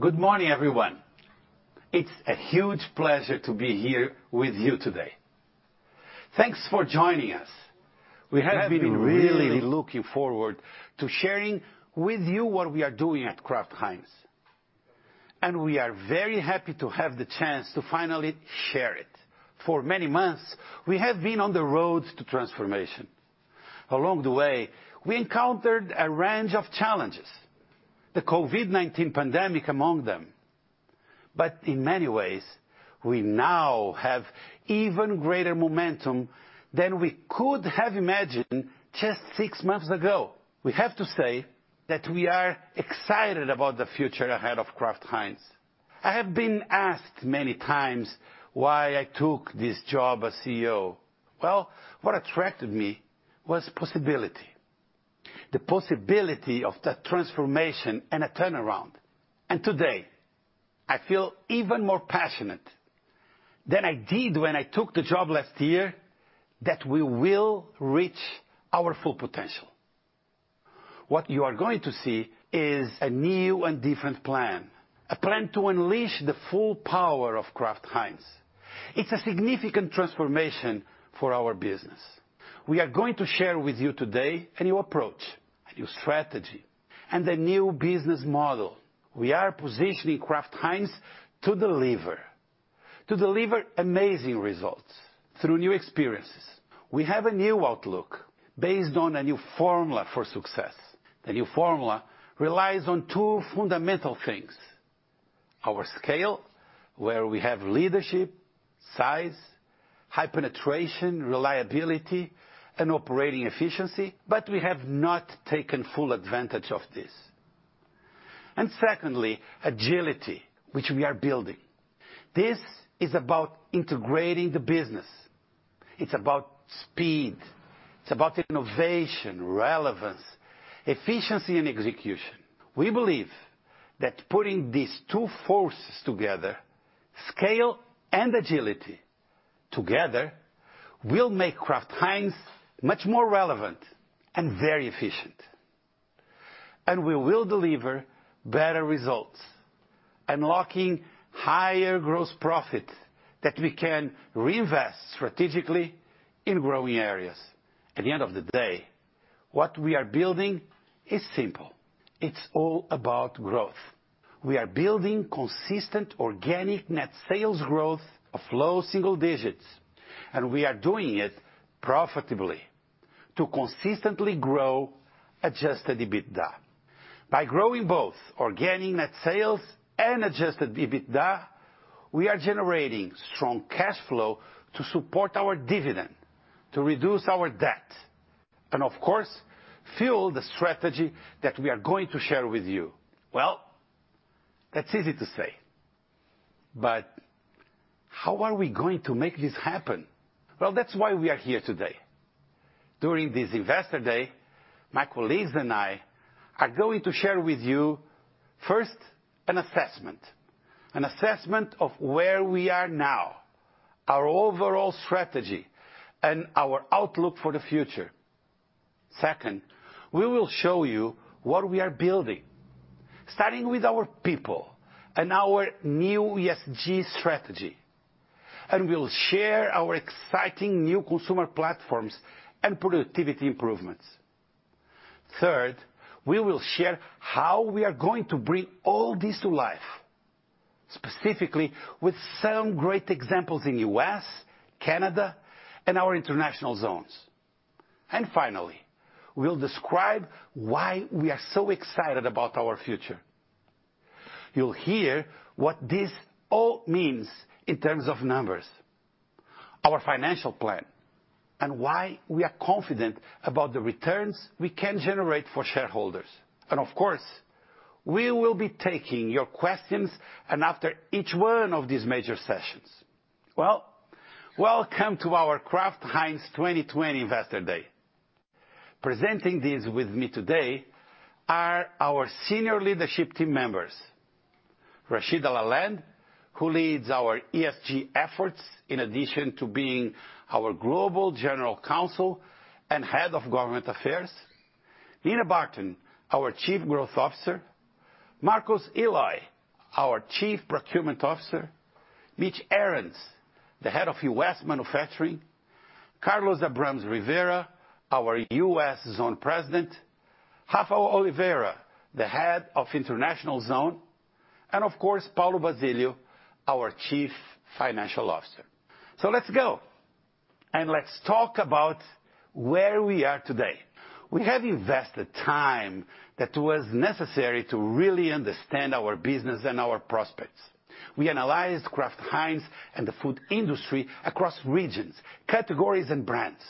Good morning, everyone. It's a huge pleasure to be here with you today. Thanks for joining us. We have been really looking forward to sharing with you what we are doing at Kraft Heinz, and we are very happy to have the chance to finally share it. For many months, we have been on the road to transformation. Along the way, we encountered a range of challenges, the COVID-19 pandemic among them. In many ways, we now have even greater momentum than we could have imagined just six months ago. We have to say that we are excited about the future ahead of Kraft Heinz. I have been asked many times why I took this job as CEO. Well, what attracted me was possibility, the possibility of that transformation and a turnaround. Today, I feel even more passionate than I did when I took the job last year, that we will reach our full potential. What you are going to see is a new and different plan, a plan to unleash the full power of Kraft Heinz. It's a significant transformation for our business. We are going to share with you today a new approach, a new strategy, and a new business model. We are positioning Kraft Heinz to deliver amazing results through new experiences. We have a new outlook based on a new formula for success. The new formula relies on two fundamental things: our scale, where we have leadership, size, high penetration, reliability, and operating efficiency, but we have not taken full advantage of this. Secondly, agility, which we are building. This is about integrating the business. It's about speed. It's about innovation, relevance, efficiency, and execution. We believe that putting these two forces together, scale and agility together, will make Kraft Heinz much more relevant and very efficient. We will deliver better results, unlocking higher gross profit that we can reinvest strategically in growing areas. At the end of the day, what we are building is simple. It's all about growth. We are building consistent organic net sales growth of low single digits, and we are doing it profitably to consistently grow Adjusted EBITDA. By growing both organic net sales and Adjusted EBITDA, we are generating strong cash flow to support our dividend, to reduce our debt, and of course, fuel the strategy that we are going to share with you. That's easy to say, but how are we going to make this happen? That's why we are here today. During this Investor Day, my colleagues and I are going to share with you, first, an assessment of where we are now, our overall strategy, and our outlook for the future. Second, we will show you what we are building, starting with our people and our new ESG strategy, we'll share our exciting new consumer platforms and productivity improvements. Third, we will share how we are going to bring all this to life, specifically with some great examples in U.S., Canada, and our International Zones. Finally, we'll describe why we are so excited about our future. You'll hear what this all means in terms of numbers, our financial plan, and why we are confident about the returns we can generate for shareholders. Of course, we will be taking your questions and after each one of these major sessions. Welcome to our Kraft Heinz 2020 Investor Day. Presenting this with me today are our senior leadership team members, Rashida La Lande, who leads our ESG efforts in addition to being our Global General Counsel and Head of Government Affairs, Nina Barton, our Chief Growth Officer, Marcos Eloi, our Chief Procurement Officer, Mitch Arends, the Head of U.S. Manufacturing, Carlos Abrams-Rivera, our U.S. Zone President, Rafael Oliveira, the Head of International Zone, and of course, Paulo Basilio, our Chief Financial Officer. Let's go and let's talk about where we are today. We have invested time that was necessary to really understand our business and our prospects. We analyzed Kraft Heinz and the food industry across regions, categories, and brands.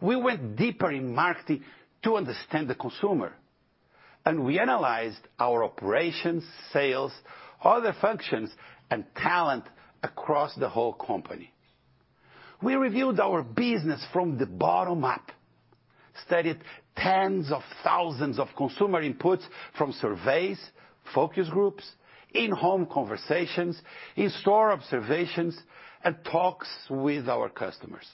We went deeper in marketing to understand the consumer, we analyzed our operations, sales, other functions, and talent across the whole company. We reviewed our business from the bottom up, studied tens of thousands of consumer inputs from surveys, focus groups, in-home conversations, in-store observations, and talks with our customers.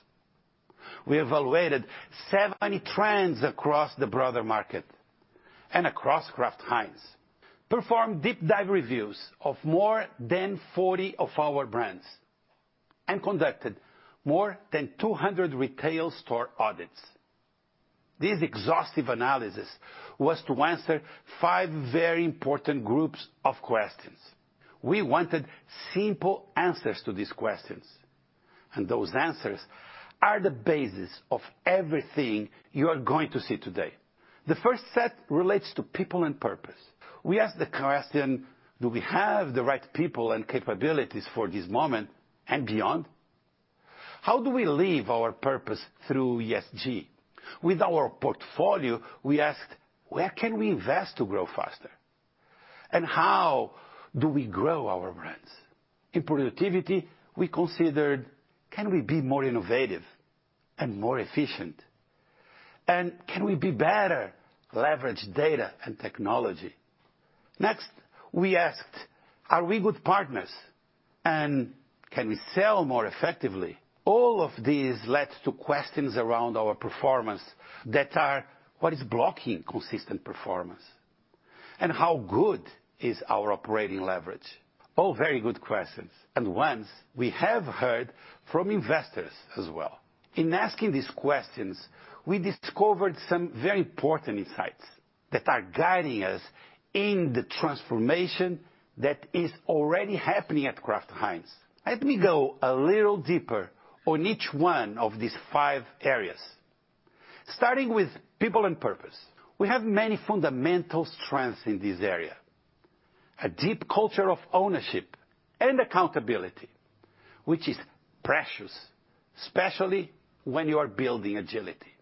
We evaluated 70 trends across the broader market and across Kraft Heinz, performed deep dive reviews of more than 40 of our brands, and conducted more than 200 retail store audits. This exhaustive analysis was to answer five very important groups of questions. We wanted simple answers to these questions. Those answers are the basis of everything you are going to see today. The first set relates to people and purpose. We asked the question, do we have the right people and capabilities for this moment and beyond? How do we live our purpose through ESG? With our portfolio, we asked, where can we invest to grow faster? How do we grow our brands? In productivity, we considered, can we be more innovative and more efficient? Can we better leverage data and technology? Next, we asked, are we good partners? Can we sell more effectively? All of these led to questions around our performance that are, what is blocking consistent performance? How good is our operating leverage? All very good questions, and ones we have heard from investors as well. In asking these questions, we discovered some very important insights that are guiding us in the transformation that is already happening at Kraft Heinz. Let me go a little deeper on each one of these five areas. Starting with people and purpose. We have many fundamental strengths in this area. A deep culture of ownership and accountability, which is precious, especially when you are building agility.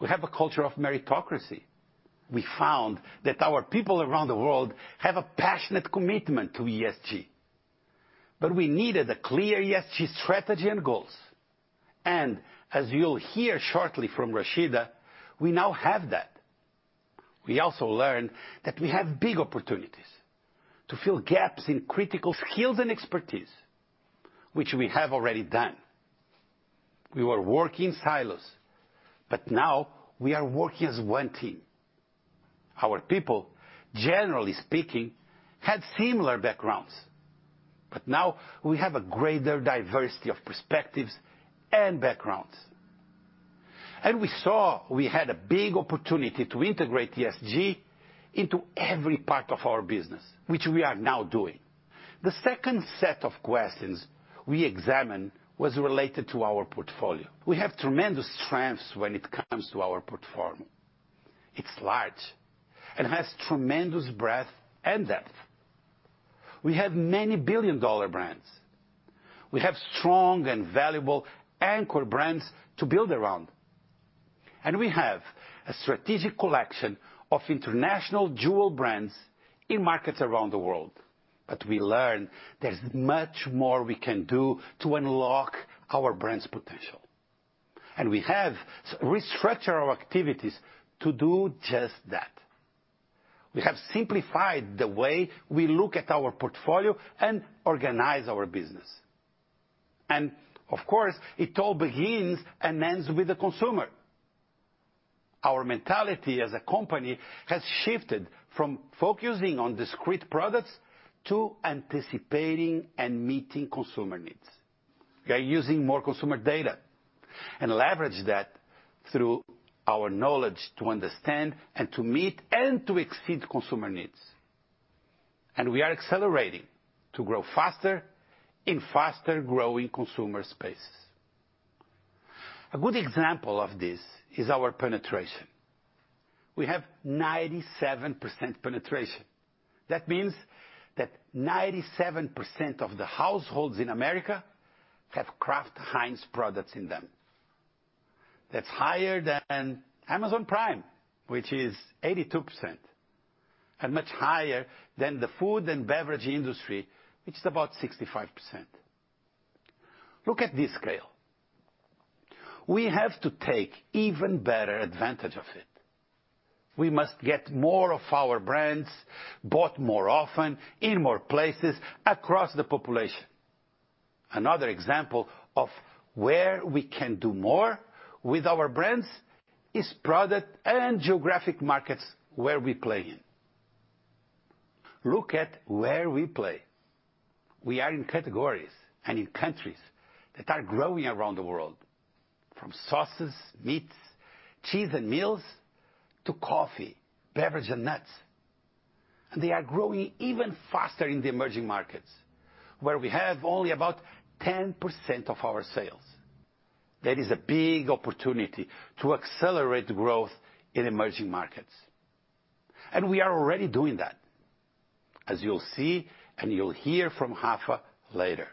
We have a culture of meritocracy. We found that our people around the world have a passionate commitment to ESG, we needed a clear ESG strategy and goals. As you'll hear shortly from Rashida, we now have that. We also learned that we have big opportunities to fill gaps in critical skills and expertise, which we have already done. We were working in silos, now we are working as one team. Our people, generally speaking, had similar backgrounds, now we have a greater diversity of perspectives and backgrounds. We saw we had a big opportunity to integrate ESG into every part of our business, which we are now doing. The second set of questions we examined was related to our portfolio. We have tremendous strengths when it comes to our portfolio. It's large and has tremendous breadth and depth. We have many billion-dollar brands. We have strong and valuable anchor brands to build around. We have a strategic collection of international jewel brands in markets around the world. We learned there's much more we can do to unlock our brand's potential. We have restructured our activities to do just that. We have simplified the way we look at our portfolio and organize our business. Of course, it all begins and ends with the consumer. Our mentality as a company has shifted from focusing on discrete products to anticipating and meeting consumer needs. We are using more consumer data and leverage that through our knowledge to understand and to meet and to exceed consumer needs. We are accelerating to grow faster in faster-growing consumer spaces. A good example of this is our penetration. We have 97% penetration. That means that 97% of the households in America have Kraft Heinz products in them. That's higher than Amazon Prime, which is 82%, and much higher than the food and beverage industry, which is about 65%. Look at this scale. We have to take even better advantage of it. We must get more of our brands bought more often in more places across the population. Another example of where we can do more with our brands is product and geographic markets where we play in. Look at where we play. We are in categories and in countries that are growing around the world, from sauces, meats, cheese, and meals to coffee, beverage, and nuts. They are growing even faster in the emerging markets, where we have only about 10% of our sales. That is a big opportunity to accelerate growth in emerging markets. We are already doing that, as you'll see and you'll hear from Rafa later.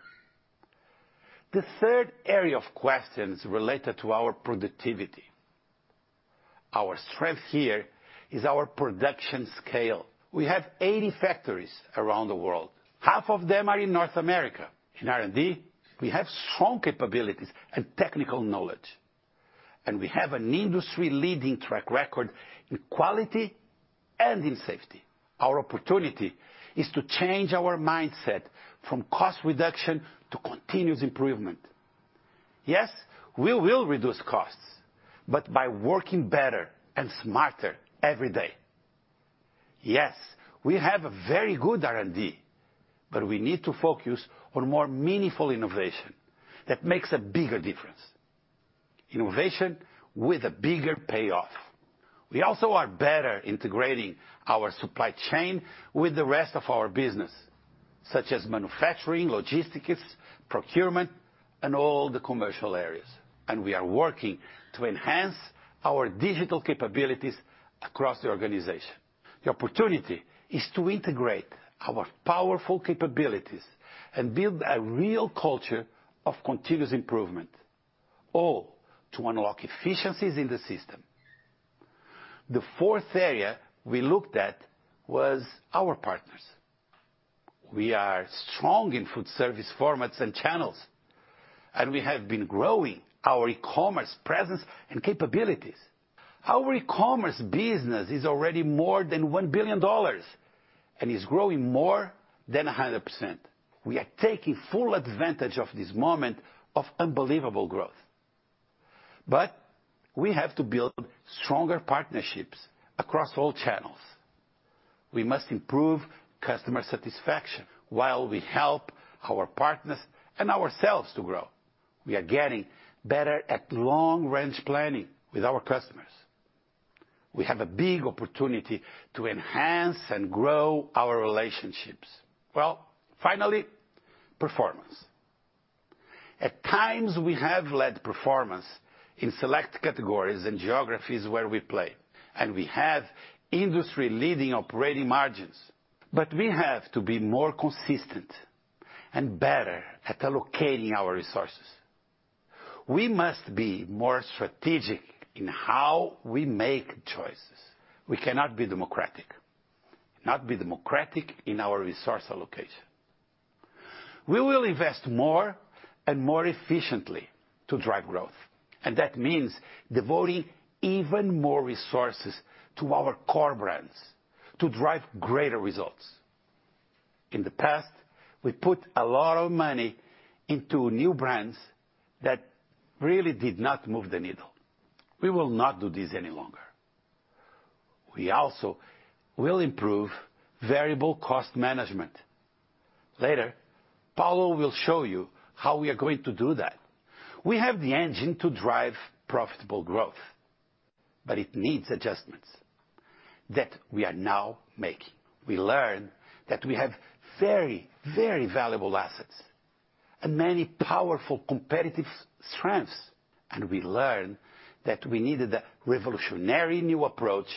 The third area of questions related to our productivity. Our strength here is our production scale. We have 80 factories around the world. Half of them are in North America. In R&D, we have strong capabilities and technical knowledge. We have an industry leading track record in quality and in safety. Our opportunity is to change our mindset from cost reduction to continuous improvement. Yes, we will reduce costs, but by working better and smarter every day. Yes, we have a very good R&D, but we need to focus on more meaningful innovation that makes a bigger difference. Innovation with a bigger payoff. We also are better integrating our supply chain with the rest of our business, such as manufacturing, logistics, procurement, and all the commercial areas. We are working to enhance our digital capabilities across the organization. The opportunity is to integrate our powerful capabilities and build a real culture of continuous improvement, all to unlock efficiencies in the system. The fourth area we looked at was our partners. We are strong in food service formats and channels, and we have been growing our e-commerce presence and capabilities. Our e-commerce business is already more than $1 billion and is growing more than 100%. We are taking full advantage of this moment of unbelievable growth. We have to build stronger partnerships across all channels. We must improve customer satisfaction while we help our partners and ourselves to grow. We are getting better at long range planning with our customers. We have a big opportunity to enhance and grow our relationships. Finally, performance. At times, we have led performance in select categories and geographies where we play. We have industry leading operating margins. We have to be more consistent and better at allocating our resources. We must be more strategic in how we make choices. We cannot be democratic in our resource allocation. We will invest more and more efficiently to drive growth, and that means devoting even more resources to our core brands to drive greater results. In the past, we put a lot of money into new brands that really did not move the needle. We will not do this any longer. We also will improve variable cost management. Later, Paulo will show you how we are going to do that. We have the engine to drive profitable growth, but it needs adjustments that we are now making. We learn that we have very, very valuable assets and many powerful competitive strengths. We learn that we needed a revolutionary new approach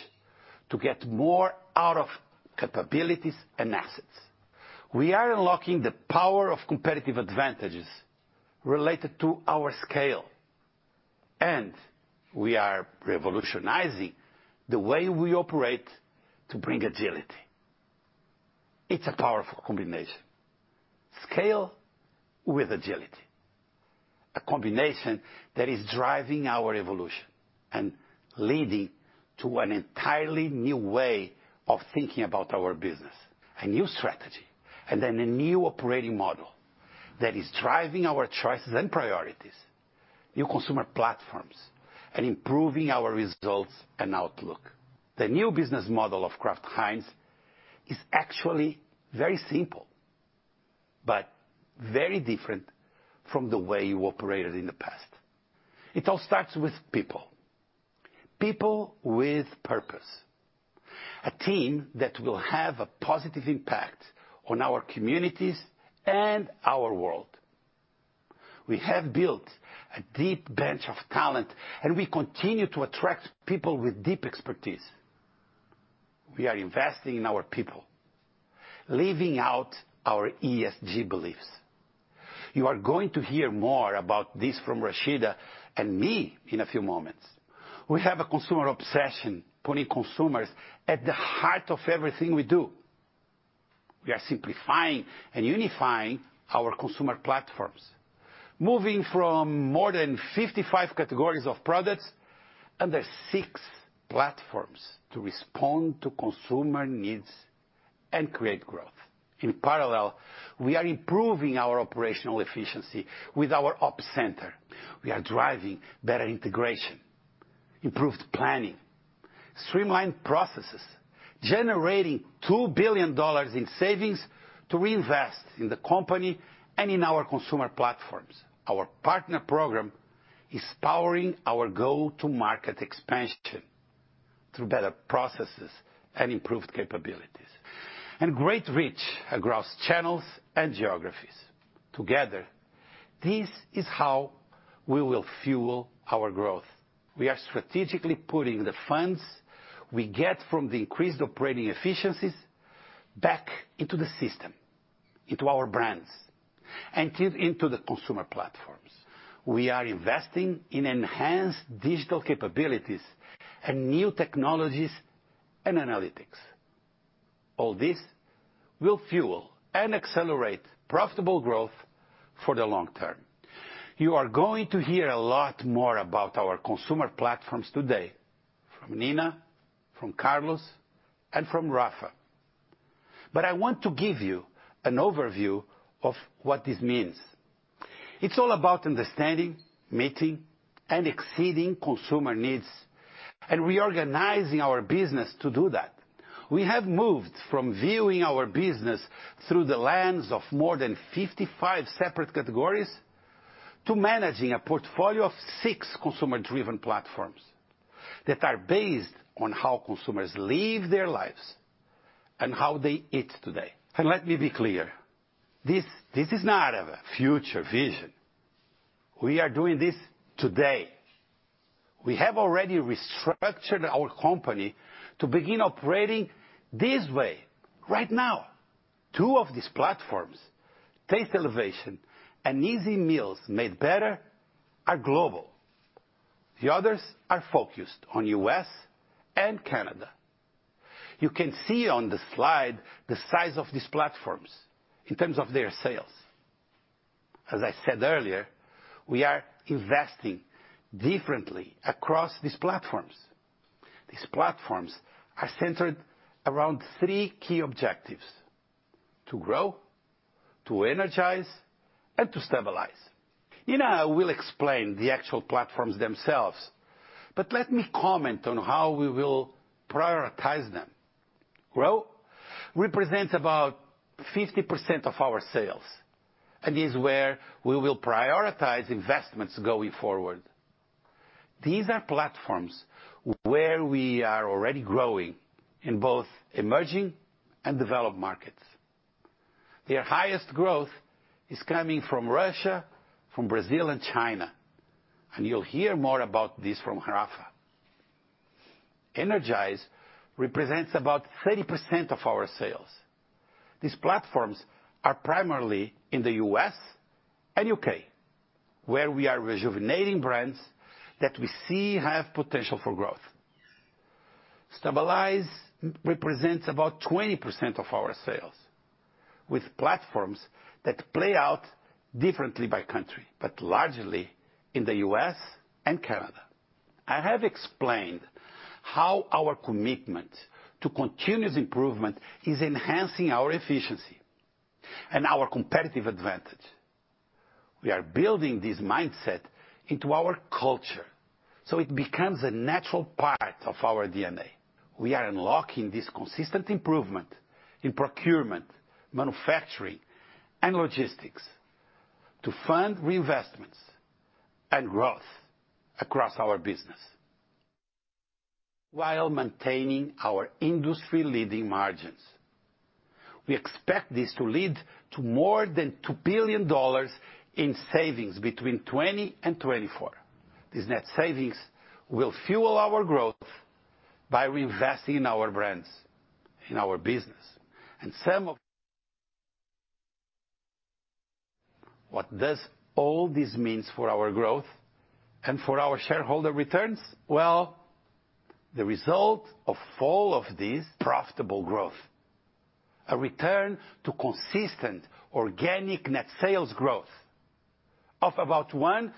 to get more out of capabilities and assets. We are unlocking the power of competitive advantages related to our scale, and we are revolutionizing the way we operate to bring agility. It's a powerful combination, scale with agility. A combination that is driving our evolution and leading to an entirely new way of thinking about our business. A new strategy, and then a new operating model that is driving our choices and priorities, new consumer platforms, and improving our results and outlook. The new business model of Kraft Heinz is actually very simple, but very different from the way we operated in the past. It all starts with people. People with purpose. A team that will have a positive impact on our communities and our world. We have built a deep bench of talent, and we continue to attract people with deep expertise. We are investing in our people, living out our ESG beliefs. You are going to hear more about this from Rashida and me in a few moments. We have a consumer obsession, putting consumers at the heart of everything we do. We are simplifying and unifying our consumer platforms, moving from more than 55 categories of products under six platforms to respond to consumer needs and create growth. In parallel, we are improving our operational efficiency with our Ops Center. We are driving better integration, improved planning, streamlined processes, generating $2 billion in savings to reinvest in the company and in our consumer platforms. Our partner program is powering our go-to-market expansion through better processes and improved capabilities, and great reach across channels and geographies. Together, this is how we will fuel our growth. We are strategically putting the funds we get from the increased operating efficiencies back into the system, into our brands, and into the consumer platforms. We are investing in enhanced digital capabilities and new technologies and analytics. All this will fuel and accelerate profitable growth for the long term. You are going to hear a lot more about our consumer platforms today from Nina, from Carlos, and from Rafa. I want to give you an overview of what this means. It's all about understanding, meeting, and exceeding consumer needs, and reorganizing our business to do that. We have moved from viewing our business through the lens of more than 55 separate categories to managing a portfolio of six consumer-driven platforms that are based on how consumers live their lives and how they eat today. Let me be clear, this is not a future vision. We are doing this today. We have already restructured our company to begin operating this way right now. Two of these platforms, Taste Elevation and Easy Meals Made Better, are global. The others are focused on U.S. and Canada. You can see on the slide the size of these platforms in terms of their sales. As I said earlier, we are investing differently across these platforms. These platforms are centered around three key objectives, to grow, to energize, and to stabilize. Nina will explain the actual platforms themselves, but let me comment on how we will prioritize them. Grow represents about 50% of our sales and is where we will prioritize investments going forward. These are platforms where we are already growing in both emerging and developed markets. Their highest growth is coming from Russia, from Brazil, and China. You'll hear more about this from Rafa. Energize represents about 30% of our sales. These platforms are primarily in the U.S. and U.K., where we are rejuvenating brands that we see have potential for growth. Stabilize represents about 20% of our sales, with platforms that play out differently by country, largely in the U.S. and Canada. I have explained how our commitment to continuous improvement is enhancing our efficiency and our competitive advantage. We are building this mindset into our culture so it becomes a natural part of our DNA. We are unlocking this consistent improvement in procurement, manufacturing, and logistics to fund reinvestments and growth across our business, while maintaining our industry leading margins. We expect this to lead to more than $2 billion in savings between 2020 and 2024. These net savings will fuel our growth by reinvesting in our brands, in our business. What does all this means for our growth and for our shareholder returns? Well, the result of all of this profitable growth, a return to consistent organic net sales growth of about 1%-2%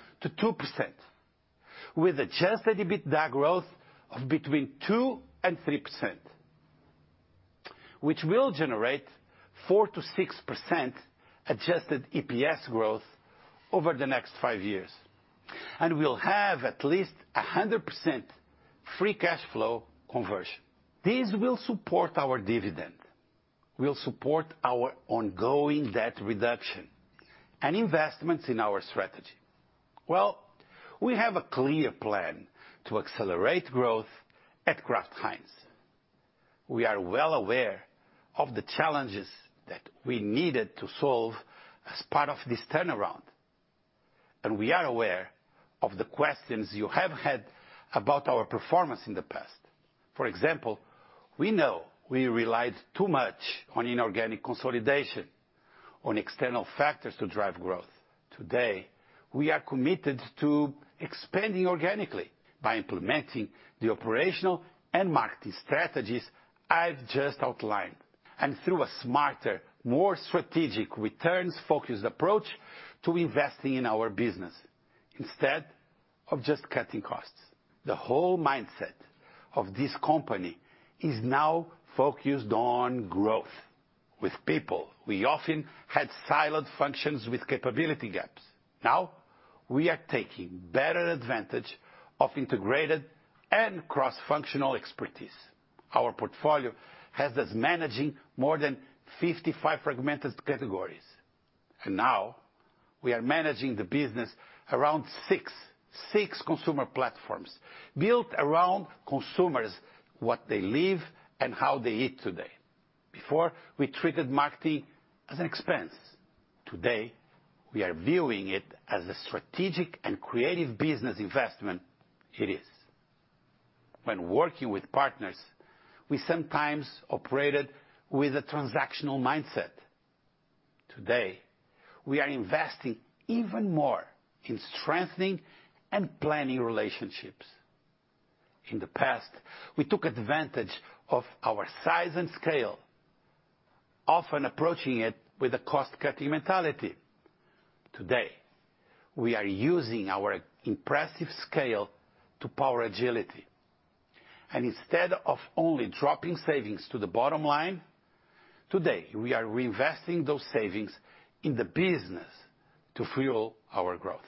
with Adjusted EBITDA growth of between 2% and 3%, which will generate 4%-6% adjusted EPS growth over the next five years. We'll have at least 100% free cash flow conversion. These will support our dividend, will support our ongoing debt reduction, and investments in our strategy. Well, we have a clear plan to accelerate growth at Kraft Heinz. We are well aware of the challenges that we needed to solve as part of this turnaround, and we are aware of the questions you have had about our performance in the past. For example, we know we relied too much on inorganic consolidation on external factors to drive growth. Today, we are committed to expanding organically by implementing the operational and marketing strategies I've just outlined. Through a smarter, more strategic returns-focused approach to investing in our business instead of just cutting costs. The whole mindset of this company is now focused on growth with people. We often had siloed functions with capability gaps. Now we are taking better advantage of integrated and cross-functional expertise. Our portfolio has us managing more than 55 fragmented categories, and now we are managing the business around six consumer platforms built around consumers, what they live and how they eat today. Before, we treated marketing as an expense. Today, we are viewing it as a strategic and creative business investment it is. When working with partners, we sometimes operated with a transactional mindset. Today, we are investing even more in strengthening and planning relationships. In the past, we took advantage of our size and scale, often approaching it with a cost-cutting mentality. Today, we are using our impressive scale to power agility. Instead of only dropping savings to the bottom line, today, we are reinvesting those savings in the business to fuel our growth.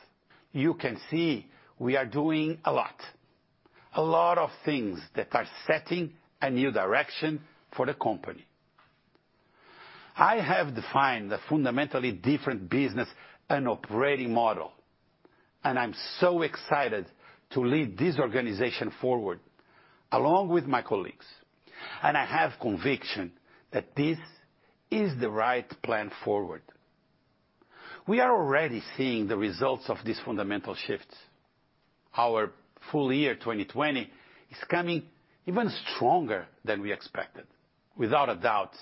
You can see we are doing a lot. A lot of things that are setting a new direction for the company. I have defined a fundamentally different business and operating model, and I'm so excited to lead this organization forward, along with my colleagues. I have conviction that this is the right plan forward. We are already seeing the results of this fundamental shift. Our full year 2020 is coming even stronger than we expected. Without a doubt,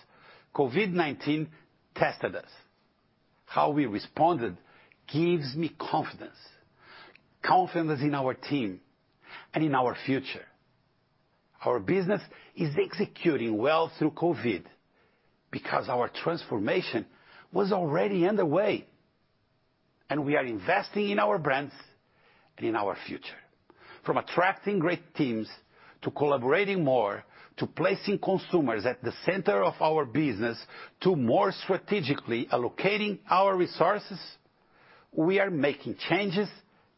COVID-19 tested us. How we responded gives me confidence. Confidence in our team and in our future. Our business is executing well through COVID because our transformation was already underway, and we are investing in our brands and in our future. From attracting great teams, to collaborating more, to placing consumers at the center of our business, to more strategically allocating our resources, we are making changes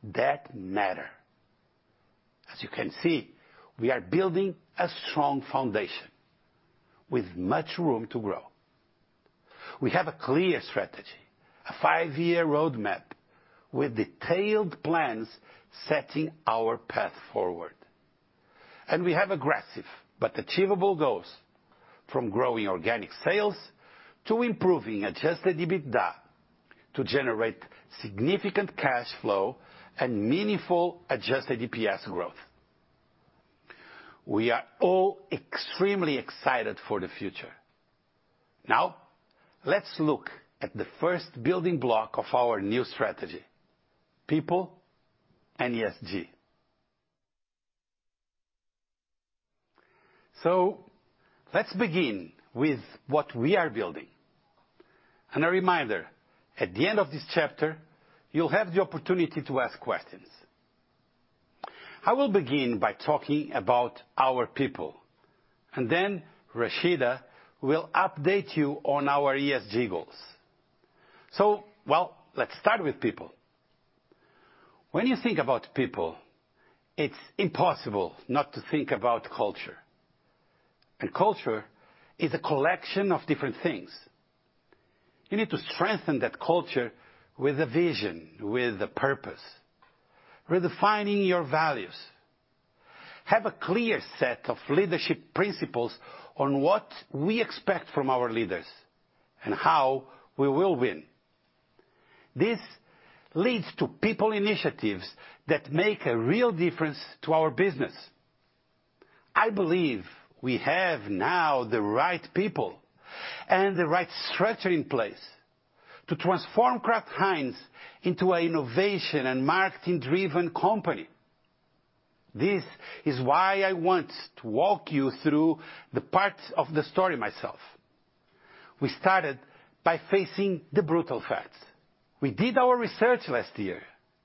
that matter. As you can see, we are building a strong foundation with much room to grow. We have a clear strategy, a five-year roadmap with detailed plans setting our path forward. We have aggressive but achievable goals, from growing organic sales to improving Adjusted EBITDA to generate significant cash flow and meaningful adjusted EPS growth. We are all extremely excited for the future. Now, let's look at the first building block of our new strategy, people and ESG. Let's begin with what we are building. A reminder, at the end of this chapter, you'll have the opportunity to ask questions. I will begin by talking about our people, and then Rashida will update you on our ESG goals. Well, let's start with people. When you think about people, it's impossible not to think about culture. Culture is a collection of different things. You need to strengthen that culture with a vision, with a purpose, redefining your values, have a clear set of leadership principles on what we expect from our leaders and how we will win. This leads to people initiatives that make a real difference to our business. I believe we have now the right people and the right structure in place to transform Kraft Heinz into an innovation and marketing-driven company. This is why I want to walk you through the parts of the story myself. We started by facing the brutal facts. We did our research last year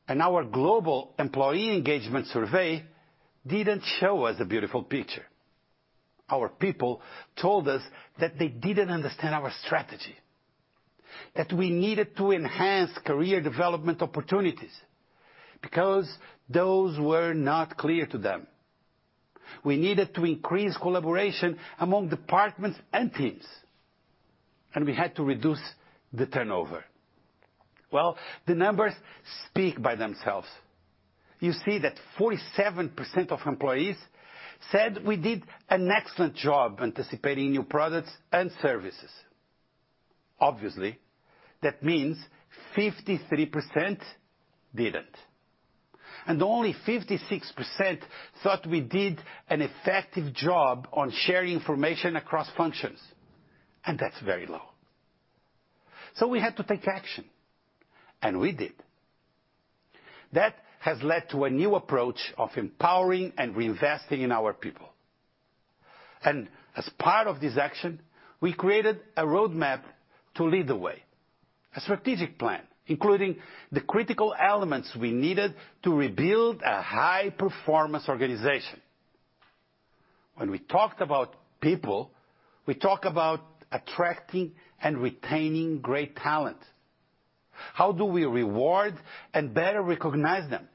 and our global employee engagement survey didn't show us a beautiful picture. Our people told us that they didn't understand our strategy, that we needed to enhance career development opportunities because those were not clear to them. We needed to increase collaboration among departments and teams, and we had to reduce the turnover. Well, the numbers speak by themselves. You see that 47% of employees said we did an excellent job anticipating new products and services. Obviously, that means 53% didn't. Only 56% thought we did an effective job on sharing information across functions, and that's very low. We had to take action, and we did. That has led to a new approach of empowering and reinvesting in our people. As part of this action, we created a roadmap to lead the way, a strategic plan, including the critical elements we needed to rebuild a high-performance organization. When we talked about people, we talk about attracting and retaining great talent. How do we reward and better recognize them?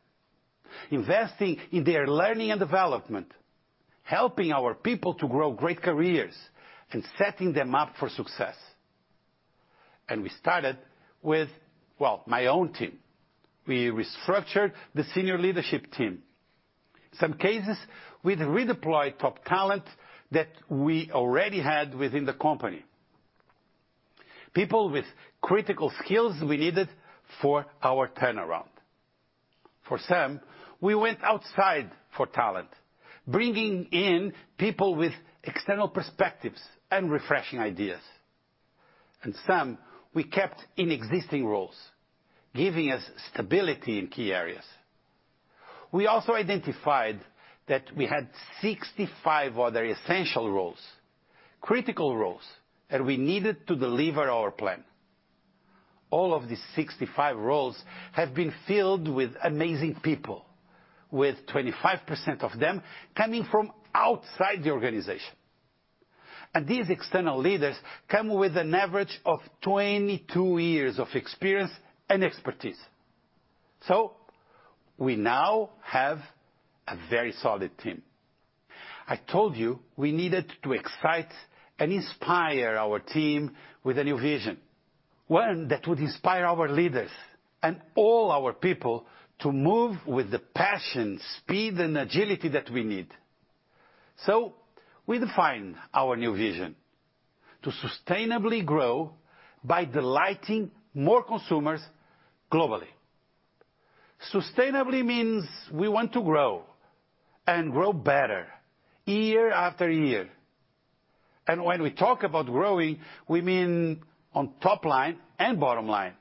Investing in their learning and development, helping our people to grow great careers, and setting them up for success. We started with, well, my own team. We restructured the senior leadership team. Some cases, we redeployed top talent that we already had within the company. People with critical skills we needed for our turnaround. For some, we went outside for talent, bringing in people with external perspectives and refreshing ideas. Some we kept in existing roles, giving us stability in key areas. We also identified that we had 65 other essential roles, critical roles that we needed to deliver our plan. All of these 65 roles have been filled with amazing people, with 25% of them coming from outside the organization. These external leaders come with an average of 22 years of experience and expertise. We now have a very solid team. I told you we needed to excite and inspire our team with a new vision, one that would inspire our leaders and all our people to move with the passion, speed, and agility that we need. We define our new vision to sustainably grow by delighting more consumers globally. Sustainably means we want to grow and grow better year after year. When we talk about growing, we mean on top line and bottom line.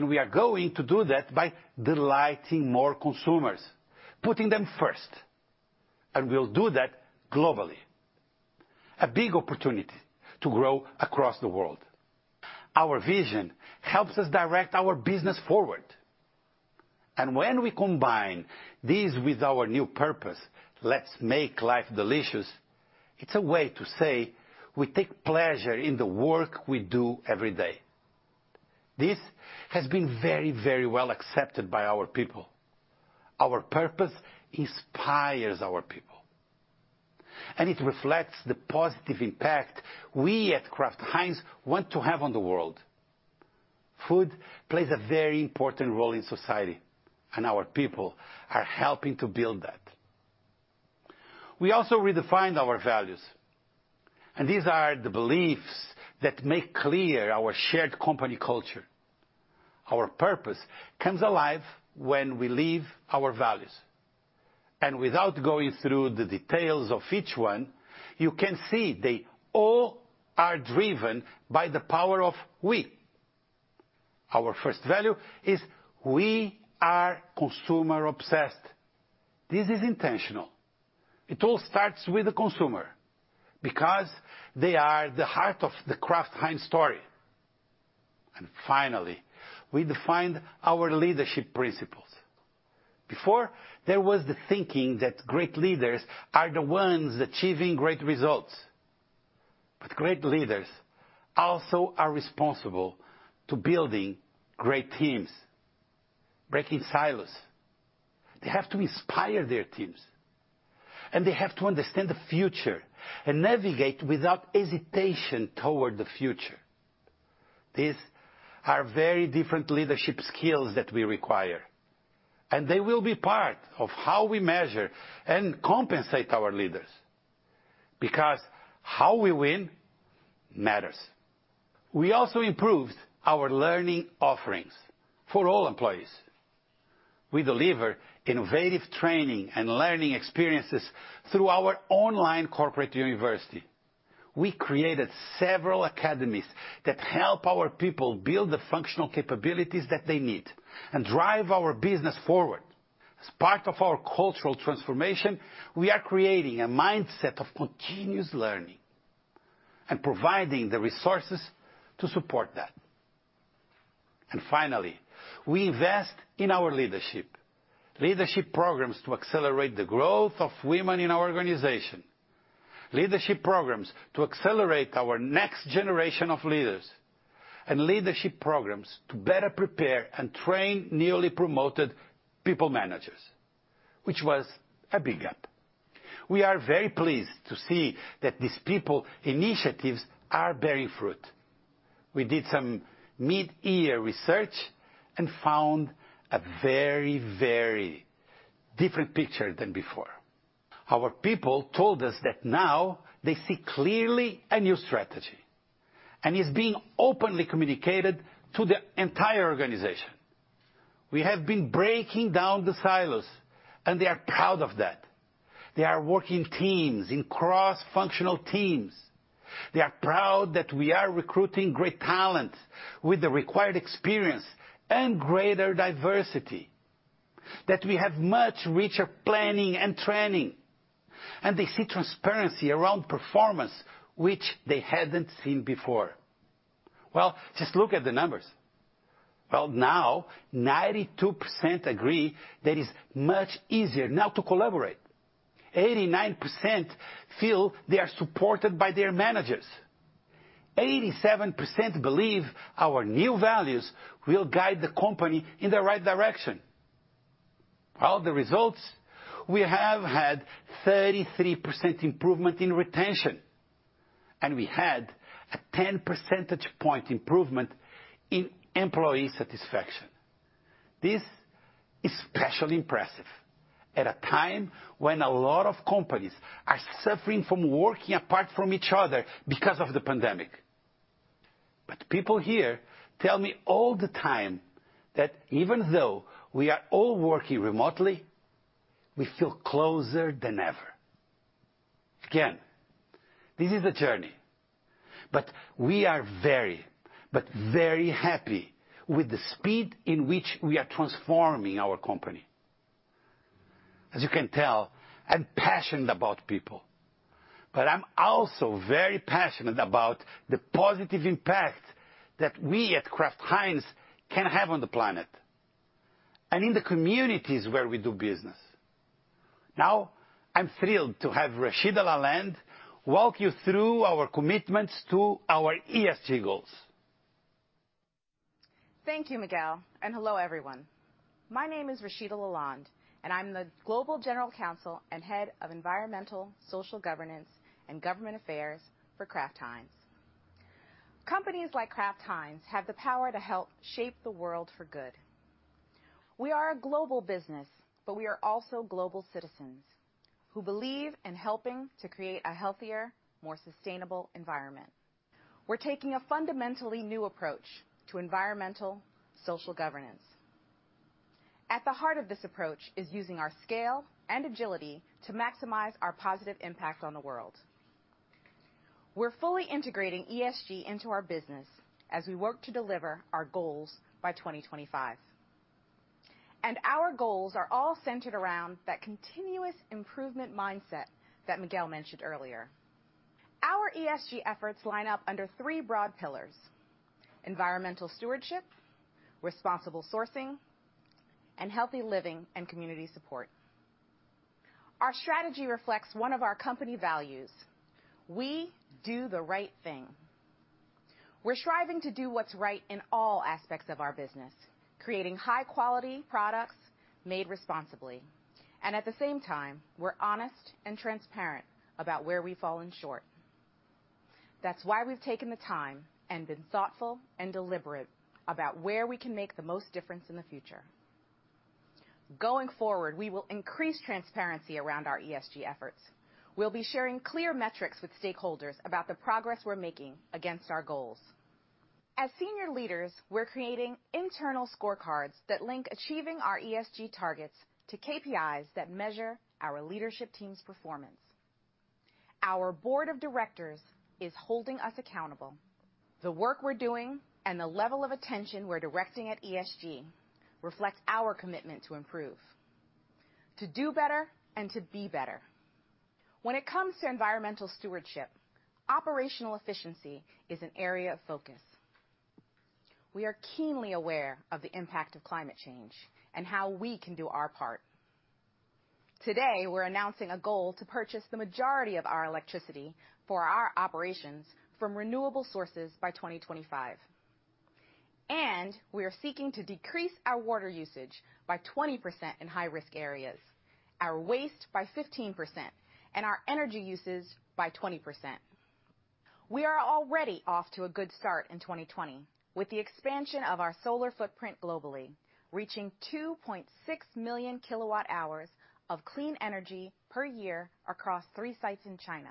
We are going to do that by delighting more consumers, putting them first, and we'll do that globally. A big opportunity to grow across the world. Our vision helps us direct our business forward. When we combine these with our new purpose, "Let's make life delicious," it's a way to say we take pleasure in the work we do every day. This has been very, very well accepted by our people. Our purpose inspires our people, and it reflects the positive impact we at Kraft Heinz want to have on the world. Food plays a very important role in society, and our people are helping to build that. We also redefined our values, and these are the beliefs that make clear our shared company culture. Our purpose comes alive when we live our values. Without going through the details of each one, you can see they all are driven by the power of we. Our first value is we are Consumer Obsessed. This is intentional. It all starts with the consumer because they are the heart of the Kraft Heinz story. Finally, we defined our Leadership Principles. Before, there was the thinking that great leaders are the ones achieving great results. Great leaders also are responsible to building great teams, breaking silos. They have to inspire their teams, and they have to understand the future and navigate without hesitation toward the future. These are very different leadership skills that we require, and they will be part of how we measure and compensate our leaders, because how we win matters. We also improved our learning offerings for all employees. We deliver innovative training and learning experiences through our online Corporate University. We created several academies that help our people build the functional capabilities that they need and drive our business forward. As part of our cultural transformation, we are creating a mindset of continuous learning and providing the resources to support that. Finally, we invest in our leadership. Leadership programs to accelerate the growth of women in our organization, leadership programs to accelerate our next generation of leaders, and leadership programs to better prepare and train newly promoted people managers, which was a big gap. We are very pleased to see that these people initiatives are bearing fruit. We did some mid-year research and found a very, very different picture than before. Our people told us that now they see clearly a new strategy, and it's being openly communicated to the entire organization. We have been breaking down the silos, and they are proud of that. They are working teams in cross-functional teams. They are proud that we are recruiting great talent with the required experience and greater diversity, that we have much richer planning and training. They see transparency around performance, which they hadn't seen before. Well, just look at the numbers. Well, now 92% agree that it's much easier now to collaborate. 89% feel they are supported by their managers. 87% believe our new values will guide the company in the right direction. Well, the results, we have had 33% improvement in retention. We had a 10 percentage point improvement in employee satisfaction. This is especially impressive at a time when a lot of companies are suffering from working apart from each other because of the pandemic. People here tell me all the time that even though we are all working remotely, we feel closer than ever. This is a journey, but we are very, but very happy with the speed in which we are transforming our company. You can tell, I'm passionate about people, but I'm also very passionate about the positive impact that we at Kraft Heinz can have on the planet and in the communities where we do business. I'm thrilled to have Rashida La Lande walk you through our commitments to our ESG goals. Thank you, Miguel, and hello, everyone. My name is Rashida La Lande, and I'm the Global General Counsel and Head of Environmental, Social Governance, and Government Affairs for Kraft Heinz. Companies like Kraft Heinz have the power to help shape the world for good. We are a global business, but we are also global citizens who believe in helping to create a healthier, more sustainable environment. We're taking a fundamentally new approach to Environmental, Social Governance. At the heart of this approach is using our scale and agility to maximize our positive impact on the world. We're fully integrating ESG into our business as we work to deliver our goals by 2025. Our goals are all centered around that continuous improvement mindset that Miguel mentioned earlier. Our ESG efforts line up under three broad pillars: environmental stewardship, responsible sourcing, and healthy living and community support. Our strategy reflects one of our company values. We do the right thing. We're striving to do what's right in all aspects of our business, creating high-quality products made responsibly, and at the same time, we're honest and transparent about where we've fallen short. That's why we've taken the time and been thoughtful and deliberate about where we can make the most difference in the future. Going forward, we will increase transparency around our ESG efforts. We'll be sharing clear metrics with stakeholders about the progress we're making against our goals. As senior leaders, we're creating internal scorecards that link achieving our ESG targets to KPIs that measure our leadership team's performance. Our board of directors is holding us accountable. The work we're doing and the level of attention we're directing at ESG reflects our commitment to improve, to do better, and to be better. When it comes to environmental stewardship, operational efficiency is an area of focus. We are keenly aware of the impact of climate change and how we can do our part. Today, we're announcing a goal to purchase the majority of our electricity for our operations from renewable sources by 2025. We are seeking to decrease our water usage by 20% in high-risk areas, our waste by 15%, and our energy usage by 20%. We are already off to a good start in 2020 with the expansion of our solar footprint globally, reaching 2.6 million kilowatt hours of clean energy per year across three sites in China,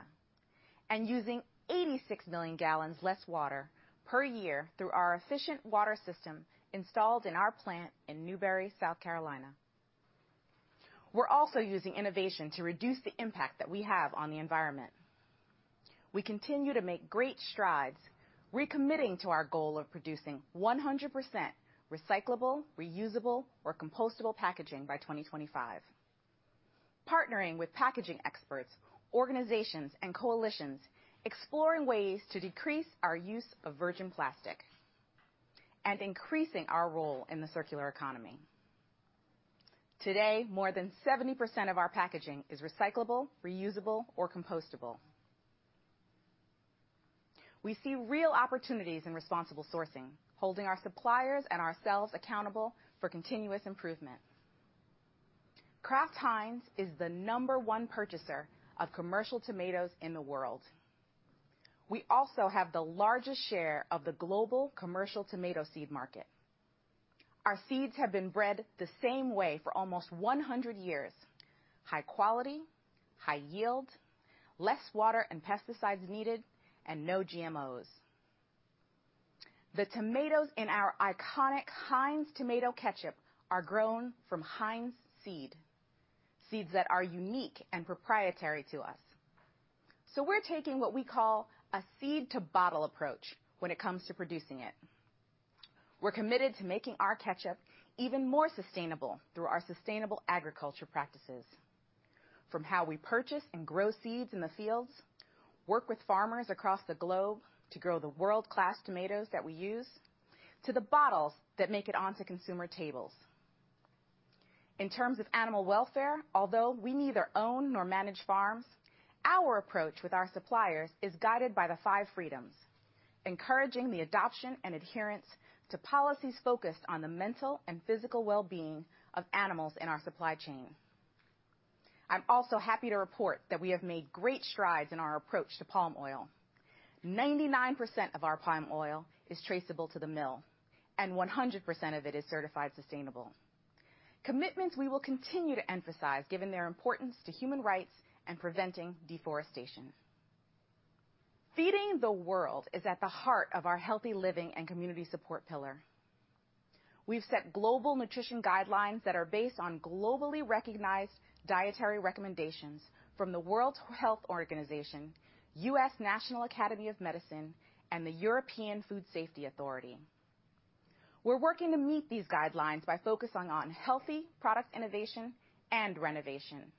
and using 86 million gallons less water per year through our efficient water system installed in our plant in Newberry, South Carolina. We're also using innovation to reduce the impact that we have on the environment. We continue to make great strides, recommitting to our goal of producing 100% recyclable, reusable, or compostable packaging by 2025, partnering with packaging experts, organizations, and coalitions, exploring ways to decrease our use of virgin plastic, and increasing our role in the circular economy. Today, more than 70% of our packaging is recyclable, reusable, or compostable. We see real opportunities in responsible sourcing, holding our suppliers and ourselves accountable for continuous improvement. Kraft Heinz is the number one purchaser of commercial tomatoes in the world. We also have the largest share of the global commercial tomato seed market. Our seeds have been bred the same way for almost 100 years: high quality, high yield, less water and pesticides needed, and no GMOs. The tomatoes in our iconic Heinz Tomato Ketchup are grown from Heinz seed, seeds that are unique and proprietary to us. We're taking what we call a seed-to-bottle approach when it comes to producing it. We're committed to making our ketchup even more sustainable through our sustainable agriculture practices. From how we purchase and grow seeds in the fields, work with farmers across the globe to grow the world-class tomatoes that we use, to the bottles that make it onto consumer tables. In terms of animal welfare, although we neither own nor manage farms, our approach with our suppliers is guided by the five freedoms, encouraging the adoption and adherence to policies focused on the mental and physical well-being of animals in our supply chain. I'm also happy to report that we have made great strides in our approach to palm oil. 99% of our palm oil is traceable to the mill, and 100% of it is certified sustainable. Commitments we will continue to emphasize given their importance to human rights and preventing deforestation. Feeding the world is at the heart of our healthy living and community support pillar. We've set global nutrition guidelines that are based on globally recognized dietary recommendations from the World Health Organization, U.S. National Academy of Medicine, and the European Food Safety Authority. We're working to meet these guidelines by focusing on healthy product innovation and renovation.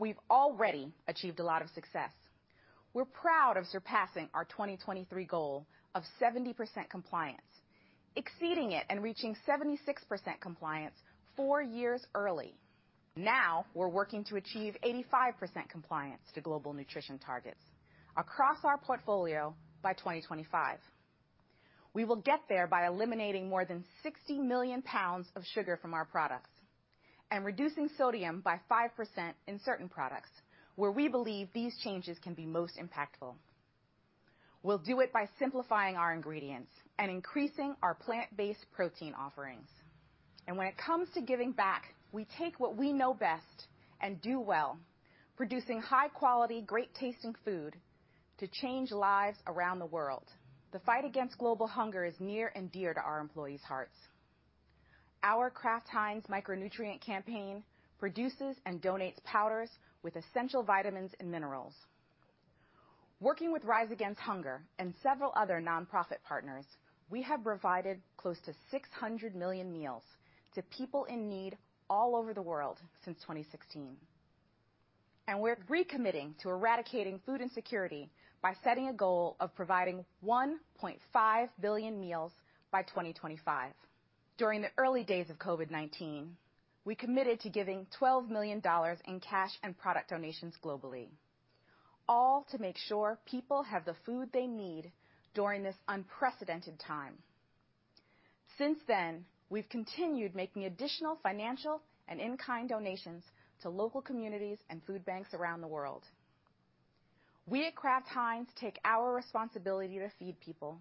We've already achieved a lot of success. We're proud of surpassing our 2023 goal of 70% compliance, exceeding it and reaching 76% compliance four years early. Now we're working to achieve 85% compliance to global nutrition targets across our portfolio by 2025. We will get there by eliminating more than 60 million pounds of sugar from our products and reducing sodium by 5% in certain products where we believe these changes can be most impactful. We'll do it by simplifying our ingredients and increasing our plant-based protein offerings. When it comes to giving back, we take what we know best and do well, producing high quality, great tasting food to change lives around the world. The fight against global hunger is near and dear to our employees' hearts. Our Kraft Heinz micronutrient campaign produces and donates powders with essential vitamins and minerals. Working with Rise Against Hunger and several other nonprofit partners, we have provided close to 600 million meals to people in need all over the world since 2016. We're recommitting to eradicating food insecurity by setting a goal of providing 1.5 billion meals by 2025. During the early days of COVID-19, we committed to giving $12 million in cash and product donations globally, all to make sure people have the food they need during this unprecedented time. Since then, we've continued making additional financial and in-kind donations to local communities and food banks around the world. We at Kraft Heinz take our responsibility to feed people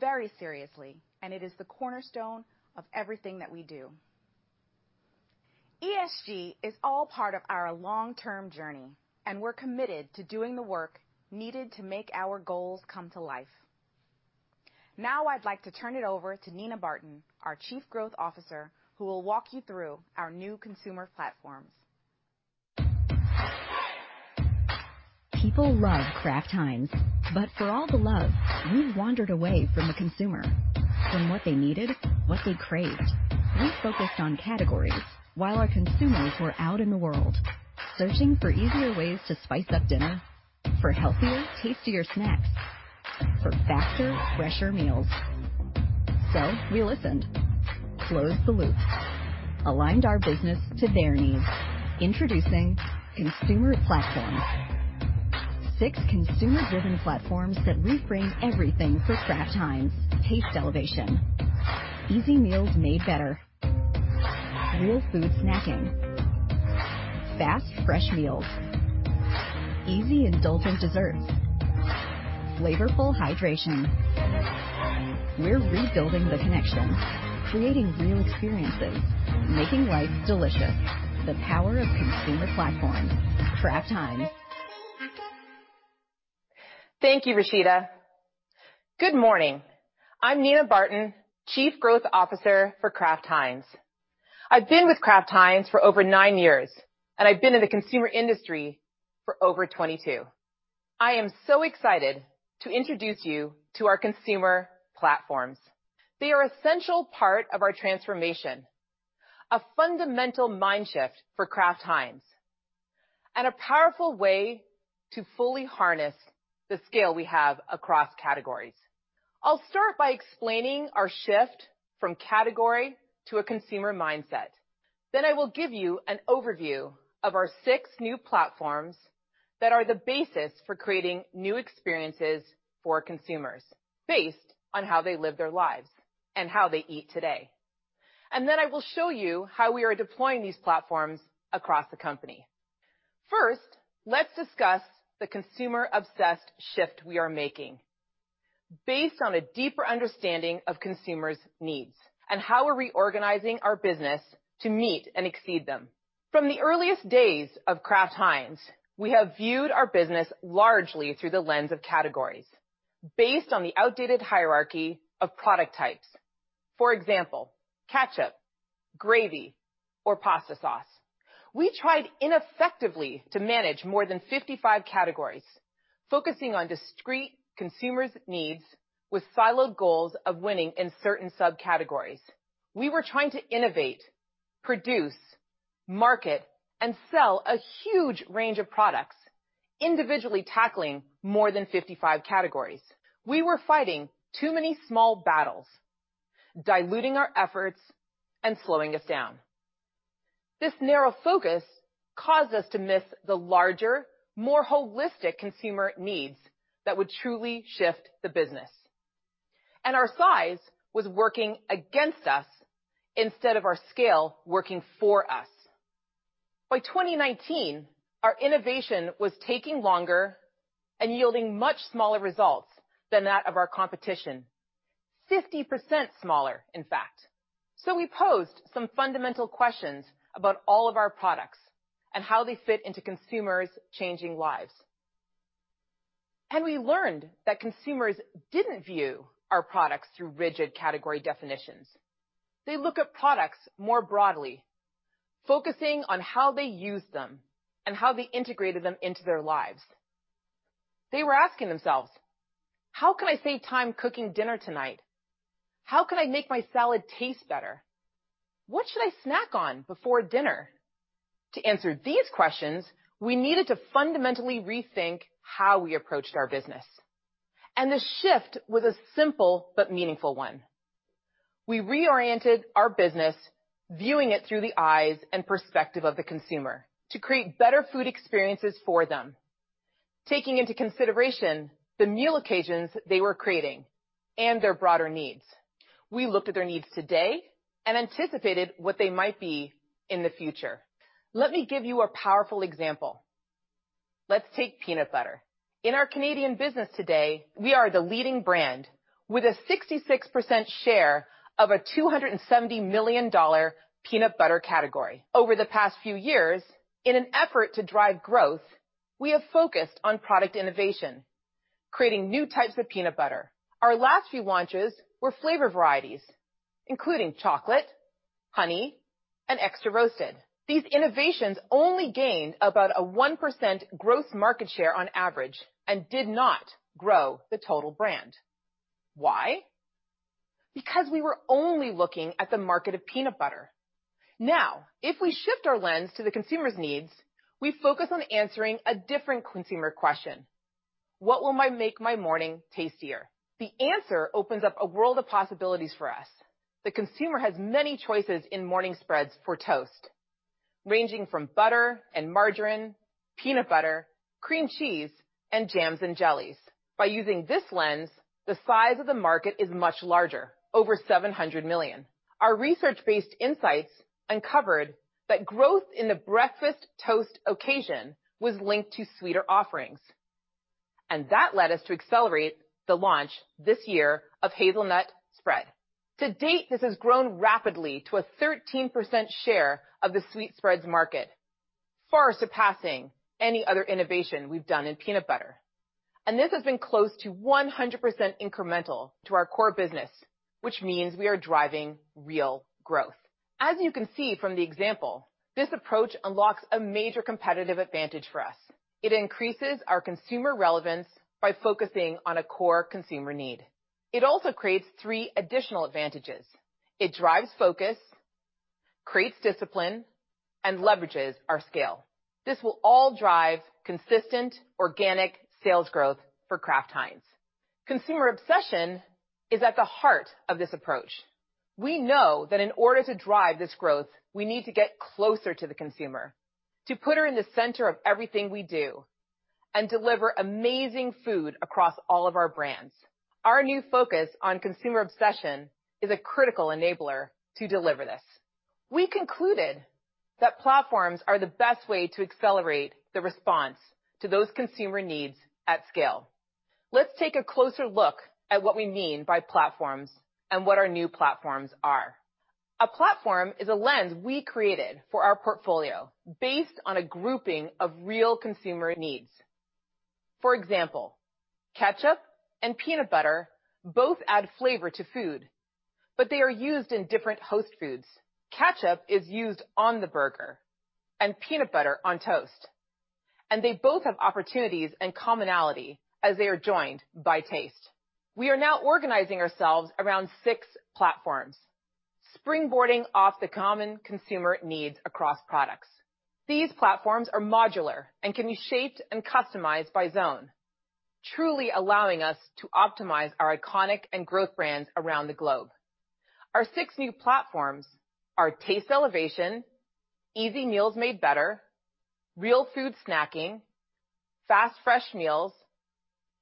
very seriously, and it is the cornerstone of everything that we do. ESG is all part of our long-term journey, and we're committed to doing the work needed to make our goals come to life. Now I'd like to turn it over to Nina Barton, our Chief Growth Officer, who will walk you through our new consumer platforms. People love Kraft Heinz, but for all the love, we wandered away from the consumer, from what they needed, what they craved. We focused on categories while our consumers were out in the world searching for easier ways to spice up dinner, for healthier, tastier snacks, for faster, fresher meals. We listened, closed the loop, aligned our business to their needs. Introducing Consumer Platforms, six consumer-driven platforms that reframe everything for Kraft Heinz. Taste Elevation, Easy Meals Made Better, Real Food Snacking, Fast Fresh Meals, Easy Indulgent Desserts, Flavorful Hydration. We're rebuilding the connection, creating new experiences, making life delicious. The power of consumer platforms, Kraft Heinz. Thank you, Rashida. Good morning. I'm Nina Barton, Chief Growth Officer for Kraft Heinz. I've been with Kraft Heinz for over nine years, and I've been in the consumer industry for over 22. I am so excited to introduce you to our consumer platforms. They are essential part of our transformation, a fundamental mind shift for Kraft Heinz, and a powerful way to fully harness the scale we have across categories. I'll start by explaining our shift from category to a consumer mindset, then I will give you an overview of our six new platforms that are the basis for creating new experiences for consumers based on how they live their lives and how they eat today. Then I will show you how we are deploying these platforms across the company. Let's discuss the consumer-obsessed shift we are making based on a deeper understanding of consumers' needs and how we're reorganizing our business to meet and exceed them. From the earliest days of Kraft Heinz, we have viewed our business largely through the lens of categories based on the outdated hierarchy of product types. For example, ketchup, gravy, or pasta sauce. We tried ineffectively to manage more than 55 categories, focusing on discrete consumers' needs with siloed goals of winning in certain subcategories. We were trying to innovate, produce, market, and sell a huge range of products, individually tackling more than 55 categories. We were fighting too many small battles, diluting our efforts and slowing us down. This narrow focus caused us to miss the larger, more holistic consumer needs that would truly shift the business. Our size was working against us instead of our scale working for us. By 2019, our innovation was taking longer and yielding much smaller results than that of our competition, 50% smaller, in fact. We posed some fundamental questions about all of our products and how they fit into consumers' changing lives. We learned that consumers didn't view our products through rigid category definitions. They look at products more broadly, focusing on how they use them and how they integrated them into their lives. They were asking themselves, "How can I save time cooking dinner tonight? How can I make my salad taste better? What should I snack on before dinner?" To answer these questions, we needed to fundamentally rethink how we approached our business, and the shift was a simple but meaningful one. We reoriented our business, viewing it through the eyes and perspective of the consumer to create better food experiences for them, taking into consideration the meal occasions they were creating and their broader needs. We looked at their needs today and anticipated what they might be in the future. Let me give you a powerful example. Let's take peanut butter. In our Canadian business today, we are the leading brand with a 66% share of a $270 million peanut butter category. Over the past few years, in an effort to drive growth, we have focused on product innovation, creating new types of peanut butter. Our last few launches were flavor varieties, including chocolate, honey, and extra roasted. These innovations only gained about a 1% growth market share on average and did not grow the total brand. Why? Because we were only looking at the market of peanut butter. Now, if we shift our lens to the consumer's needs, we focus on answering a different consumer question: what will make my morning tastier? The answer opens up a world of possibilities for us. The consumer has many choices in morning spreads for toast, ranging from butter and margarine, peanut butter, cream cheese, and jams and jellies. By using this lens, the size of the market is much larger, over 700 million. Our research-based insights uncovered that growth in the breakfast toast occasion was linked to sweeter offerings, and that led us to accelerate the launch this year of Hazelnut Spread. To date, this has grown rapidly to a 13% share of the sweet spreads market, far surpassing any other innovation we've done in peanut butter. This has been close to 100% incremental to our core business, which means we are driving real growth. As you can see from the example, this approach unlocks a major competitive advantage for us. It increases our consumer relevance by focusing on a core consumer need. It also creates three additional advantages. It drives focus, creates discipline, and leverages our scale. This will all drive consistent organic sales growth for Kraft Heinz. Consumer obsession is at the heart of this approach. We know that in order to drive this growth, we need to get closer to the consumer, to put her in the center of everything we do, and deliver amazing food across all of our brands. Our new focus on consumer obsession is a critical enabler to deliver this. We concluded that platforms are the best way to accelerate the response to those consumer needs at scale. Let's take a closer look at what we mean by platforms and what our new platforms are. A platform is a lens we created for our portfolio based on a grouping of real consumer needs. For example, ketchup and peanut butter both add flavor to food, but they are used in different host foods. Ketchup is used on the burger and peanut butter on toast, and they both have opportunities and commonality as they are joined by taste. We are now organizing ourselves around six platforms, springboarding off the common consumer needs across products. These platforms are modular and can be shaped and customized by zone, truly allowing us to optimize our iconic and growth brands around the globe. Our six new platforms are Taste Elevation, Easy Meals Made Better, Real Food Snacking, Fast Fresh Meals,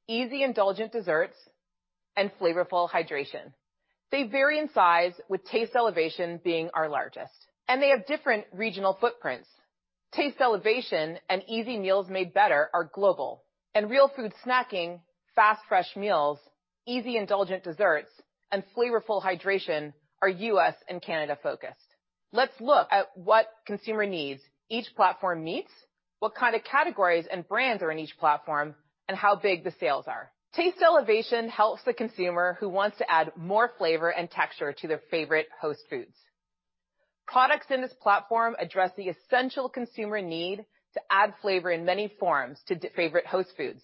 Easy Indulgent Desserts, and Flavorful Hydration. They vary in size, with Taste Elevation being our largest, and they have different regional footprints. Taste Elevation and Easy Meals Made Better are global, and Real Food Snacking, Fast Fresh Meals, Easy Indulgent Desserts, and Flavorful Hydration are U.S. and Canada-focused. Let's look at what consumer needs each platform meets, what kind of categories and brands are in each platform, and how big the sales are. Taste Elevation helps the consumer who wants to add more flavor and texture to their favorite host foods. Products in this platform address the essential consumer need to add flavor in many forms to favorite host foods,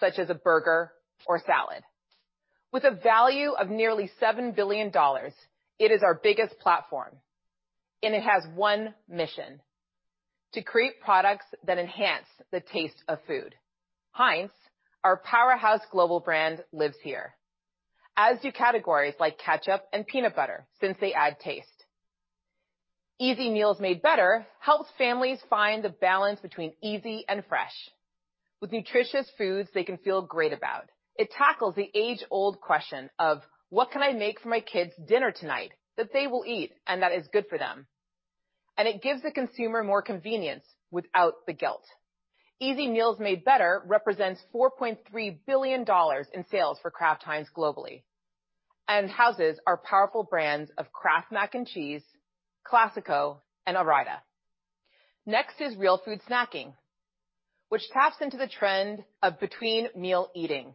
such as a burger or salad. With a value of nearly $7 billion, it is our biggest platform, and it has one mission: to create products that enhance the taste of food. Heinz, our powerhouse global brand, lives here, as do categories like ketchup and peanut butter since they add taste. Easy Meals Made Better helps families find the balance between easy and fresh with nutritious foods they can feel great about. It tackles the age-old question of what can I make for my kids' dinner tonight that they will eat and that is good for them? It gives the consumer more convenience without the guilt. Easy Meals Made Better represents $4.3 billion in sales for Kraft Heinz globally and houses our powerful brands of Kraft Mac & Cheese, Classico, and Ore-Ida. Next is Real Food Snacking, which taps into the trend of between-meal eating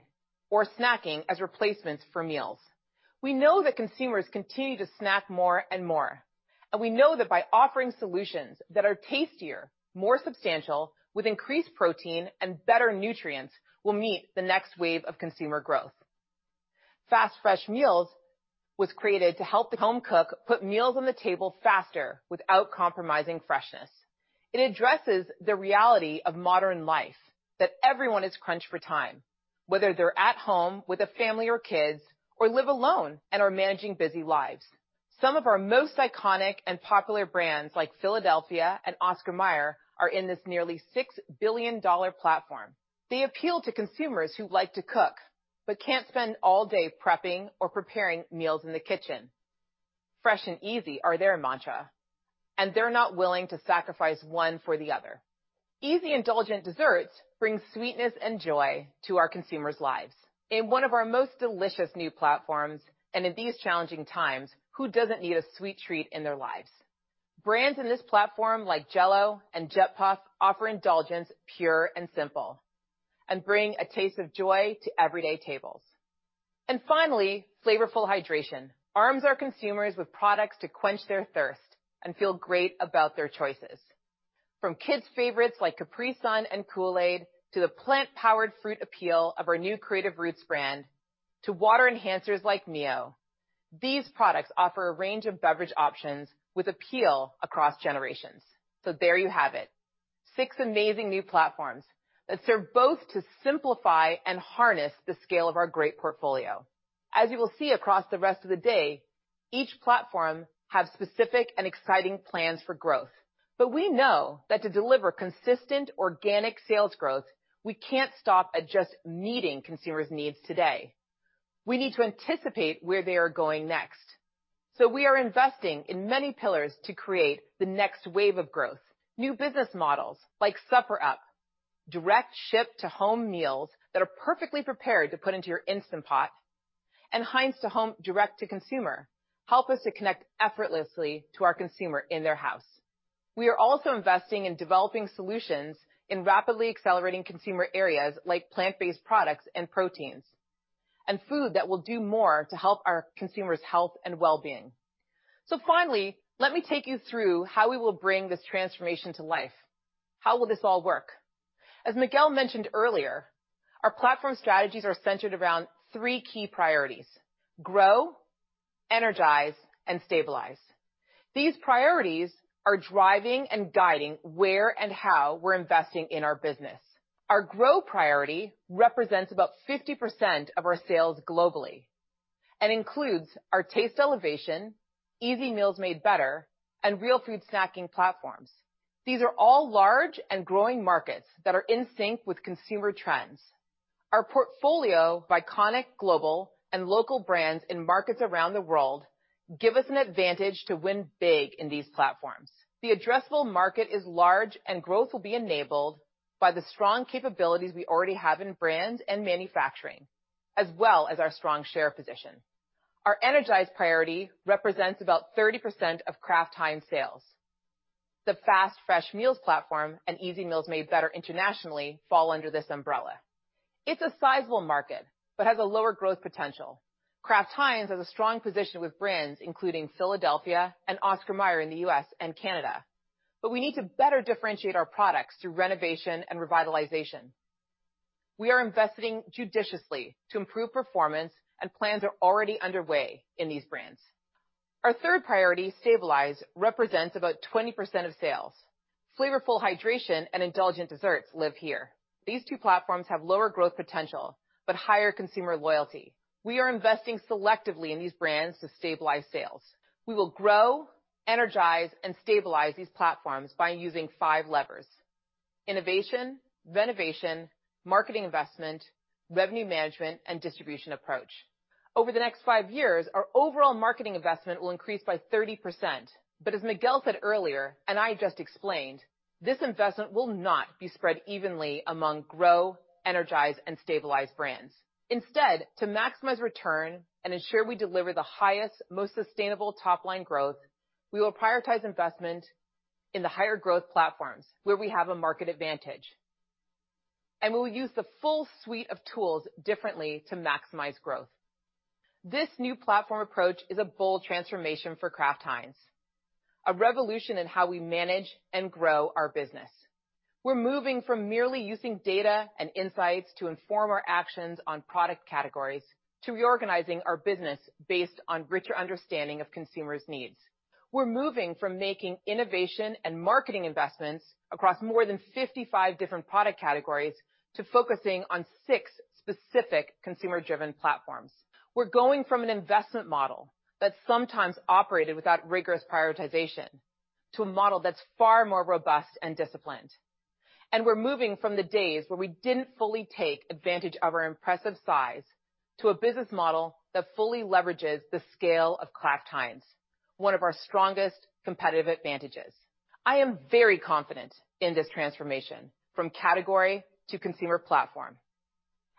or snacking as replacements for meals. We know that consumers continue to snack more and more. We know that by offering solutions that are tastier, more substantial, with increased protein and better nutrients, we'll meet the next wave of consumer growth. Fast Fresh Meals was created to help the home cook put meals on the table faster without compromising freshness. It addresses the reality of modern life, that everyone is crunched for time, whether they're at home with a family or kids or live alone and are managing busy lives. Some of our most iconic and popular brands, like Philadelphia and Oscar Mayer, are in this nearly $6 billion platform. They appeal to consumers who like to cook but can't spend all day prepping or preparing meals in the kitchen. Fresh and easy are their mantra, and they're not willing to sacrifice one for the other. Easy Indulgent Desserts brings sweetness and joy to our consumers' lives. In one of our most delicious new platforms, and in these challenging times, who doesn't need a sweet treat in their lives? Brands in this platform like JELL-O and Jet-Puffed offer indulgence pure and simple and bring a taste of joy to everyday tables. Finally, Flavorful Hydration arms our consumers with products to quench their thirst and feel great about their choices. From kids' favorites like Capri-Sun and Kool-Aid, to the plant-powered fruit appeal of our new Creative Roots brand, to water enhancers like MiO, these products offer a range of beverage options with appeal across generations. There you have it. Six amazing new platforms that serve both to simplify and harness the scale of our great portfolio. As you will see across the rest of the day, each platform have specific and exciting plans for growth. We know that to deliver consistent organic sales growth, we can't stop at just meeting consumers' needs today. We need to anticipate where they are going next. We are investing in many pillars to create the next wave of growth. New business models like Supper Up, direct ship-to-home meals that are perfectly prepared to put into your Instant Pot, and Heinz to Home direct-to-consumer help us to connect effortlessly to our consumer in their house. We are also investing in developing solutions in rapidly accelerating consumer areas like plant-based products and proteins, and food that will do more to help our consumers' health and well-being. Finally, let me take you through how we will bring this transformation to life. How will this all work? As Miguel mentioned earlier, our platform strategies are centered around three key priorities: grow, energize, and stabilize. These priorities are driving and guiding where and how we're investing in our business. Our grow priority represents about 50% of our sales globally and includes our Taste Elevation, Easy Meals Made Better, and Real Food Snacking platforms. These are all large and growing markets that are in sync with consumer trends. Our portfolio of iconic global and local brands in markets around the world give us an advantage to win big in these platforms. The addressable market is large, and growth will be enabled by the strong capabilities we already have in brand and manufacturing, as well as our strong share position. Our energize priority represents about 30% of Kraft Heinz sales. The Fast Fresh Meals platform and Easy Meals Made Better internationally fall under this umbrella. It's a sizable market, but has a lower growth potential. Kraft Heinz has a strong position with brands including Philadelphia and Oscar Mayer in the U.S. and Canada, we need to better differentiate our products through renovation and revitalization. We are investing judiciously to improve performance, plans are already underway in these brands. Our third priority, stabilize, represents about 20% of sales. Flavorful Hydration and Indulgent Desserts live here. These two platforms have lower growth potential, higher consumer loyalty. We are investing selectively in these brands to stabilize sales. We will grow, energize, and stabilize these platforms by using five levers: innovation, renovation, marketing investment, revenue management, and distribution approach. Over the next five years, our overall marketing investment will increase by 30%. As Miguel said earlier, and I just explained, this investment will not be spread evenly among grow, energize, and stabilize brands. Instead, to maximize return and ensure we deliver the highest, most sustainable top-line growth, we will prioritize investment in the higher growth platforms where we have a market advantage. We will use the full suite of tools differently to maximize growth. This new platform approach is a bold transformation for Kraft Heinz, a revolution in how we manage and grow our business. We're moving from merely using data and insights to inform our actions on product categories to reorganizing our business based on richer understanding of consumers' needs. We're moving from making innovation and marketing investments across more than 55 different product categories to focusing on six specific consumer-driven platforms. We're going from an investment model that sometimes operated without rigorous prioritization to a model that's far more robust and disciplined. We're moving from the days where we didn't fully take advantage of our impressive size to a business model that fully leverages the scale of Kraft Heinz, one of our strongest competitive advantages. I am very confident in this transformation from category to consumer platform.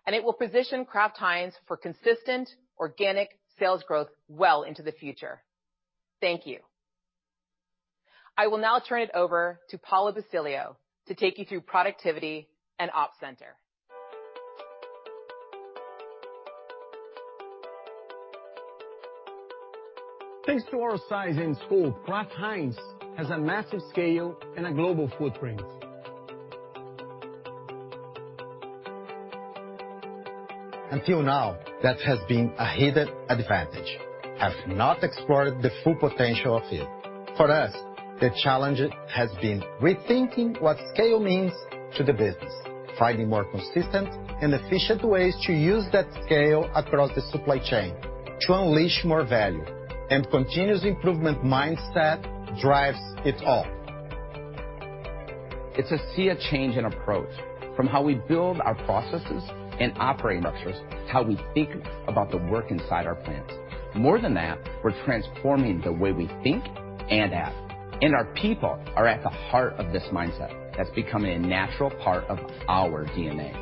It will position Kraft Heinz for consistent organic sales growth well into the future. Thank you. I will now turn it over to Paulo Basilio to take you through productivity and Ops Center. Thanks to our size and scope, Kraft Heinz has a massive scale and a global footprint. Until now, that has been a hidden advantage. We have not explored the full potential of it. For us, the challenge has been rethinking what scale means to the business, finding more consistent and efficient ways to use that scale across the supply chain to unleash more value. Continuous improvement mindset drives it all. It's a sea change in approach from how we build our processes and operating structures to how we think about the work inside our plants. More than that, we're transforming the way we think and act, and our people are at the heart of this mindset that's becoming a natural part of our DNA.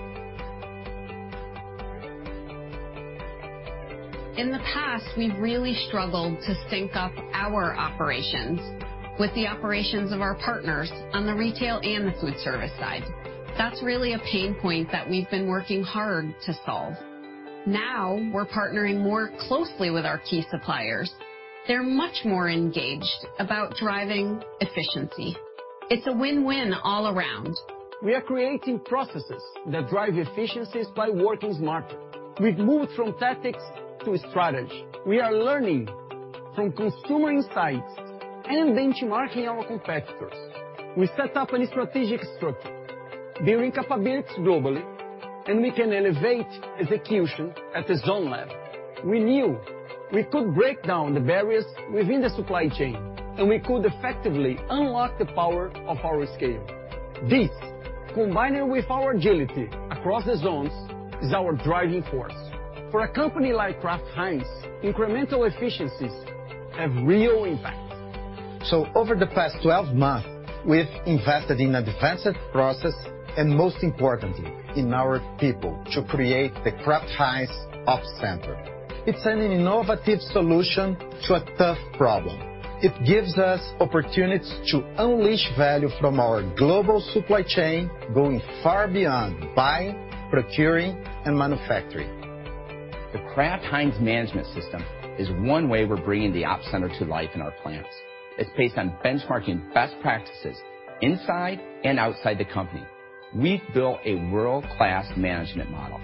In the past, we've really struggled to sync up our operations with the operations of our partners on the retail and the food service side. That's really a pain point that we've been working hard to solve. Now we're partnering more closely with our key suppliers. They're much more engaged about driving efficiency. It's a win-win all around. We are creating processes that drive efficiencies by working smarter. We've moved from tactics to strategy. We are learning from consumer insights and benchmarking our competitors. We set up a strategic structure building capabilities globally. We can elevate execution at the zone level. We knew we could break down the barriers within the supply chain. We could effectively unlock the power of our scale. This, combining with our agility across the zones, is our driving force. For a company like Kraft Heinz, incremental efficiencies have real impact. Over the past 12 months, we've invested in a defensive process, and most importantly, in our people to create the Kraft Heinz Ops Center. It's an innovative solution to a tough problem. It gives us opportunities to unleash value from our global supply chain, going far beyond buying, procuring, and manufacturing. The Kraft Heinz Management System is one way we're bringing the Ops Center to life in our plants. It's based on benchmarking best practices inside and outside the company. We've built a world-class management model.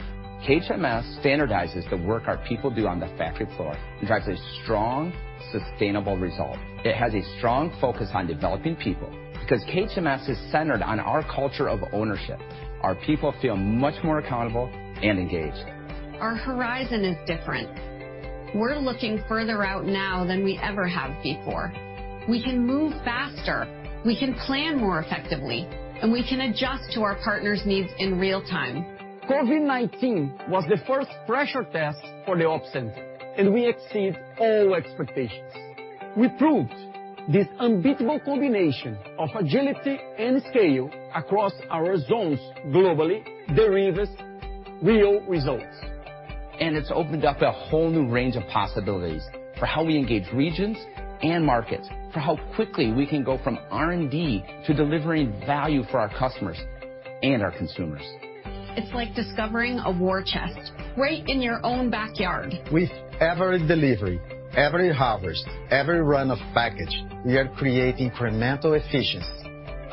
KHMS standardizes the work our people do on the factory floor, drives a strong, sustainable result. It has a strong focus on developing people. KHMS is centered on our culture of ownership, our people feel much more accountable and engaged. Our horizon is different. We're looking further out now than we ever have before. We can move faster, we can plan more effectively, and we can adjust to our partners' needs in real-time. COVID-19 was the first pressure test for the Ops Center, and we exceed all expectations. We proved this unbeatable combination of agility and scale across our zones globally delivers real results. It's opened up a whole new range of possibilities for how we engage regions and markets, for how quickly we can go from R&D to delivering value for our customers and our consumers. It's like discovering a war chest right in your own backyard. With every delivery, every harvest, every run of package, we are creating incremental efficiency,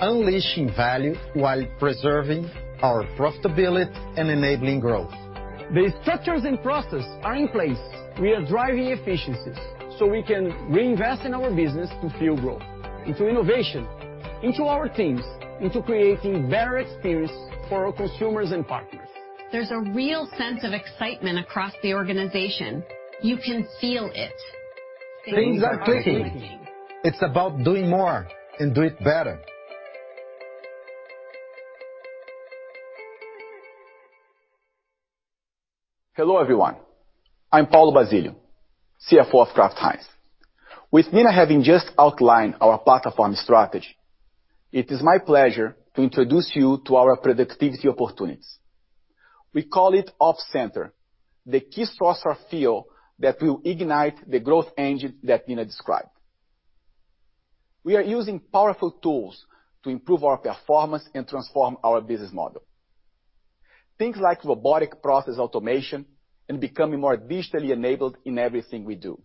unleashing value while preserving our profitability and enabling growth. The structures and processes are in place. We are driving efficiencies so we can reinvest in our business to fuel growth, into innovation, into our teams, into creating better experience for our consumers and partners. There's a real sense of excitement across the organization. You can feel it. Things are clicking. Things are moving. It's about doing more and do it better. Hello, everyone. I'm Paulo Basilio, CFO of Kraft Heinz. With Nina having just outlined our platform strategy, it is my pleasure to introduce you to our productivity opportunities. We call it Ops Center, the key source or fuel that will ignite the growth engine that Nina described. We are using powerful tools to improve our performance and transform our business model. Things like robotic process automation and becoming more digitally enabled in everything we do.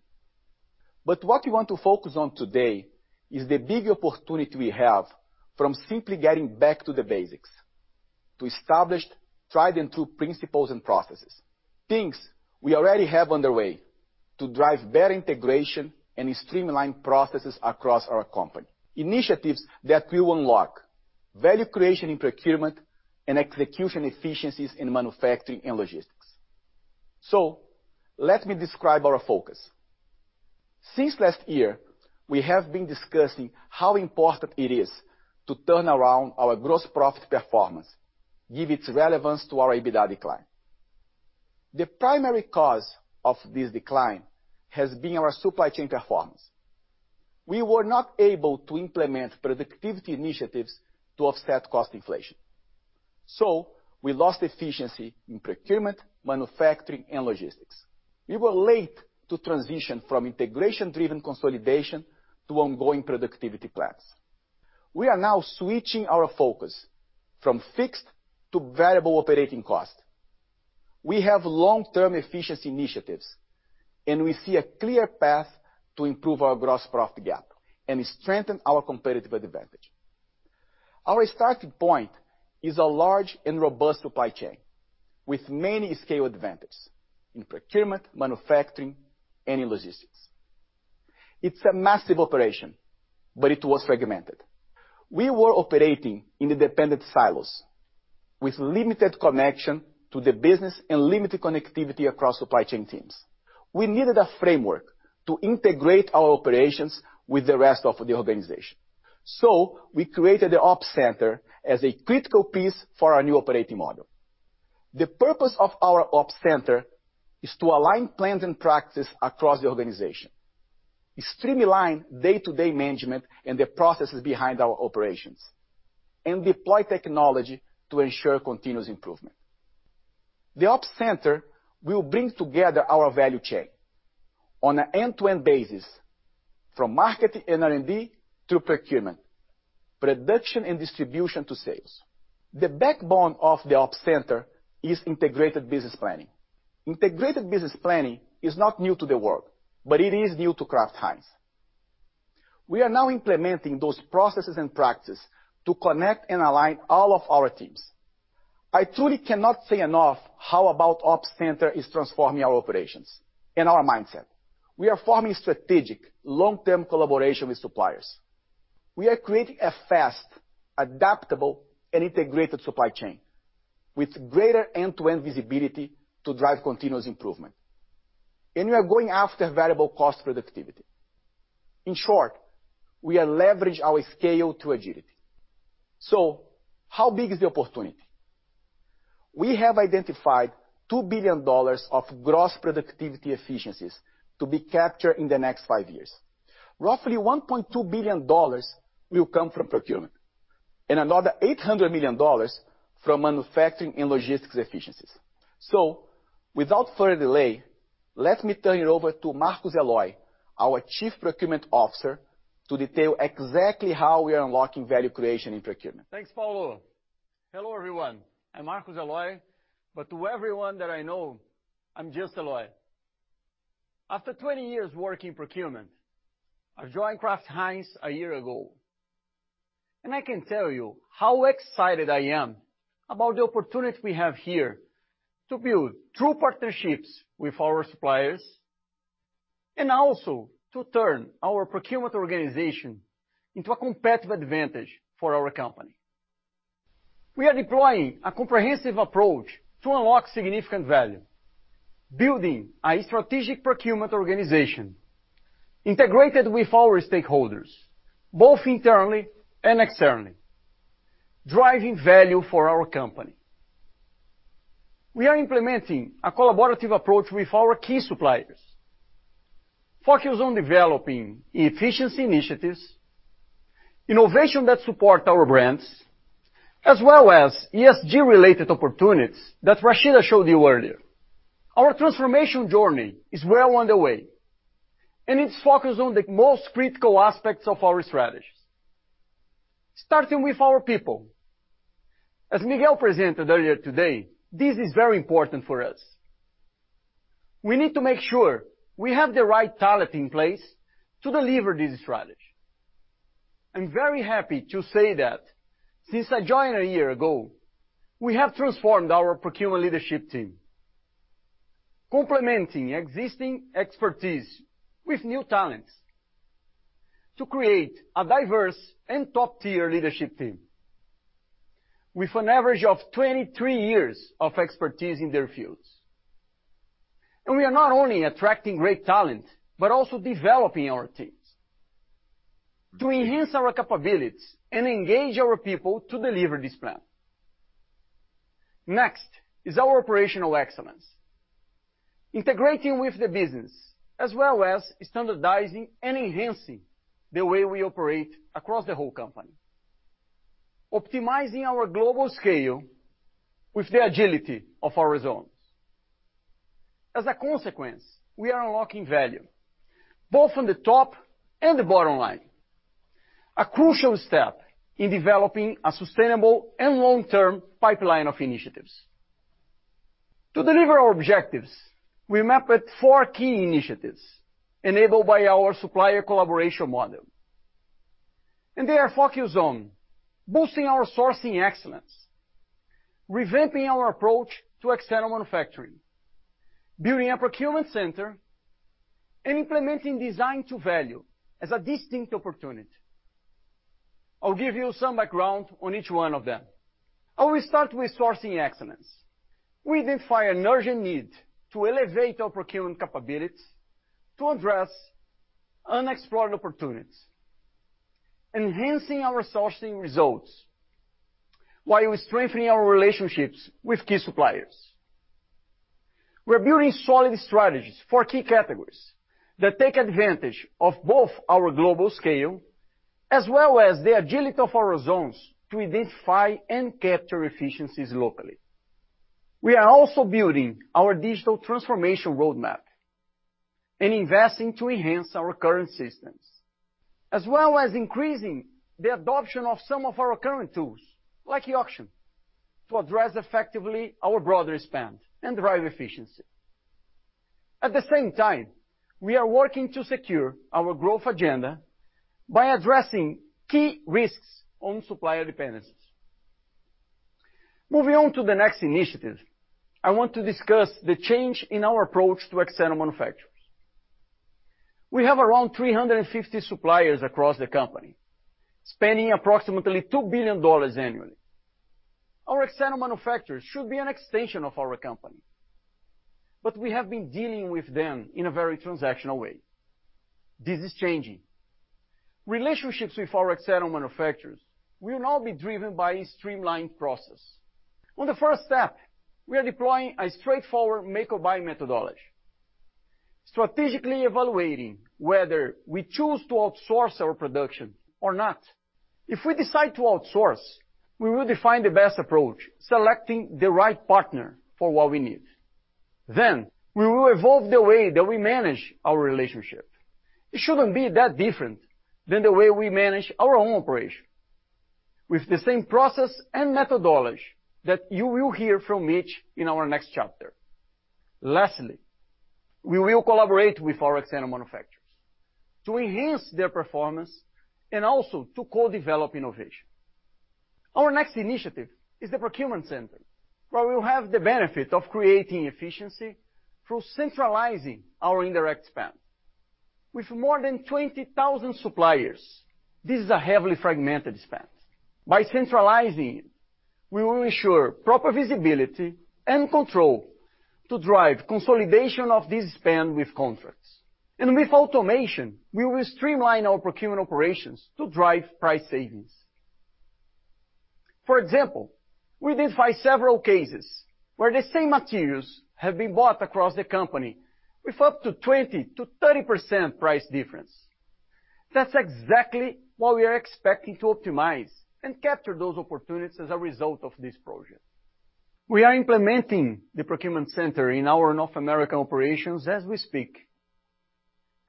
What we want to focus on today is the big opportunity we have from simply getting back to the basics to establish tried-and-true principles and processes. Things we already have underway to drive better integration and streamline processes across our company. Initiatives that will unlock value creation in procurement and execution efficiencies in manufacturing and logistics Let me describe our focus. Since last year, we have been discussing how important it is to turn around our gross profit performance, given its relevance to our EBITDA decline. The primary cause of this decline has been our supply chain performance. We were not able to implement productivity initiatives to offset cost inflation, we lost efficiency in procurement, manufacturing, and logistics. We were late to transition from integration-driven consolidation to ongoing productivity plans. We are now switching our focus from fixed to variable operating costs. We have long-term efficiency initiatives, we see a clear path to improve our gross profit gap and strengthen our competitive advantage. Our starting point is a large and robust supply chain with many scale advantages in procurement, manufacturing, and in logistics. It's a massive operation, it was fragmented. We were operating in independent silos with limited connection to the business and limited connectivity across supply chain teams. We needed a framework to integrate our operations with the rest of the organization. We created the Ops Center as a critical piece for our new operating model. The purpose of our Ops Center is to align plans and practices across the organization, streamline day-to-day management and the processes behind our operations, and deploy technology to ensure continuous improvement. The Ops Center will bring together our value chain on an end-to-end basis from market and R&D to procurement, production, and distribution to sales. The backbone of the Ops Center is Integrated Business Planning. Integrated Business Planning is not new to the world. It is new to Kraft Heinz. We are now implementing those processes and practices to connect and align all of our teams. I truly cannot say enough about Ops Center is transforming our operations and our mindset. We are forming strategic long-term collaboration with suppliers. We are creating a fast, adaptable, and integrated supply chain with greater end-to-end visibility to drive continuous improvement. We are going after variable cost productivity. In short, we are leveraging our scale to agility. How big is the opportunity? We have identified $2 billion of gross productivity efficiencies to be captured in the next five years. Roughly $1.2 billion will come from procurement and another $800 million from manufacturing and logistics efficiencies. Without further delay, let me turn it over to Marcos Eloi, our Chief Procurement Officer, to detail exactly how we are unlocking value creation in procurement. Thanks, Paulo. Hello, everyone. I'm Marcos Eloi, but to everyone that I know, I'm just Eloi. After 20 years working in procurement, I joined Kraft Heinz a year ago, and I can tell you how excited I am about the opportunity we have here to build true partnerships with our suppliers and also to turn our procurement organization into a competitive advantage for our company. We are deploying a comprehensive approach to unlock significant value, building a strategic procurement organization integrated with our stakeholders, both internally and externally, driving value for our company. We are implementing a collaborative approach with our key suppliers, focused on developing efficiency initiatives, innovation that support our brands, as well as ESG-related opportunities that Rashida showed you earlier. Our transformation journey is well underway, and it's focused on the most critical aspects of our strategies, starting with our people. As Miguel presented earlier today, this is very important for us. We need to make sure we have the right talent in place to deliver this strategy. I'm very happy to say that since I joined a year ago, we have transformed our procurement leadership team, complementing existing expertise with new talents to create a diverse and top-tier leadership team with an average of 23 years of expertise in their fields. We are not only attracting great talent, but also developing our teams to enhance our capabilities and engage our people to deliver this plan. Next is our operational excellence, integrating with the business as well as standardizing and enhancing the way we operate across the whole company, optimizing our global scale with the agility of our zones. As a consequence, we are unlocking value both from the top and the bottom line, a crucial step in developing a sustainable and long-term pipeline of initiatives. To deliver our objectives, we mapped four key initiatives enabled by our supplier collaboration model. They are focused on boosting our sourcing excellence, revamping our approach to external manufacturing, building a procurement center, and implementing design to value as a distinct opportunity. I'll give you some background on each one of them. I will start with sourcing excellence. We identify an urgent need to elevate our procurement capabilities to address unexplored opportunities, enhancing our sourcing results, while we're strengthening our relationships with key suppliers. We're building solid strategies for key categories that take advantage of both our global scale as well as the agility of our zones to identify and capture efficiencies locally. We are also building our digital transformation roadmap and investing to enhance our current systems, as well as increasing the adoption of some of our current tools, like e-auction, to address effectively our broader spend and drive efficiency. At the same time, we are working to secure our growth agenda by addressing key risks on supplier dependencies. Moving on to the next initiative, I want to discuss the change in our approach to external manufacturers. We have around 350 suppliers across the company, spending approximately $2 billion annually. Our external manufacturers should be an extension of our company, but we have been dealing with them in a very transactional way. This is changing. Relationships with our external manufacturers will now be driven by a streamlined process. On the first step, we are deploying a straightforward make or buy methodology, strategically evaluating whether we choose to outsource our production or not. If we decide to outsource, we will define the best approach, selecting the right partner for what we need. We will evolve the way that we manage our relationship. It shouldn't be that different than the way we manage our own operation. With the same process and methodology that you will hear from Mitch in our next chapter. Lastly, we will collaborate with our external manufacturers to enhance their performance and also to co-develop innovation. Our next initiative is the procurement center, where we will have the benefit of creating efficiency through centralizing our indirect spend. With more than 20,000 suppliers, this is a heavily fragmented spend. By centralizing it, we will ensure proper visibility and control to drive consolidation of this spend with contracts. With automation, we will streamline our procurement operations to drive price savings. For example, we did find several cases where the same materials have been bought across the company with up to 20%-30% price difference. That is exactly what we are expecting to optimize and capture those opportunities as a result of this project. We are implementing the procurement center in our North American operations as we speak,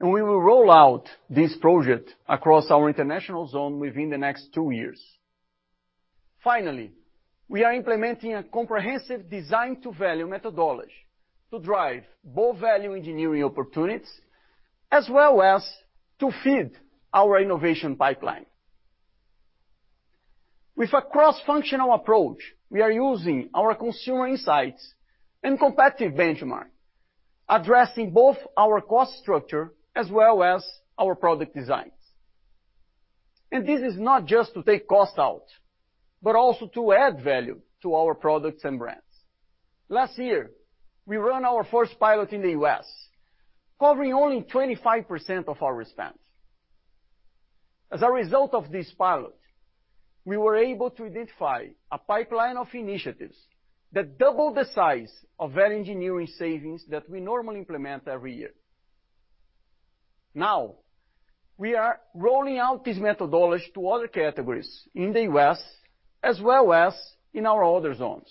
and we will roll out this project across our International Zone within the next two years. Finally, we are implementing a comprehensive design-to-value methodology to drive both value engineering opportunities, as well as to feed our innovation pipeline. With a cross-functional approach, we are using our consumer insights and competitive benchmark, addressing both our cost structure as well as our product designs. This is not just to take cost out, but also to add value to our products and brands. Last year, we ran our first pilot in the U.S., covering only 25% of our spend. As a result of this pilot, we were able to identify a pipeline of initiatives that double the size of value engineering savings that we normally implement every year. Now, we are rolling out this methodology to other categories in the U.S. as well as in our other zones.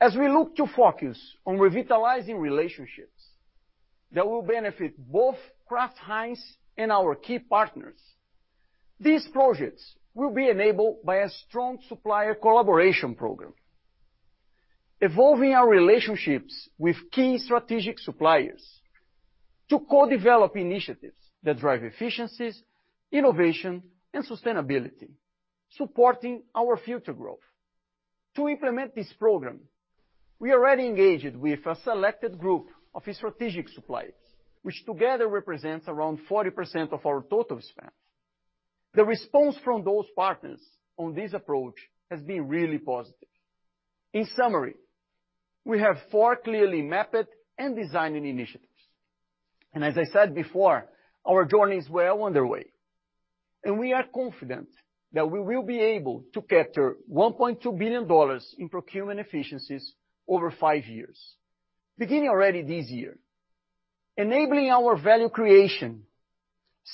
As we look to focus on revitalizing relationships that will benefit both Kraft Heinz and our key partners, these projects will be enabled by a strong supplier collaboration program, evolving our relationships with key strategic suppliers to co-develop initiatives that drive efficiencies, innovation, and sustainability, supporting our future growth. To implement this program, we already engaged with a selected group of strategic suppliers, which together represents around 40% of our total spend. The response from those partners on this approach has been really positive. In summary, we have four clearly mapped and designing initiatives. As I said before, our journey is well underway, and we are confident that we will be able to capture $1.2 billion in procurement efficiencies over five years, beginning already this year, enabling our value creation,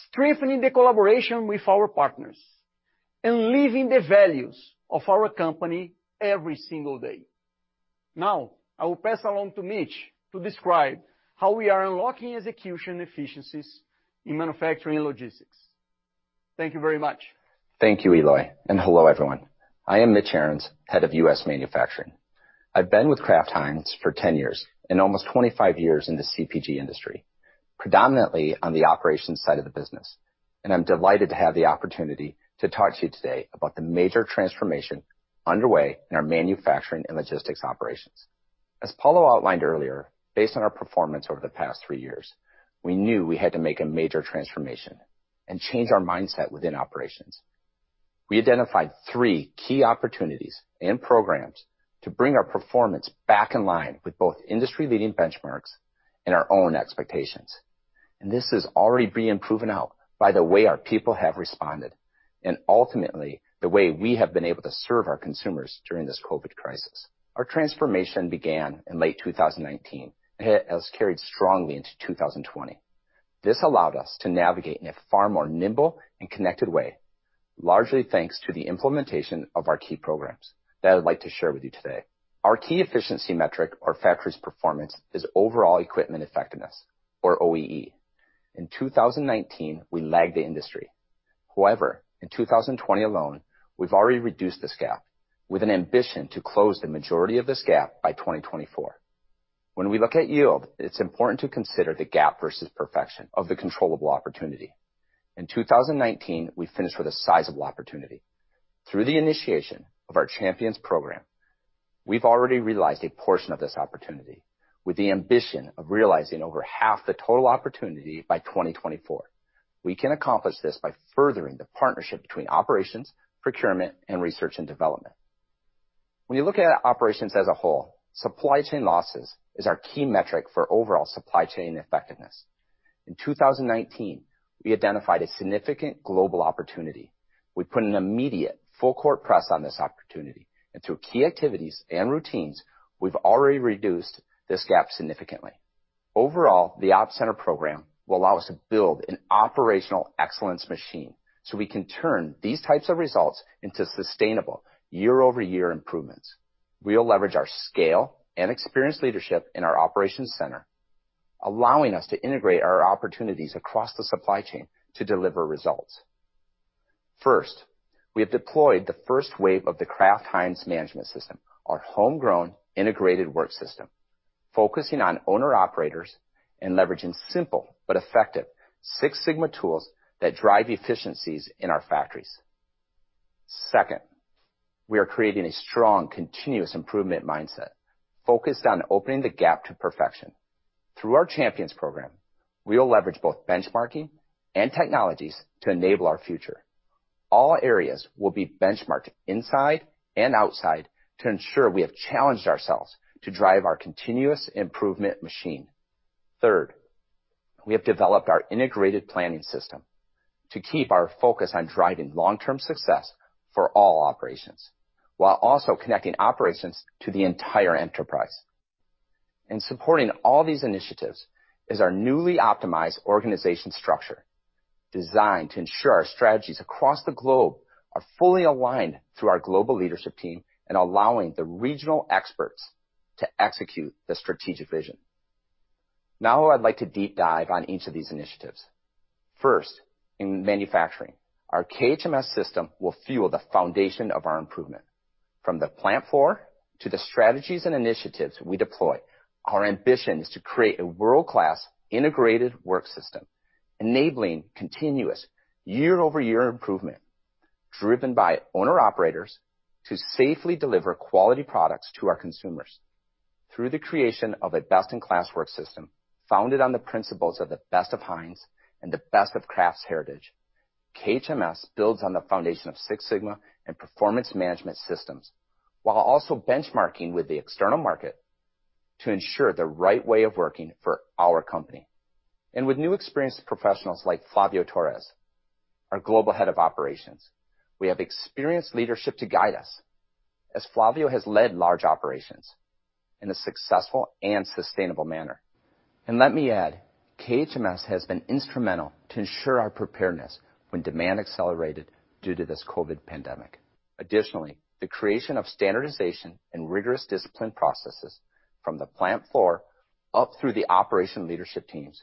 strengthening the collaboration with our partners, and living the values of our company every single day. Now, I will pass along to Mitch to describe how we are unlocking execution efficiencies in manufacturing and logistics. Thank you very much. Thank you, Eloi. Hello, everyone. I am Mitch Arends, Head of U.S. Manufacturing. I've been with Kraft Heinz for 10 years and almost 25 years in the CPG industry, predominantly on the operations side of the business. I'm delighted to have the opportunity to talk to you today about the major transformation underway in our manufacturing and logistics operations. As Paulo outlined earlier, based on our performance over the past three years, we knew we had to make a major transformation and change our mindset within operations. We identified three key opportunities and programs to bring our performance back in line with both industry-leading benchmarks and our own expectations. This is already being proven out by the way our people have responded, and ultimately, the way we have been able to serve our consumers during this COVID crisis. Our transformation began in late 2019, and has carried strongly into 2020. This allowed us to navigate in a far more nimble and connected way, largely thanks to the implementation of our key programs that I'd like to share with you today. Our key efficiency metric or factory's performance is overall equipment effectiveness, or OEE. In 2019, we lagged the industry. In 2020 alone, we've already reduced this gap with an ambition to close the majority of this gap by 2024. When we look at yield, it's important to consider the gap versus perfection of the controllable opportunity. In 2019, we finished with a sizable opportunity. Through the initiation of our champions program, we've already realized a portion of this opportunity with the ambition of realizing over half the total opportunity by 2024. We can accomplish this by furthering the partnership between operations, procurement, and research and development. When you look at our operations as a whole, supply chain losses is our key metric for overall supply chain effectiveness. In 2019, we identified a significant global opportunity. We put an immediate full court press on this opportunity, and through key activities and routines, we've already reduced this gap significantly. Overall, the Ops Center program will allow us to build an operational excellence machine so we can turn these types of results into sustainable year-over-year improvements. We'll leverage our scale and experienced leadership in our Ops Center, allowing us to integrate our opportunities across the supply chain to deliver results. First, we have deployed the first wave of the Kraft Heinz Management System, our homegrown integrated work system, focusing on owner-operators and leveraging simple but effective Six Sigma tools that drive efficiencies in our factories. Second, we are creating a strong continuous improvement mindset focused on opening the gap to perfection. Through our champions program, we will leverage both benchmarking and technologies to enable our future. All areas will be benchmarked inside and outside to ensure we have challenged ourselves to drive our continuous improvement machine. Third, we have developed our Integrated Planning System to keep our focus on driving long-term success for all operations, while also connecting operations to the entire enterprise. Supporting all these initiatives is our newly optimized organization structure, designed to ensure our strategies across the globe are fully aligned through our global leadership team and allowing the regional experts to execute the strategic vision. I'd like to deep dive on each of these initiatives. First, in manufacturing, our KHMS system will fuel the foundation of our improvement. From the plant floor to the strategies and initiatives we deploy, our ambition is to create a world-class integrated work system, enabling continuous year-over-year improvement driven by owner-operators to safely deliver quality products to our consumers. Through the creation of a best-in-class work system founded on the principles of the best of Heinz and the best of Kraft's heritage, KHMS builds on the foundation of Six Sigma and performance management systems, while also benchmarking with the external market to ensure the right way of working for our company. With new experienced professionals like Flavio Torres, our global head of operations, we have experienced leadership to guide us as Flavio has led large operations in a successful and sustainable manner. Let me add, KHMS has been instrumental to ensure our preparedness when demand accelerated due to this COVID pandemic. Additionally, the creation of standardization and rigorous discipline processes from the plant floor up through the operation leadership teams,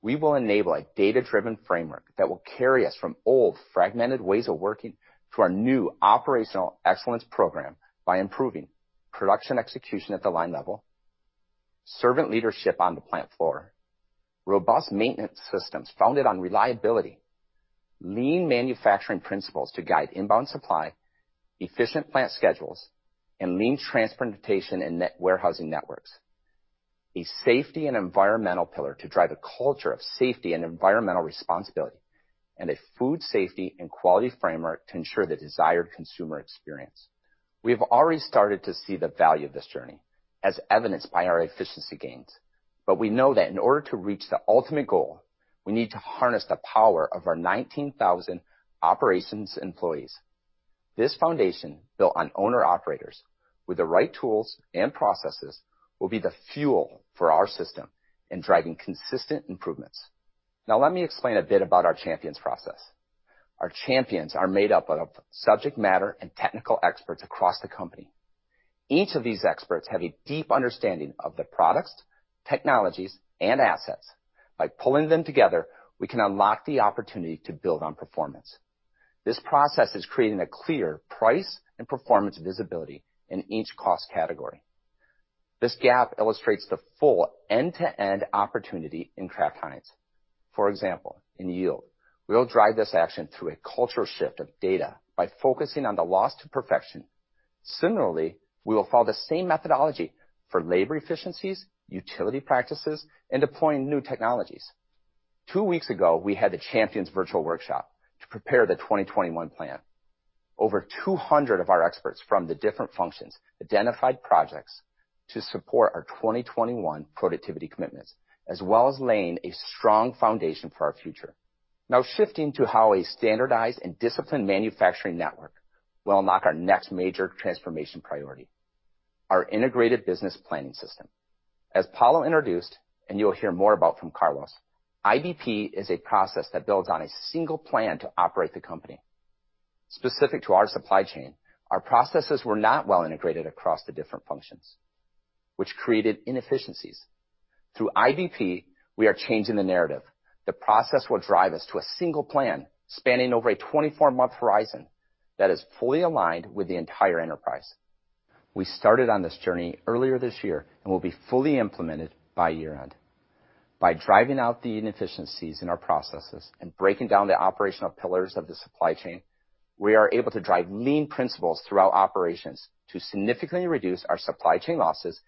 we will enable a data-driven framework that will carry us from old fragmented ways of working to our new Operational Excellence Program by improving production execution at the line level, servant leadership on the plant floor, robust maintenance systems founded on reliability, lean manufacturing principles to guide inbound supply, efficient plant schedules, and lean transportation and warehousing networks, a safety and environmental pillar to drive a culture of safety and environmental responsibility, and a food safety and quality framework to ensure the desired consumer experience. We have already started to see the value of this journey, as evidenced by our efficiency gains. We know that in order to reach the ultimate goal, we need to harness the power of our 19,000 operations employees. This foundation, built on owner-operators with the right tools and processes, will be the fuel for our system in driving consistent improvements. Let me explain a bit about our Champions process. Our Champions are made up of subject matter and technical experts across the company. Each of these experts have a deep understanding of the products, technologies, and assets. By pulling them together, we can unlock the opportunity to build on performance. This process is creating a clear price and performance visibility in each cost category. This gap illustrates the full end-to-end opportunity in Kraft Heinz. For example, in yield, we'll drive this action through a culture shift of data by focusing on the loss to perfection. Similarly, we will follow the same methodology for labor efficiencies, utility practices, and deploying new technologies. Two weeks ago, we had the Champions virtual workshop to prepare the 2021 plan. Over 200 of our experts from the different functions identified projects to support our 2021 productivity commitments, as well as laying a strong foundation for our future. Shifting to how a standardized and disciplined manufacturing network will unlock our next major transformation priority, our Integrated Business Planning system. As Paulo introduced, and you'll hear more about from Carlos, IBP is a process that builds on a single plan to operate the company. Specific to our supply chain, our processes were not well integrated across the different functions, which created inefficiencies. Through IBP, we are changing the narrative. The process will drive us to a single plan, spanning over a 24-month horizon that is fully aligned with the entire enterprise. We started on this journey earlier this year and will be fully implemented by year-end. By driving out the inefficiencies in our processes and breaking down the operational pillars of the supply chain, we are able to drive lean principles through our operations to significantly reduce our supply chain losses,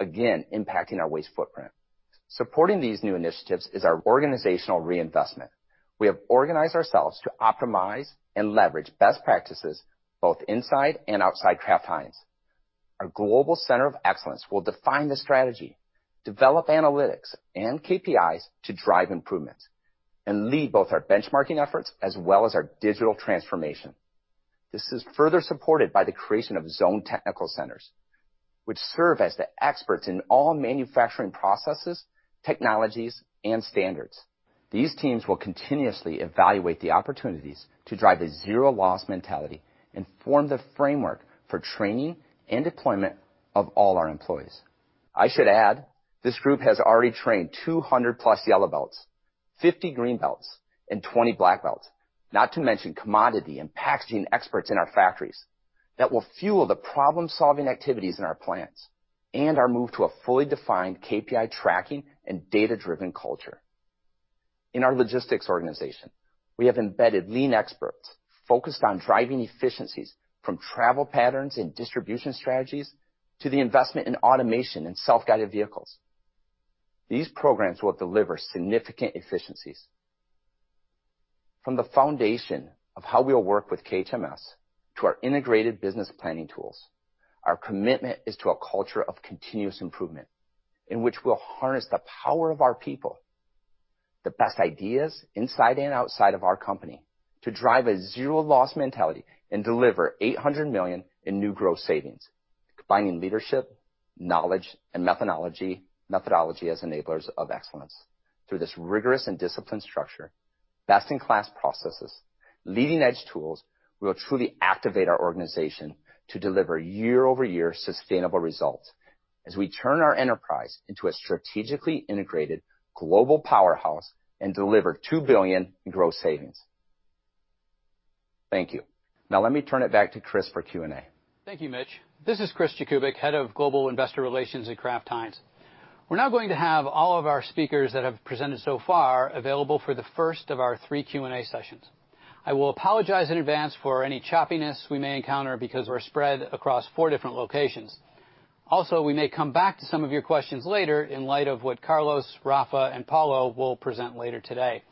again, impacting our waste footprint. Supporting these new initiatives is our organizational reinvestment. We have organized ourselves to optimize and leverage best practices both inside and outside Kraft Heinz. Our global center of excellence will define the strategy, develop analytics and KPIs to drive improvements, and lead both our benchmarking efforts as well as our digital transformation. This is further supported by the creation of zone technical centers, which serve as the experts in all manufacturing processes, technologies, and standards. These teams will continuously evaluate the opportunities to drive a zero-loss mentality and form the framework for training and deployment of all our employees. I should add, this group has already trained 200+ Yellow Belts, 50 Green Belts, and 20 Black Belts, not to mention commodity and packaging experts in our factories that will fuel the problem-solving activities in our plants and our move to a fully defined KPI tracking and data-driven culture. In our logistics organization, we have embedded lean experts focused on driving efficiencies from travel patterns and distribution strategies to the investment in automation and self-guided vehicles. These programs will deliver significant efficiencies. From the foundation of how we will work with KHMS to our Integrated Business Planning tools, our commitment is to a culture of continuous improvement in which we'll harness the power of our people, the best ideas inside and outside of our company, to drive a zero-loss mentality and deliver $800 million in new gross savings, combining leadership, knowledge, and methodology as enablers of excellence. Through this rigorous and disciplined structure, best-in-class processes, leading-edge tools will truly activate our organization to deliver year-over-year sustainable results as we turn our enterprise into a strategically integrated global powerhouse and deliver $2 billion in gross savings. Thank you. Now let me turn it back to Chris for Q&A. Thank you, Mitch. This is Chris Jakubik, Head of Global Investor Relations at Kraft Heinz. We're now going to have all of our speakers that have presented so far available for the first of our three Q&A sessions. I will apologize in advance for any choppiness we may encounter because we're spread across four different locations. We may come back to some of your questions later in light of what Carlos, Rafa, and Paulo will present later today.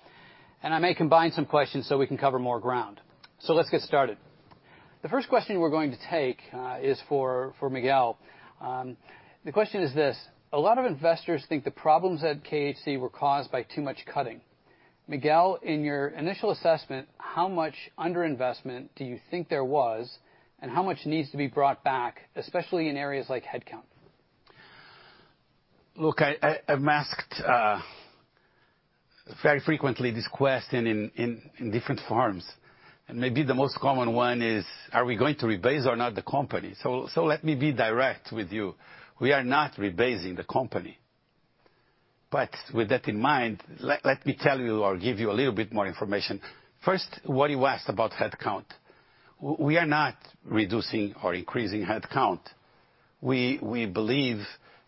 I may combine some questions so we can cover more ground. Let's get started. The first question we're going to take is for Miguel. The question is this: a lot of investors think the problems at KHC were caused by too much cutting. Miguel, in your initial assessment, how much under-investment do you think there was, and how much needs to be brought back, especially in areas like headcount? Look, I'm asked very frequently this question in different forms. Maybe the most common one is, are we going to rebase or not the company? Let me be direct with you. We are not rebasing the company. With that in mind, let me tell you or give you a little bit more information. First, what you asked about headcount, we are not reducing or increasing headcount. We believe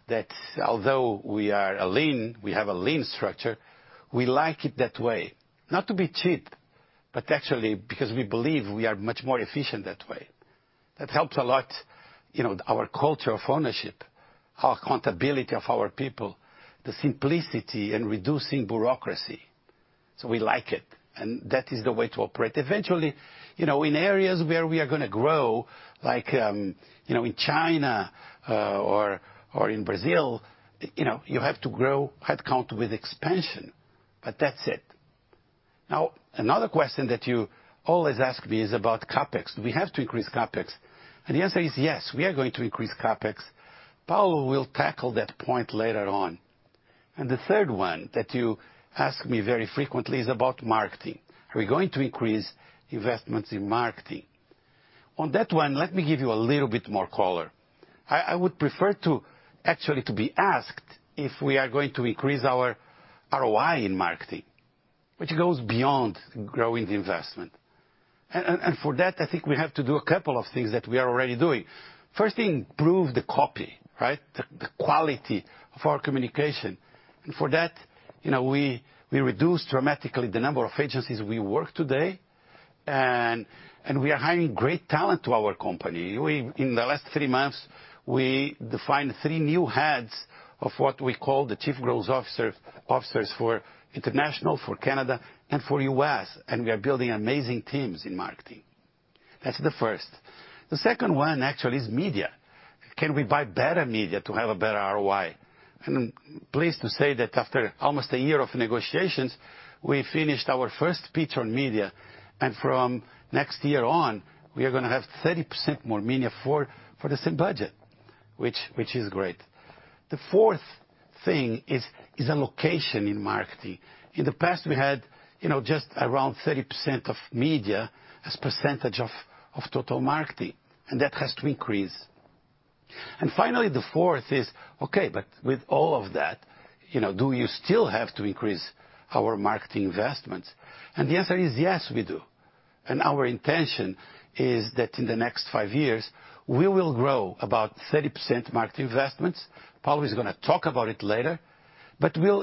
that although we have a lean structure, we like it that way. Not to be cheap, but actually because we believe we are much more efficient that way. That helps a lot, our culture of ownership, our accountability of our people, the simplicity in reducing bureaucracy. We like it, and that is the way to operate. Eventually, in areas where we are going to grow, like in China or in Brazil, you have to grow headcount with expansion. That's it. Now, another question that you always ask me is about CapEx. Do we have to increase CapEx? The answer is yes, we are going to increase CapEx. Paulo will tackle that point later on. The third one that you ask me very frequently is about marketing. Are we going to increase investments in marketing? On that one, let me give you a little bit more color. I would prefer to actually to be asked if we are going to increase our ROI in marketing, which goes beyond growing the investment. For that, I think we have to do a couple of things that we are already doing. First thing, improve the copy, right? The quality of our communication. For that, we reduced dramatically the number of agencies we work today. We are hiring great talent to our company. In the last three months, we defined three new heads of what we call the chief growth officers for international, for Canada and for U.S. we are building amazing teams in marketing. That's the first. The second one actually is media. Can we buy better media to have a better ROI? I'm pleased to say that after almost a year of negotiations, we finished our first pitch on media. From next year on, we are going to have 30% more media for the same budget, which is great. The fourth thing is allocation in marketing. In the past we had just around 30% of media as % of total marketing. That has to increase. Finally, the fourth is, okay, with all of that, do you still have to increase our marketing investments? The answer is yes, we do. Our intention is that in the next five years, we will grow about 30% marketing investments. Paulo is going to talk about it later, but we'll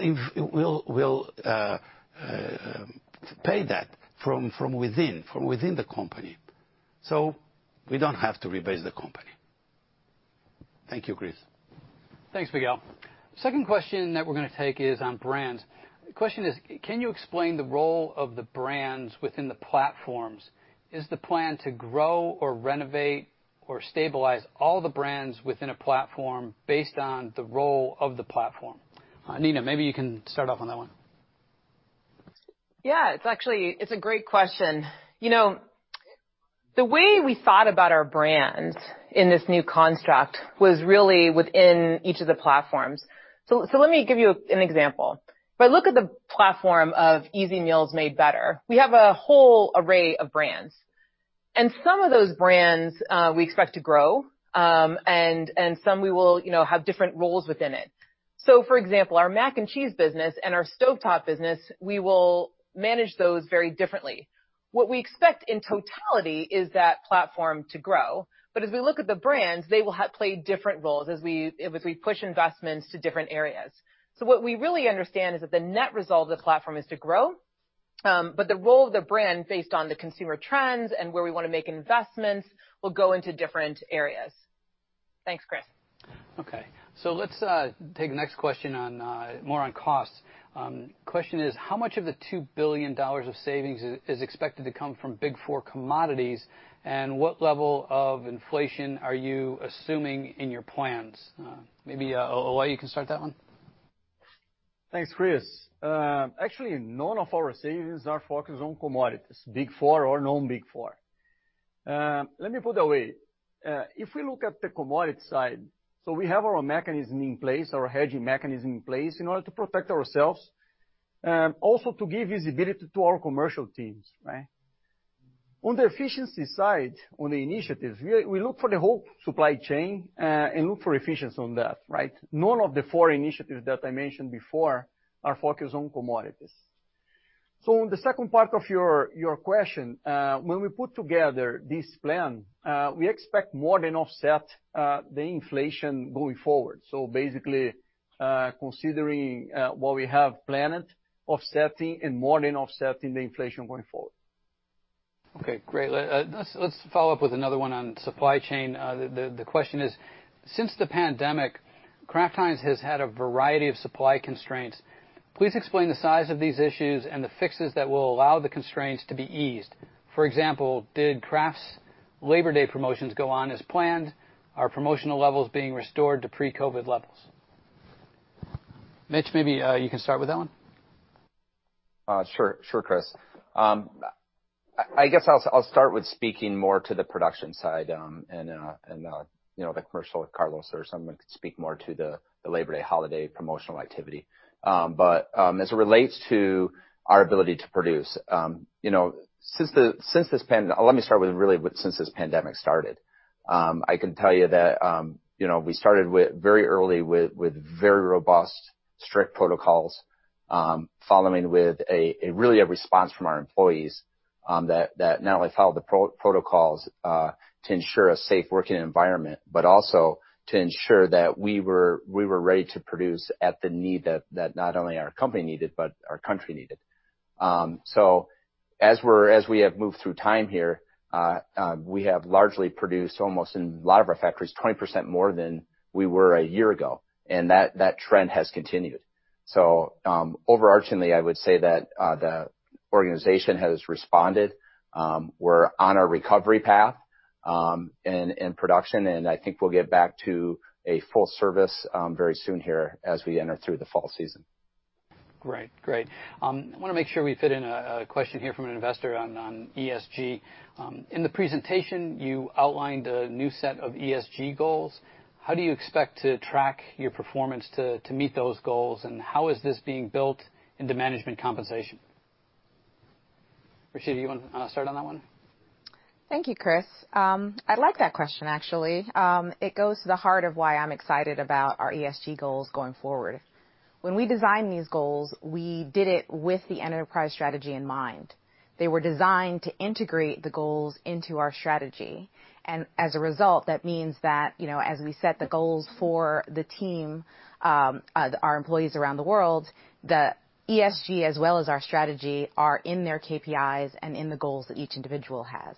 pay that from within the company. We don't have to rebase the company. Thank you, Chris. Thanks, Miguel. Second question that we're going to take is on brands. The question is, can you explain the role of the brands within the platforms? Is the plan to grow or renovate or stabilize all the brands within a platform based on the role of the platform? Nina, maybe you can start off on that one. Yeah, it's a great question. The way we thought about our brands in this new construct was really within each of the platforms. Let me give you an example. If I look at the platform of Easy Meals Made Better, we have a whole array of brands. Some of those brands we expect to grow, and some will have different roles within it. For example, our mac and cheese business and our Stove Top business, we will manage those very differently. What we expect in totality is that platform to grow, but as we look at the brands, they will play different roles as we push investments to different areas. What we really understand is that the net result of the platform is to grow, but the role of the brand based on the consumer trends and where we want to make investments will go into different areas. Thanks, Chris. Okay. Let's take the next question more on costs. Question is how much of the $2 billion of savings is expected to come from Big Four commodities, and what level of inflation are you assuming in your plans? Maybe, Eloi, you can start that one. Thanks, Chris. Actually, none of our savings are focused on commodities, Big Four or non-Big Four. Let me put it away. If we look at the commodity side, we have our mechanism in place, our hedging mechanism in place in order to protect ourselves, also to give visibility to our commercial teams, right? On the efficiency side, on the initiatives, we look for the whole supply chain and look for efficiency on that, right? None of the four initiatives that I mentioned before are focused on commodities. On the second part of your question, when we put together this plan, we expect more than offset the inflation going forward. Basically, considering what we have planned, offsetting and more than offsetting the inflation going forward. Okay, great. Let's follow up with another one on supply chain. The question is, since the pandemic, Kraft Heinz has had a variety of supply constraints. Please explain the size of these issues and the fixes that will allow the constraints to be eased. For example, did Kraft's Labor Day promotions go on as planned? Are promotional levels being restored to pre-COVID levels? Mitch, maybe you can start with that one. Sure, Chris. I guess I'll start with speaking more to the production side and the commercial with Carlos or someone could speak more to the Labor Day holiday promotional activity. As it relates to our ability to produce, let me start really since this pandemic started. I can tell you that we started very early with very robust, strict protocols, following with really a response from our employees that not only followed the protocols to ensure a safe working environment, but also to ensure that we were ready to produce at the need that not only our company needed, but our country needed. As we have moved through time here, we have largely produced almost in a lot of our factories, 20% more than we were a year ago, and that trend has continued. Overarchingly, I would say that the organization has responded. We're on a recovery path in production, and I think we'll get back to a full service very soon here as we enter through the fall season. Great. I want to make sure we fit in a question here from an investor on ESG. In the presentation, you outlined a new set of ESG goals. How do you expect to track your performance to meet those goals, and how is this being built into management compensation? Rashi, do you want to start on that one? Thank you, Chris. I like that question, actually. It goes to the heart of why I'm excited about our ESG goals going forward. When we designed these goals, we did it with the enterprise strategy in mind. They were designed to integrate the goals into our strategy. As a result, that means that, as we set the goals for the team, our employees around the world, the ESG, as well as our strategy, are in their KPIs and in the goals that each individual has.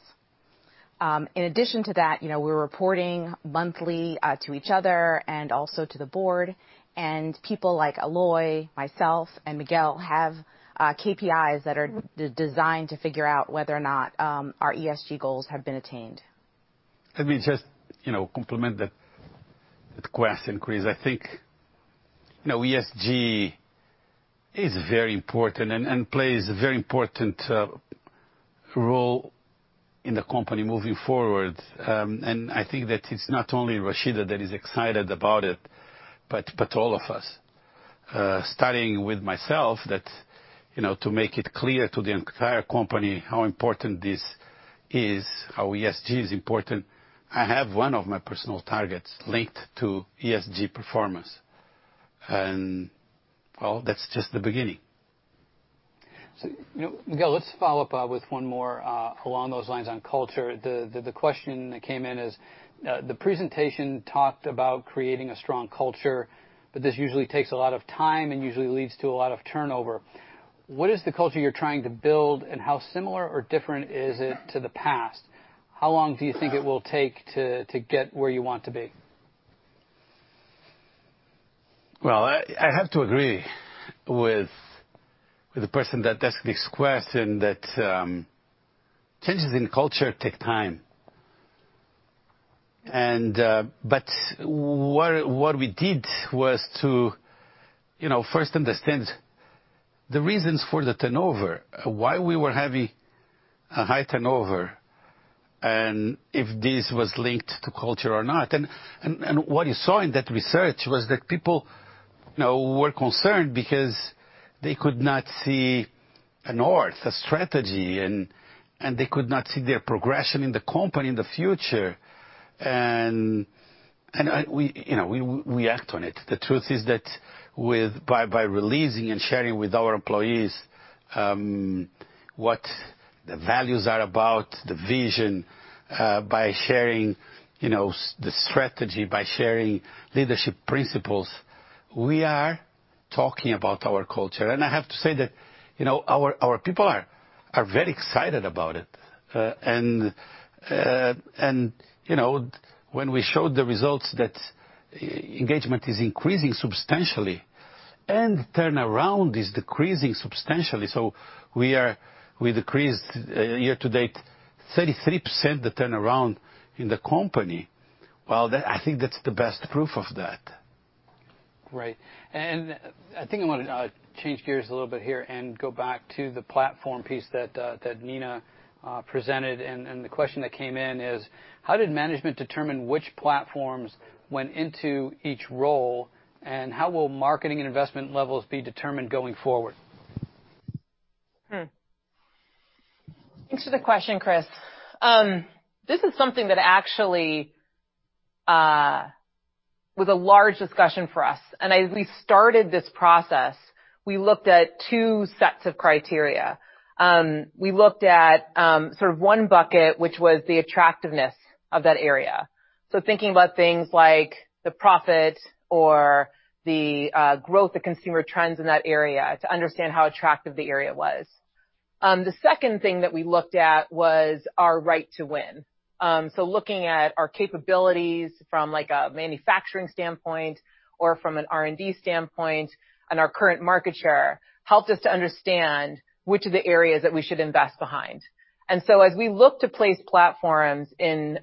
In addition to that, we're reporting monthly to each other and also to the board, and people like Eloi, myself, and Miguel have KPIs that are designed to figure out whether or not our ESG goals have been attained. Let me just complement that question, Chris. I think ESG is very important and plays a very important role in the company moving forward. I think that it's not only Rashida that is excited about it, but all of us. Starting with myself, that to make it clear to the entire company how important this is, how ESG is important, I have one of my personal targets linked to ESG performance. Well, that's just the beginning. Miguel, let's follow up with one more along those lines on culture. The question that came in is: the presentation talked about creating a strong culture, but this usually takes a lot of time and usually leads to a lot of turnover. What is the culture you're trying to build, and how similar or different is it to the past? How long do you think it will take to get where you want to be? I have to agree with the person that asked this question that changes in culture take time. What we did was to first understand the reasons for the turnover, why we were having a high turnover, and if this was linked to culture or not. What you saw in that research was that people were concerned because they could not see a north, a strategy, and they could not see their progression in the company in the future. We act on it. The truth is that by releasing and sharing with our employees what the values are about, the vision, by sharing the strategy, by sharing leadership principles, we are talking about our culture. I have to say that our people are very excited about it. When we showed the results, that engagement is increasing substantially and turnaround is decreasing substantially. We decreased, year to date, 33% the turnaround in the company. I think that's the best proof of that. Great. I think I want to change gears a little bit here and go back to the platform piece that Nina presented. The question that came in is: how did management determine which platforms went into each role, and how will marketing and investment levels be determined going forward? Thanks for the question, Chris. This is something that actually was a large discussion for us. As we started this process, we looked at two sets of criteria. We looked at sort of one bucket, which was the attractiveness of that area. Thinking about things like the profit or the growth of consumer trends in that area to understand how attractive the area was. The second thing that we looked at was our right to win. Looking at our capabilities from a manufacturing standpoint or from an R&D standpoint and our current market share helped us to understand which of the areas that we should invest behind. As we look to place platforms in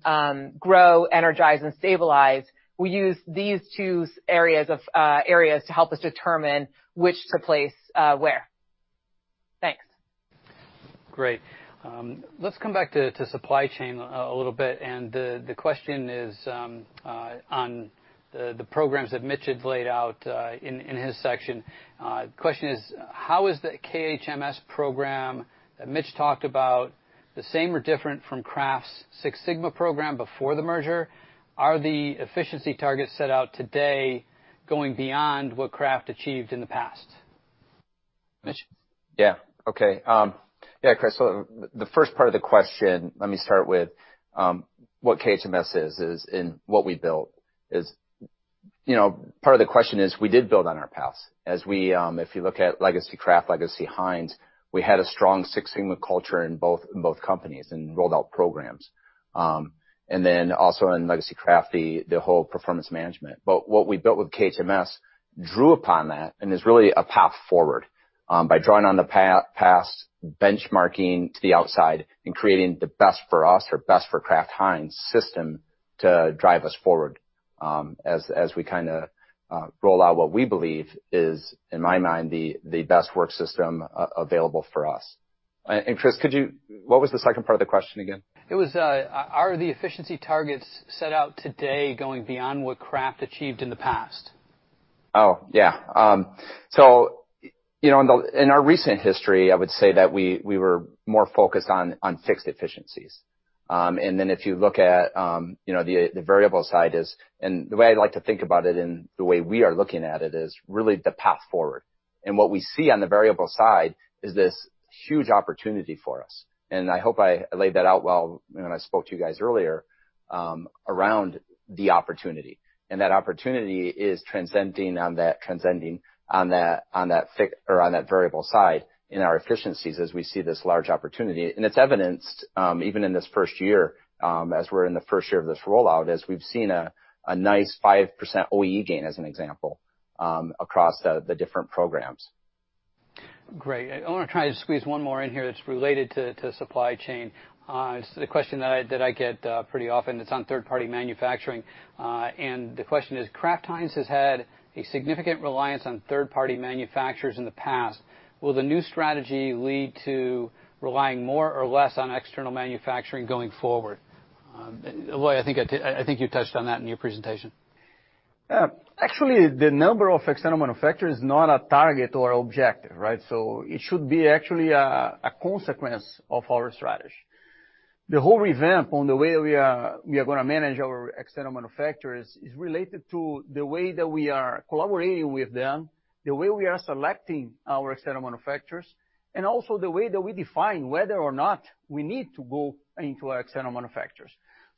grow, energize, and stabilize, we use these two areas to help us determine which to place where. Thanks. Great. Let's come back to supply chain a little bit, the question is on the programs that Mitch had laid out in his section. The question is: how is the KHMS program that Mitch talked about the same or different from Kraft's Six Sigma program before the merger? Are the efficiency targets set out today going beyond what Kraft achieved in the past? Mitch? Yeah, Chris, the first part of the question, let me start with what KHMS is, what we built. Part of the question is we did build on our past. If you look at legacy Kraft, legacy Heinz, we had a strong Six Sigma culture in both companies and rolled out programs, and also in legacy Kraft, the whole performance management. What we built with KHMS drew upon that and is really a path forward by drawing on the past, benchmarking to the outside, and creating the best for us or best for Kraft Heinz system to drive us forward as we kind of roll out what we believe is, in my mind, the best work system available for us. Chris, what was the second part of the question again? It was, are the efficiency targets set out today going beyond what Kraft achieved in the past? Oh, yeah. In our recent history, I would say that we were more focused on fixed efficiencies. If you look at the variable side, and the way I like to think about it and the way we are looking at it is really the path forward. What we see on the variable side is this huge opportunity for us. I hope I laid that out well when I spoke to you guys earlier around the opportunity. That opportunity is transcending on that variable side in our efficiencies as we see this large opportunity. It's evidenced even in this first year as we're in the first year of this rollout, as we've seen a nice 5% OEE gain, as an example, across the different programs. Great. I want to try to squeeze one more in here that's related to supply chain. It's a question that I get pretty often. It's on third-party manufacturing. The question is, Kraft Heinz has had a significant reliance on third-party manufacturers in the past. Will the new strategy lead to relying more or less on external manufacturing going forward? Eloi, I think you touched on that in your presentation. Actually, the number of external manufacturers is not a target or objective. It should be actually a consequence of our strategy. The whole revamp on the way we are going to manage our external manufacturers is related to the way that we are collaborating with them, the way we are selecting our external manufacturers, and also the way that we define whether or not we need to go into our external manufacturers.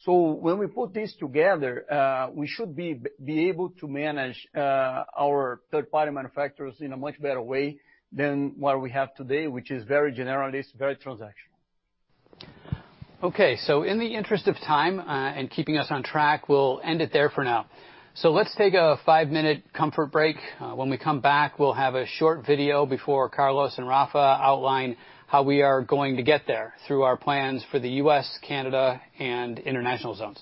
When we put this together, we should be able to manage our third-party manufacturers in a much better way than what we have today, which is very generalist, very transactional. Okay, in the interest of time and keeping us on track, we'll end it there for now. Let's take a five-minute comfort break. When we come back, we'll have a short video before Carlos and Rafa outline how we are going to get there through our plans for the U.S., Canada, and International Zones.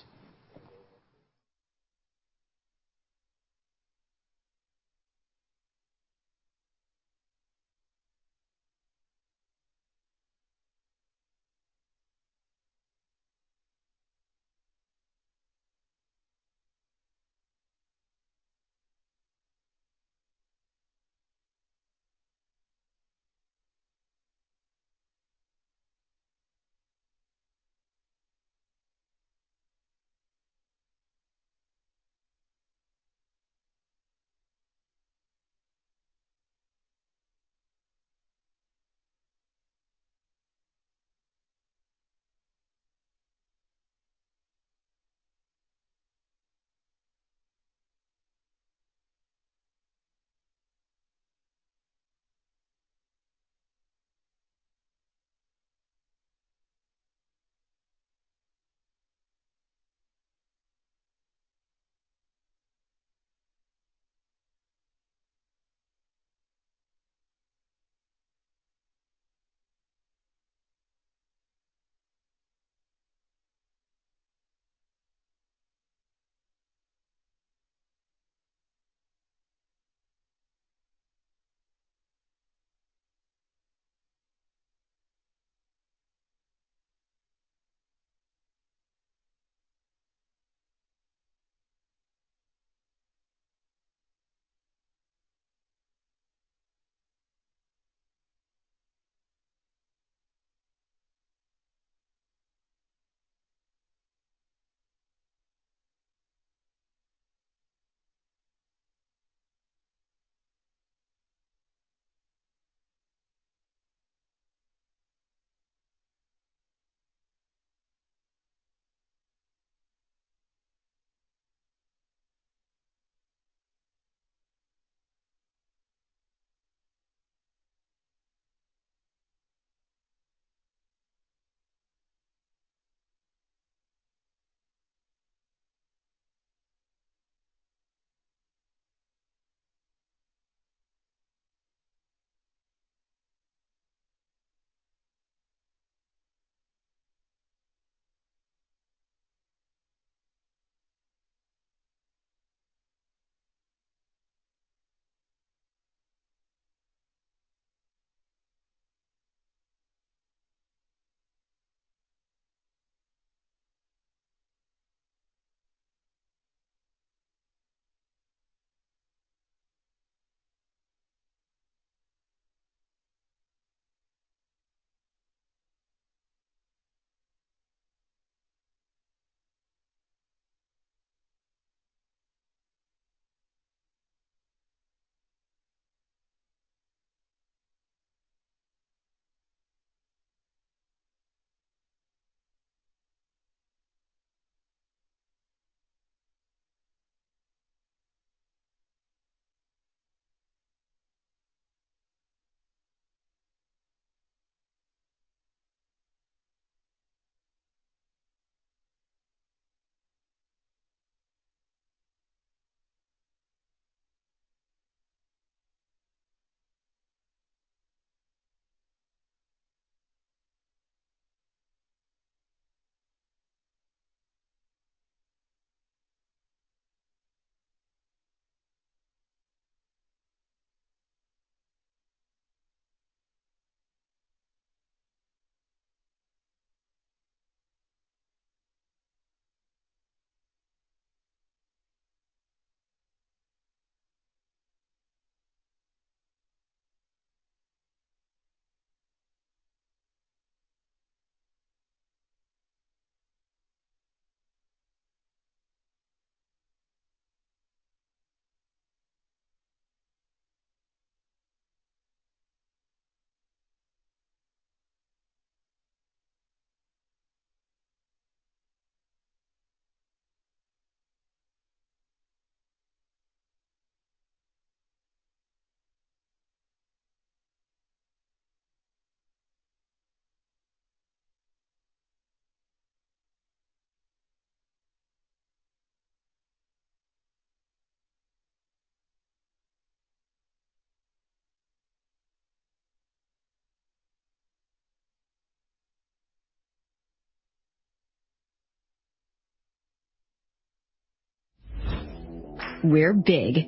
We're big.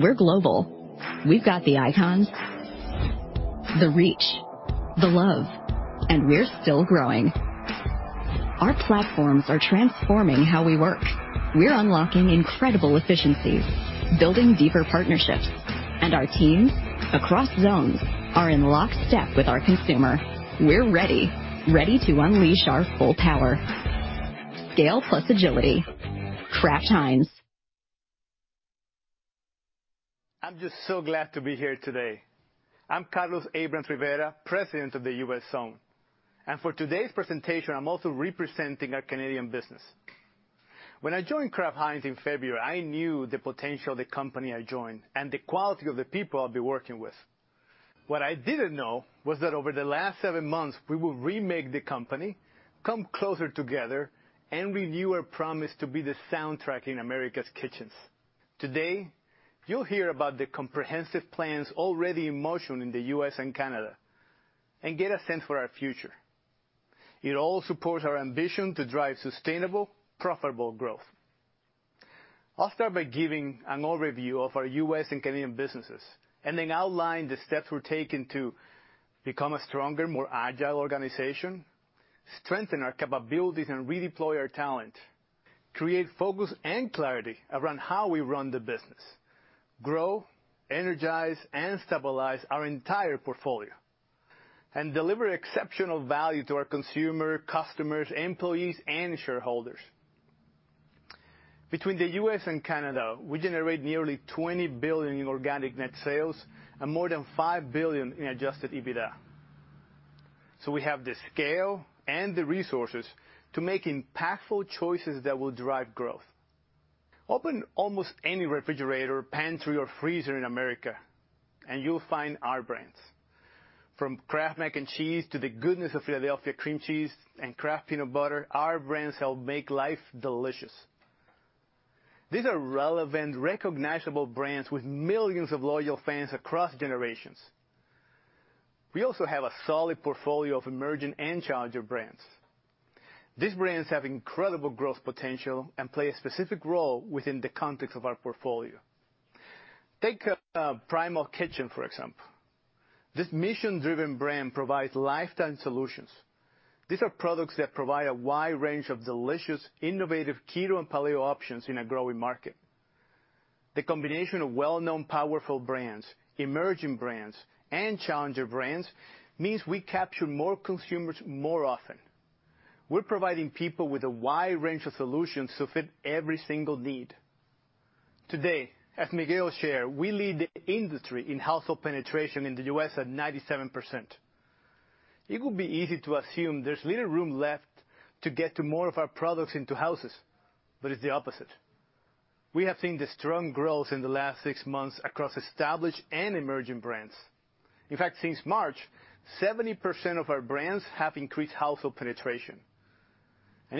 We're global. We've got the icons, the reach, the love, and we're still growing. Our platforms are transforming how we work. We're unlocking incredible efficiencies, building deeper partnerships, and our teams across zones are in lockstep with our consumer. We're ready to unleash our full power. Scale plus agility. Kraft Heinz. I'm just so glad to be here today. I'm Carlos Abrams-Rivera, President of the U.S. Zone, and for today's presentation, I'm also representing our Canadian business. When I joined Kraft Heinz in February, I knew the potential of the company I joined and the quality of the people I'll be working with. What I didn't know was that over the last seven months, we will remake the company, come closer together, and renew our promise to be the soundtrack in America's kitchens. Today, you'll hear about the comprehensive plans already in motion in the U.S. and Canada and get a sense for our future. It all supports our ambition to drive sustainable, profitable growth. I'll start by giving an overview of our U.S. and Canadian businesses, then outline the steps we're taking to become a stronger, more agile organization, strengthen our capabilities and redeploy our talent, create focus and clarity around how we run the business, grow, energize, and stabilize our entire portfolio, and deliver exceptional value to our consumer, customers, employees, and shareholders. Between the U.S. and Canada, we generate nearly $20 billion in organic net sales and more than $5 billion in Adjusted EBITDA. We have the scale and the resources to make impactful choices that will drive growth. Open almost any refrigerator, pantry, or freezer in America, and you'll find our brands. From Kraft Mac & Cheese to the goodness of Philadelphia Cream Cheese and Kraft Peanut Butter, our brands help make life delicious. These are relevant, recognizable brands with millions of loyal fans across generations. We also have a solid portfolio of emerging and challenger brands. These brands have incredible growth potential and play a specific role within the context of our portfolio. Take Primal Kitchen, for example. This mission-driven brand provides lifetime solutions. These are products that provide a wide range of delicious, innovative keto and paleo options in a growing market. The combination of well-known, powerful brands, emerging brands, and challenger brands means we capture more consumers more often. We're providing people with a wide range of solutions to fit every single need. Today, as Miguel shared, we lead the industry in household penetration in the U.S. at 97%. It would be easy to assume there's little room left to get to more of our products into houses, but it's the opposite. We have seen the strong growth in the last six months across established and emerging brands. In fact, since March, 70% of our brands have increased household penetration.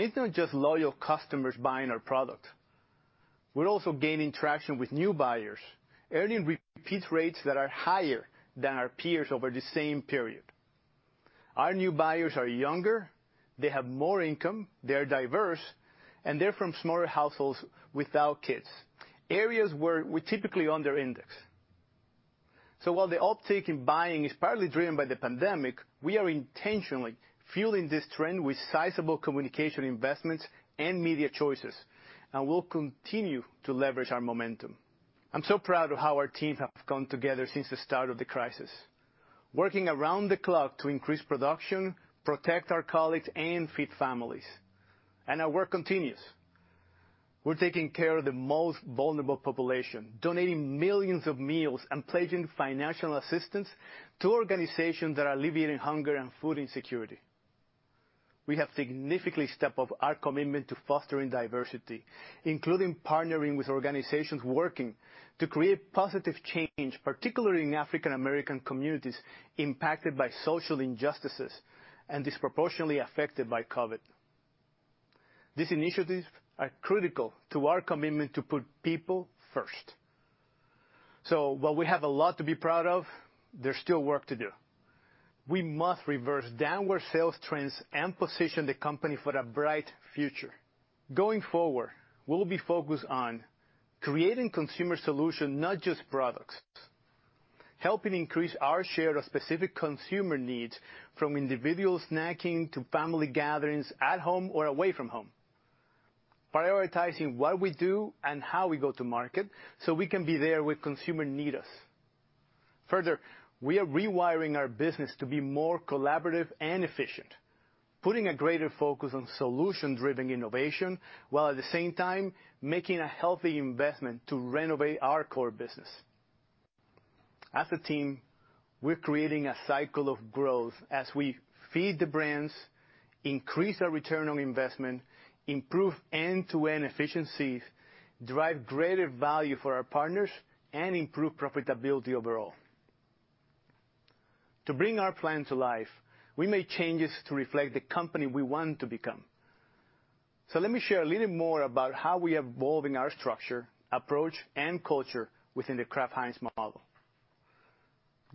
It's not just loyal customers buying our product. We're also gaining traction with new buyers, earning repeat rates that are higher than our peers over the same period. Our new buyers are younger, they have more income, they are diverse, and they're from smaller households without kids, areas where we're typically under index. While the uptake in buying is partly driven by the pandemic, we are intentionally fueling this trend with sizable communication investments and media choices, and we'll continue to leverage our momentum. I'm so proud of how our teams have come together since the start of the crisis, working around the clock to increase production, protect our colleagues, and feed families. Our work continues. We're taking care of the most vulnerable population, donating millions of meals and pledging financial assistance to organizations that are alleviating hunger and food insecurity. We have significantly stepped up our commitment to fostering diversity, including partnering with organizations working to create positive change, particularly in African American communities impacted by social injustices and disproportionately affected by COVID. These initiatives are critical to our commitment to put people first. While we have a lot to be proud of, there's still work to do. We must reverse downward sales trends and position the company for a bright future. Going forward, we'll be focused on creating consumer solutions, not just products. Helping increase our share of specific consumer needs, from individual snacking to family gatherings at home or away from home. Prioritizing what we do and how we go to market so we can be there when consumers need us. We are rewiring our business to be more collaborative and efficient, putting a greater focus on solution-driven innovation, while at the same time, making a healthy investment to renovate our core business. As a team, we're creating a cycle of growth as we feed the brands, increase our return on investment, improve end-to-end efficiencies, drive greater value for our partners, and improve profitability overall. To bring our plan to life, we made changes to reflect the company we want to become. Let me share a little more about how we are evolving our structure, approach, and culture within the Kraft Heinz model.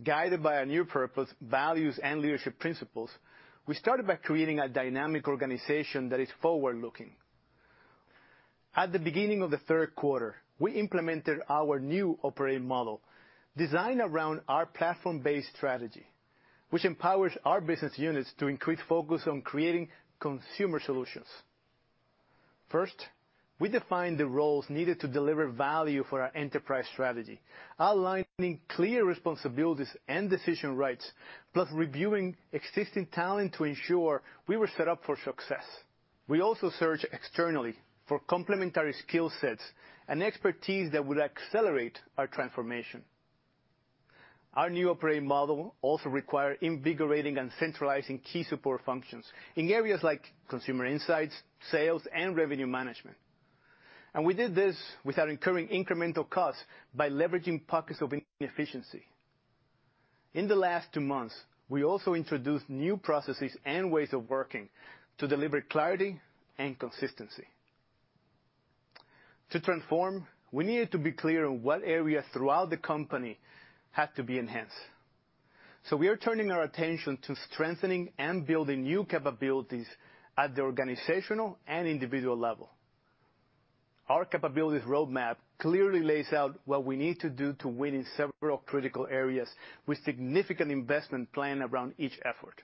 Guided by our new purpose, values, and leadership principles, we started by creating a dynamic organization that is forward-looking. At the beginning of the third quarter, we implemented our new operating model designed around our platform-based strategy, which empowers our business units to increase focus on creating consumer solutions. First, we defined the roles needed to deliver value for our enterprise strategy, outlining clear responsibilities and decision rights, plus reviewing existing talent to ensure we were set up for success. We also searched externally for complementary skill sets and expertise that would accelerate our transformation. Our new operating model also required invigorating and centralizing key support functions in areas like consumer insights, sales, and revenue management. We did this without incurring incremental costs by leveraging pockets of inefficiency. In the last two months, we also introduced new processes and ways of working to deliver clarity and consistency. To transform, we needed to be clear on what areas throughout the company had to be enhanced. We are turning our attention to strengthening and building new capabilities at the organizational and individual level. Our capabilities roadmap clearly lays out what we need to do to win in several critical areas, with significant investment plan around each effort.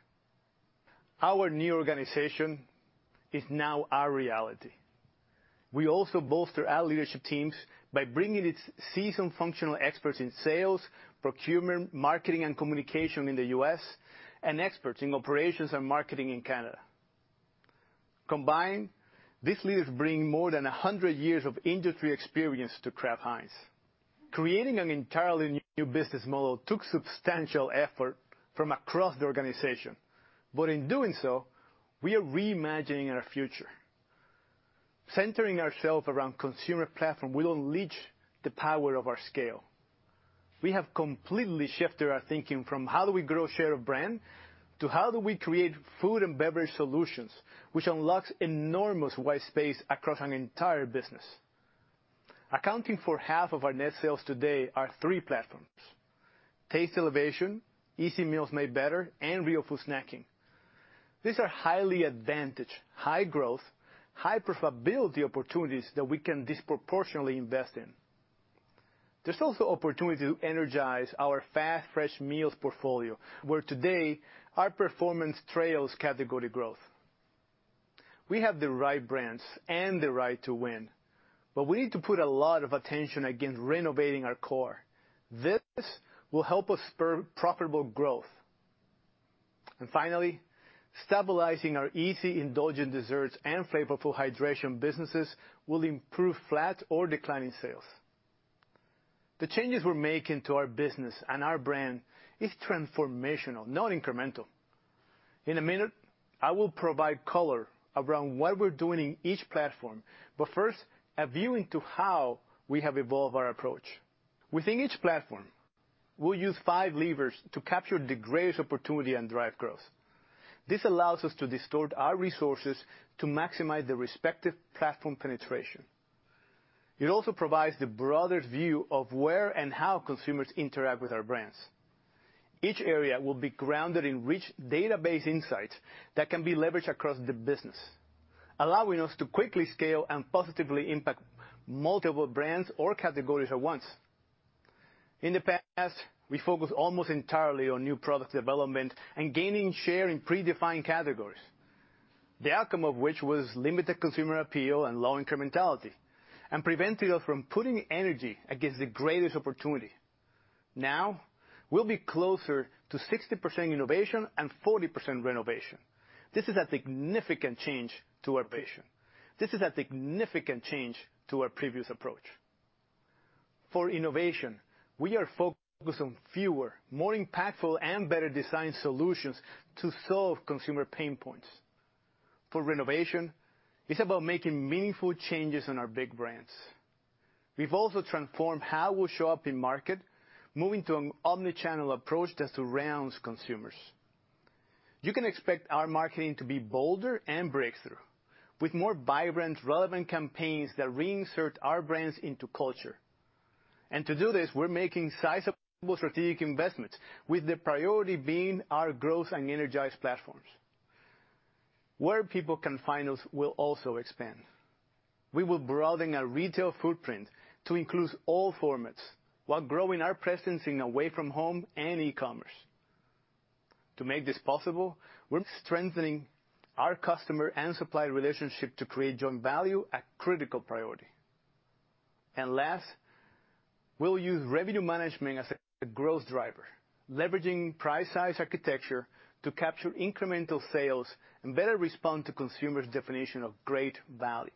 Our new organization is now our reality. We also bolster our leadership teams by bringing in seasoned functional experts in sales, procurement, marketing and communication in the U.S., and experts in operations and marketing in Canada. Combined, these leaders bring more than 100 years of industry experience to Kraft Heinz. Creating an entirely new business model took substantial effort from across the organization. In doing so, we are reimagining our future. Centering ourselves around consumer platform will unleash the power of our scale. We have completely shifted our thinking from how do we grow share of brand, to how do we create food and beverage solutions, which unlocks enormous white space across an entire business. Accounting for half of our net sales today are three platforms: Taste Elevation, Easy Meals Made Better, and Real Food Snacking. These are highly advantaged, high growth, high profitability opportunities that we can disproportionately invest in. There's also opportunity to energize our Fast Fresh Meals portfolio, where today, our performance trails category growth. We have the right brands and the right to win, but we need to put a lot of attention against renovating our core. This will help us spur profitable growth. Finally, stabilizing our easy, indulgent desserts and Flavorful Hydration businesses will improve flat or declining sales. The changes we're making to our business and our brand is transformational, not incremental. In a minute, I will provide color around what we're doing in each platform, first, a view into how we have evolved our approach. Within each platform, we'll use five levers to capture the greatest opportunity and drive growth. This allows us to distort our resources to maximize the respective platform penetration. It also provides the broadest view of where and how consumers interact with our brands. Each area will be grounded in rich database insights that can be leveraged across the business, allowing us to quickly scale and positively impact multiple brands or categories at once. In the past, we focused almost entirely on new product development and gaining share in predefined categories. The outcome of which was limited consumer appeal and low incrementality, prevented us from putting energy against the greatest opportunity. Now, we'll be closer to 60% innovation and 40% renovation. This is a significant change to our previous approach. For innovation, we are focused on fewer, more impactful, and better designed solutions to solve consumer pain points. For renovation, it's about making meaningful changes in our big brands. We've also transformed how we'll show up in market, moving to an omni-channel approach that surrounds consumers. You can expect our marketing to be bolder and breakthrough, with more vibrant, relevant campaigns that reinsert our brands into culture. To do this, we're making sizable strategic investments, with the priority being our growth and energized platforms. Where people can find us will also expand. We will broaden our retail footprint to include all formats while growing our presence in away from home and e-commerce. To make this possible, we're strengthening our customer and supplier relationship to create joint value, a critical priority. Last, we'll use revenue management as a growth driver, leveraging price size architecture to capture incremental sales and better respond to consumers' definition of great value.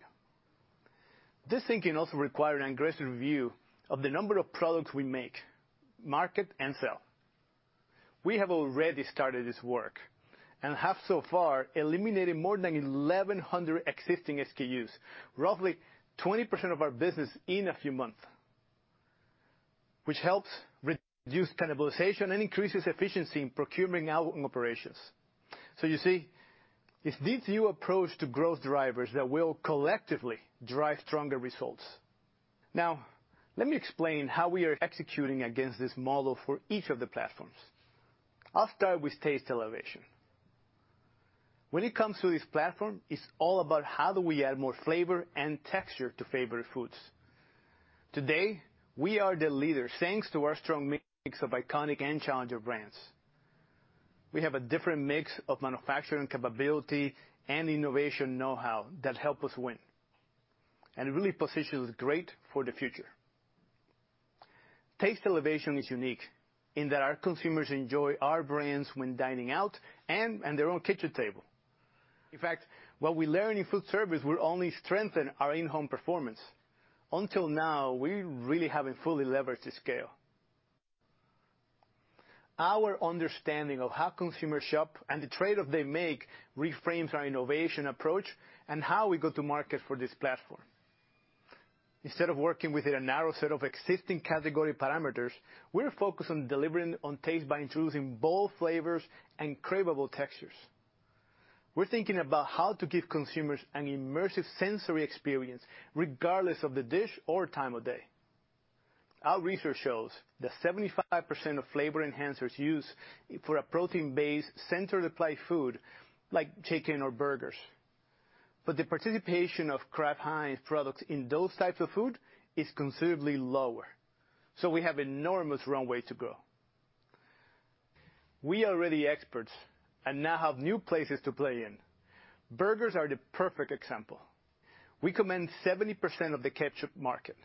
This thinking also requires an aggressive review of the number of products we make, market, and sell. We have already started this work and have so far eliminated more than 1,100 existing SKUs, roughly 20% of our business in a few months, which helps reduce cannibalization and increases efficiency in procurement operations. You see, it's this new approach to growth drivers that will collectively drive stronger results. Let me explain how we are executing against this model for each of the platforms. I'll start with Taste Elevation. When it comes to this platform, it's all about how do we add more flavor and texture to favorite foods. Today, we are the leader thanks to our strong mix of iconic and challenger brands. We have a different mix of manufacturing capability and innovation know-how that help us win and really positions great for the future. Taste Elevation is unique in that our consumers enjoy our brands when dining out and at their own kitchen table. In fact, what we learn in food service will only strengthen our in-home performance. Until now, we really haven't fully leveraged this scale. Our understanding of how consumers shop and the trade-off they make reframes our innovation approach and how we go to market for this platform. Instead of working within a narrow set of existing category parameters, we're focused on delivering on taste by introducing bold flavors and craveable textures. We're thinking about how to give consumers an immersive sensory experience regardless of the dish or time of day. Our research shows that 75% of flavor enhancers used for a protein-based center-of-plate food like chicken or burgers. The participation of Kraft Heinz products in those types of food is considerably lower. We have enormous runway to go. We are already experts and now have new places to play in. Burgers are the perfect example. We command 70% of the ketchup market,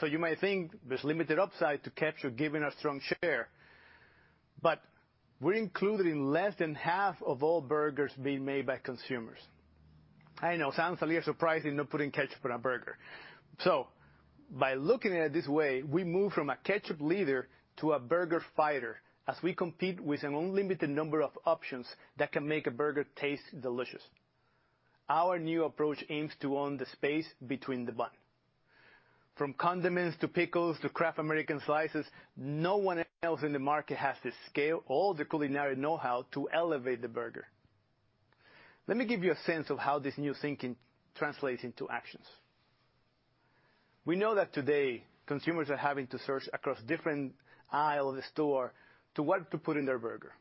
so you might think there's limited upside to ketchup given our strong share. We're included in less than half of all burgers being made by consumers. I know, sounds a little surprising, not putting ketchup on a burger. By looking at it this way, we move from a ketchup leader to a burger fighter as we compete with an unlimited number of options that can make a burger taste delicious. Our new approach aims to own the space between the bun. From condiments, to pickles, to Kraft American slices, no one else in the market has the scale or the culinary know-how to elevate the burger. Let me give you a sense of how this new thinking translates into actions. We know that today, consumers are having to search across different aisle of the store to what to put in their burger.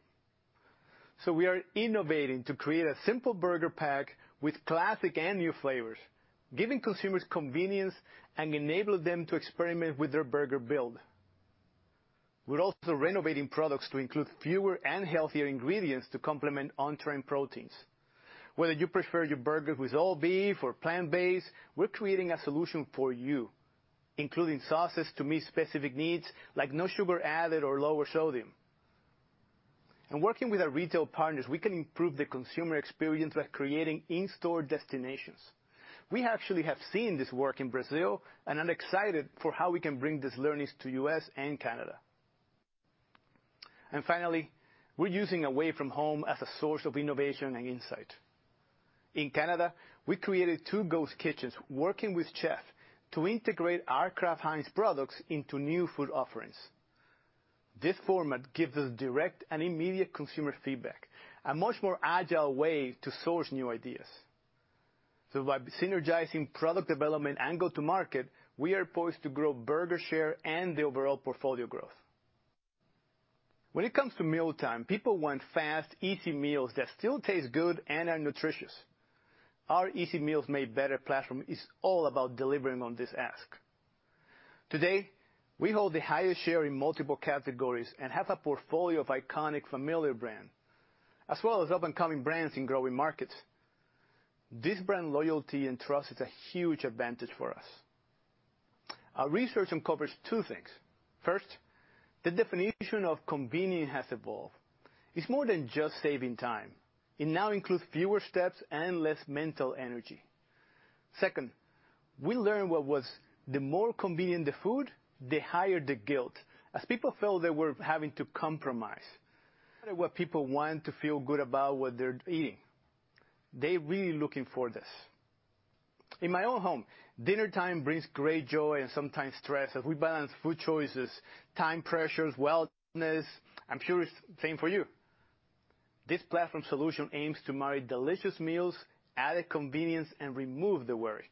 We are innovating to create a simple burger pack with classic and new flavors, giving consumers convenience and enabling them to experiment with their burger build. We're also renovating products to include fewer and healthier ingredients to complement on-trend proteins. Whether you prefer your burger with all beef or plant-based, we're creating a solution for you, including sauces to meet specific needs, like no sugar added or lower sodium. Working with our retail partners, we can improve the consumer experience by creating in-store destinations. We actually have seen this work in Brazil, and I'm excited for how we can bring these learnings to U.S. and Canada. Finally, we're using away from home as a source of innovation and insight. In Canada, we created two ghost kitchens working with chef to integrate our Kraft Heinz products into new food offerings. This format gives us direct and immediate consumer feedback, a much more agile way to source new ideas. By synergizing product development and go to market, we are poised to grow burger share and the overall portfolio growth. When it comes to mealtime, people want fast, easy meals that still taste good and are nutritious. Our Easy Meals Made Better platform is all about delivering on this ask. Today, we hold the highest share in multiple categories and have a portfolio of iconic familiar brand, as well as up-and-coming brands in growing markets. This brand loyalty and trust is a huge advantage for us. Our research uncovers two things. First, the definition of convenient has evolved. It's more than just saving time. It now includes fewer steps and less mental energy. Second, we learned what was the more convenient the food, the higher the guilt, as people felt they were having to compromise. What people want to feel good about what they're eating. They're really looking for this. In my own home, dinner time brings great joy and sometimes stress as we balance food choices, time pressures, wellness. I'm sure it's same for you. This platform solution aims to marry delicious meals, added convenience, and remove the worry.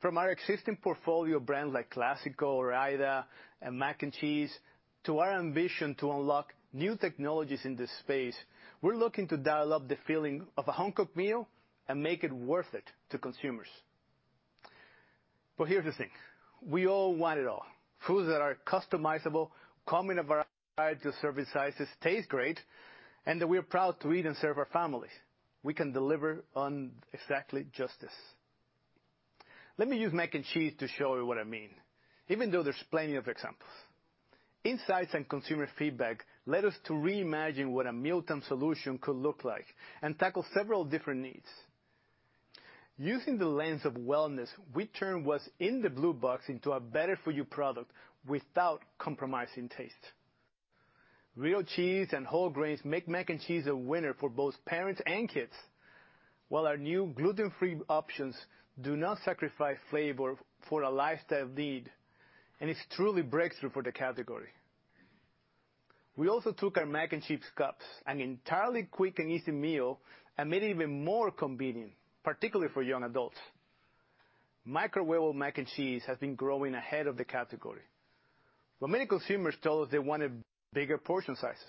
From our existing portfolio brands like Classico, Ore-Ida, and Mac & Cheese, to our ambition to unlock new technologies in this space, we're looking to dial up the feeling of a home-cooked meal and make it worth it to consumers. Here's the thing. We all want it all. Foods that are customizable, come in a variety of serving sizes, taste great, and that we're proud to eat and serve our families. We can deliver on exactly just this. Let me use Mac & Cheese to show you what I mean, even though there's plenty of examples. Insights and consumer feedback led us to reimagine what a mealtime solution could look like and tackle several different needs. Using the lens of wellness, we turned what's in the blue box into a better-for-you product without compromising taste. Real cheese and whole grains make Mac & Cheese a winner for both parents and kids, while our new gluten-free options do not sacrifice flavor for a lifestyle need, and it's truly breakthrough for the category. We also took our Mac & Cheese Cups, an entirely quick and easy meal, and made it even more convenient, particularly for young adults. Microwaveable Mac & Cheese has been growing ahead of the category. Many consumers tell us they wanted bigger portion sizes,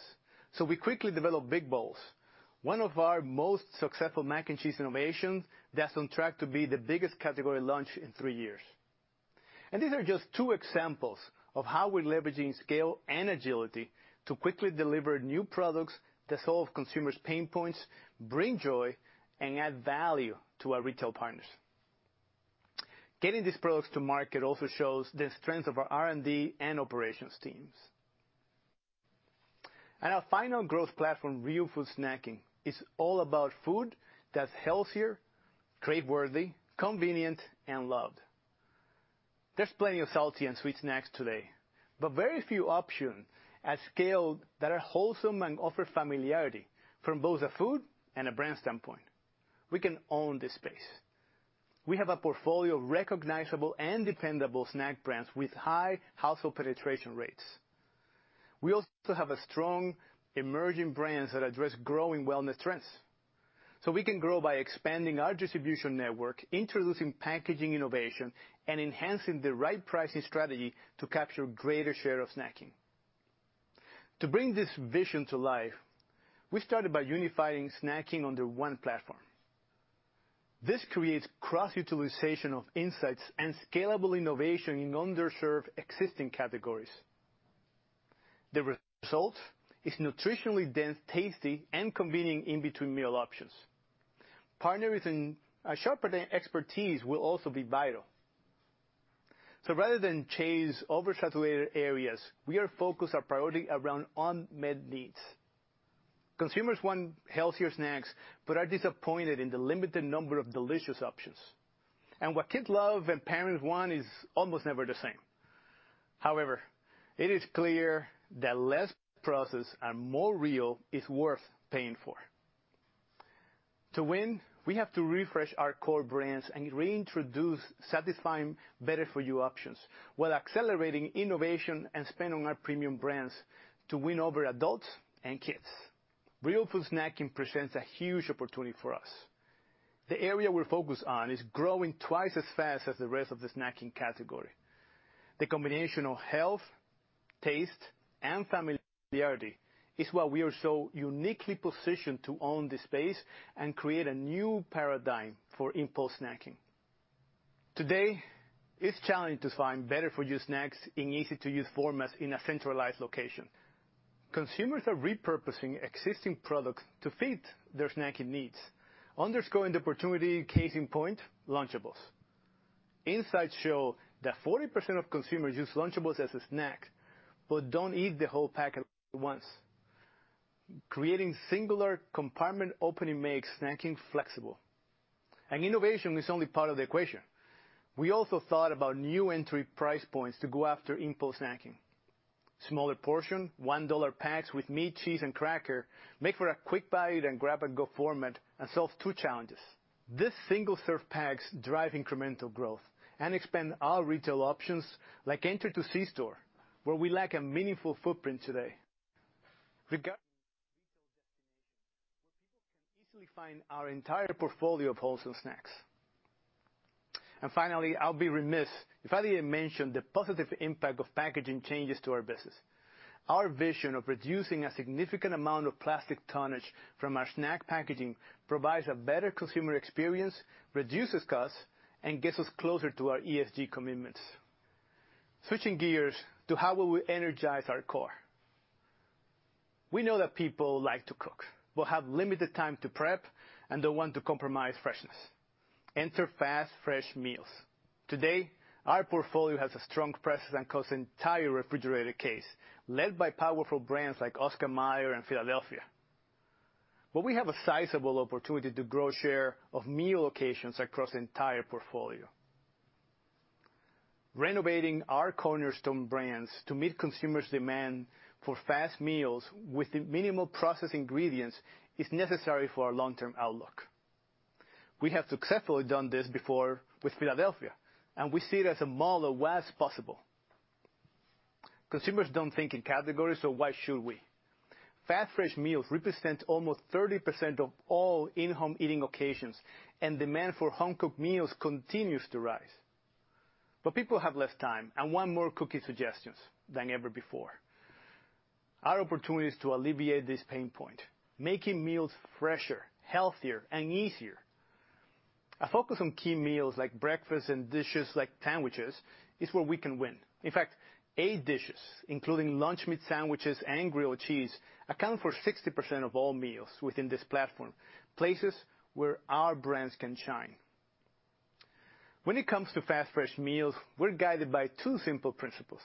so we quickly developed Big Bowls, one of our most successful Mac & Cheese innovations that's on track to be the biggest category launch in three years. These are just two examples of how we're leveraging scale and agility to quickly deliver new products that solve consumers' pain points, bring joy, and add value to our retail partners. Getting these products to market also shows the strength of our R&D and operations teams. Our final growth platform, Real Food Snacking, is all about food that's healthier, crave-worthy, convenient, and loved. There's plenty of salty and sweet snacks today, but very few options at scale that are wholesome and offer familiarity from both a food and a brand standpoint. We can own this space. We have a portfolio of recognizable and dependable snack brands with high household penetration rates. We also have strong emerging brands that address growing wellness trends. We can grow by expanding our distribution network, introducing packaging innovation, and enhancing the right pricing strategy to capture greater share of snacking. To bring this vision to life, we started by unifying snacking under one platform. This creates cross-utilization of insights and scalable innovation in underserved existing categories. The result is nutritionally dense, tasty, and convenient in-between meal options. Partnering with our shopper expertise will also be vital. Rather than chase oversaturated areas, we are focused our priority around unmet needs. Consumers want healthier snacks but are disappointed in the limited number of delicious options. What kids love and parents want is almost never the same. However, it is clear that less processed and more real is worth paying for. To win, we have to refresh our core brands and reintroduce satisfying better-for-you options while accelerating innovation and spend on our premium brands to win over adults and kids. Real Food Snacking presents a huge opportunity for us. The area we're focused on is growing twice as fast as the rest of the snacking category. The combination of health, taste, and familiarity is why we are so uniquely positioned to own this space and create a new paradigm for impulse snacking. Today, it's challenging to find better-for-you snacks in easy-to-use formats in a centralized location. Consumers are repurposing existing products to fit their snacking needs, underscoring the opportunity. Case in point, Lunchables. Insights show that 40% of consumers use Lunchables as a snack but don't eat the whole packet at once. Creating singular compartment opening makes snacking flexible. Innovation is only part of the equation. We also thought about new entry price points to go after impulse snacking. Smaller portion, $1 packs with meat, cheese, and cracker make for a quick buy and grab-and-go format and solves two challenges. These single-serve packs drive incremental growth and expand our retail options, like enter to c-store, where we lack a meaningful footprint today. Regarding retail destinations where people can easily find our entire portfolio of wholesome snacks. Finally, I'll be remiss if I didn't mention the positive impact of packaging changes to our business. Our vision of reducing a significant amount of plastic tonnage from our snack packaging provides a better consumer experience, reduces costs, and gets us closer to our ESG commitments. Switching gears to how will we energize our core. We know that people like to cook but have limited time to prep and don't want to compromise freshness. Enter Fast Fresh Meals. Today, our portfolio has a strong presence across the entire refrigerated case, led by powerful brands like Oscar Mayer and Philadelphia. We have a sizable opportunity to grow share of meal occasions across the entire portfolio. Renovating our cornerstone brands to meet consumers' demand for fast meals with minimal processed ingredients is necessary for our long-term outlook. We have successfully done this before with Philadelphia, and we see it as a model of what's possible. Consumers don't think in categories, why should we? Fast, fresh meals represent almost 30% of all in-home eating occasions, demand for home-cooked meals continues to rise. People have less time and want more cooking suggestions than ever before. Our opportunity is to alleviate this pain point, making meals fresher, healthier, and easier. A focus on key meals like breakfast and dishes like sandwiches is where we can win. In fact, eight dishes, including lunch meat sandwiches and grilled cheese, account for 60% of all meals within this platform, places where our brands can shine. When it comes to Fast Fresh Meals, we're guided by two simple principles.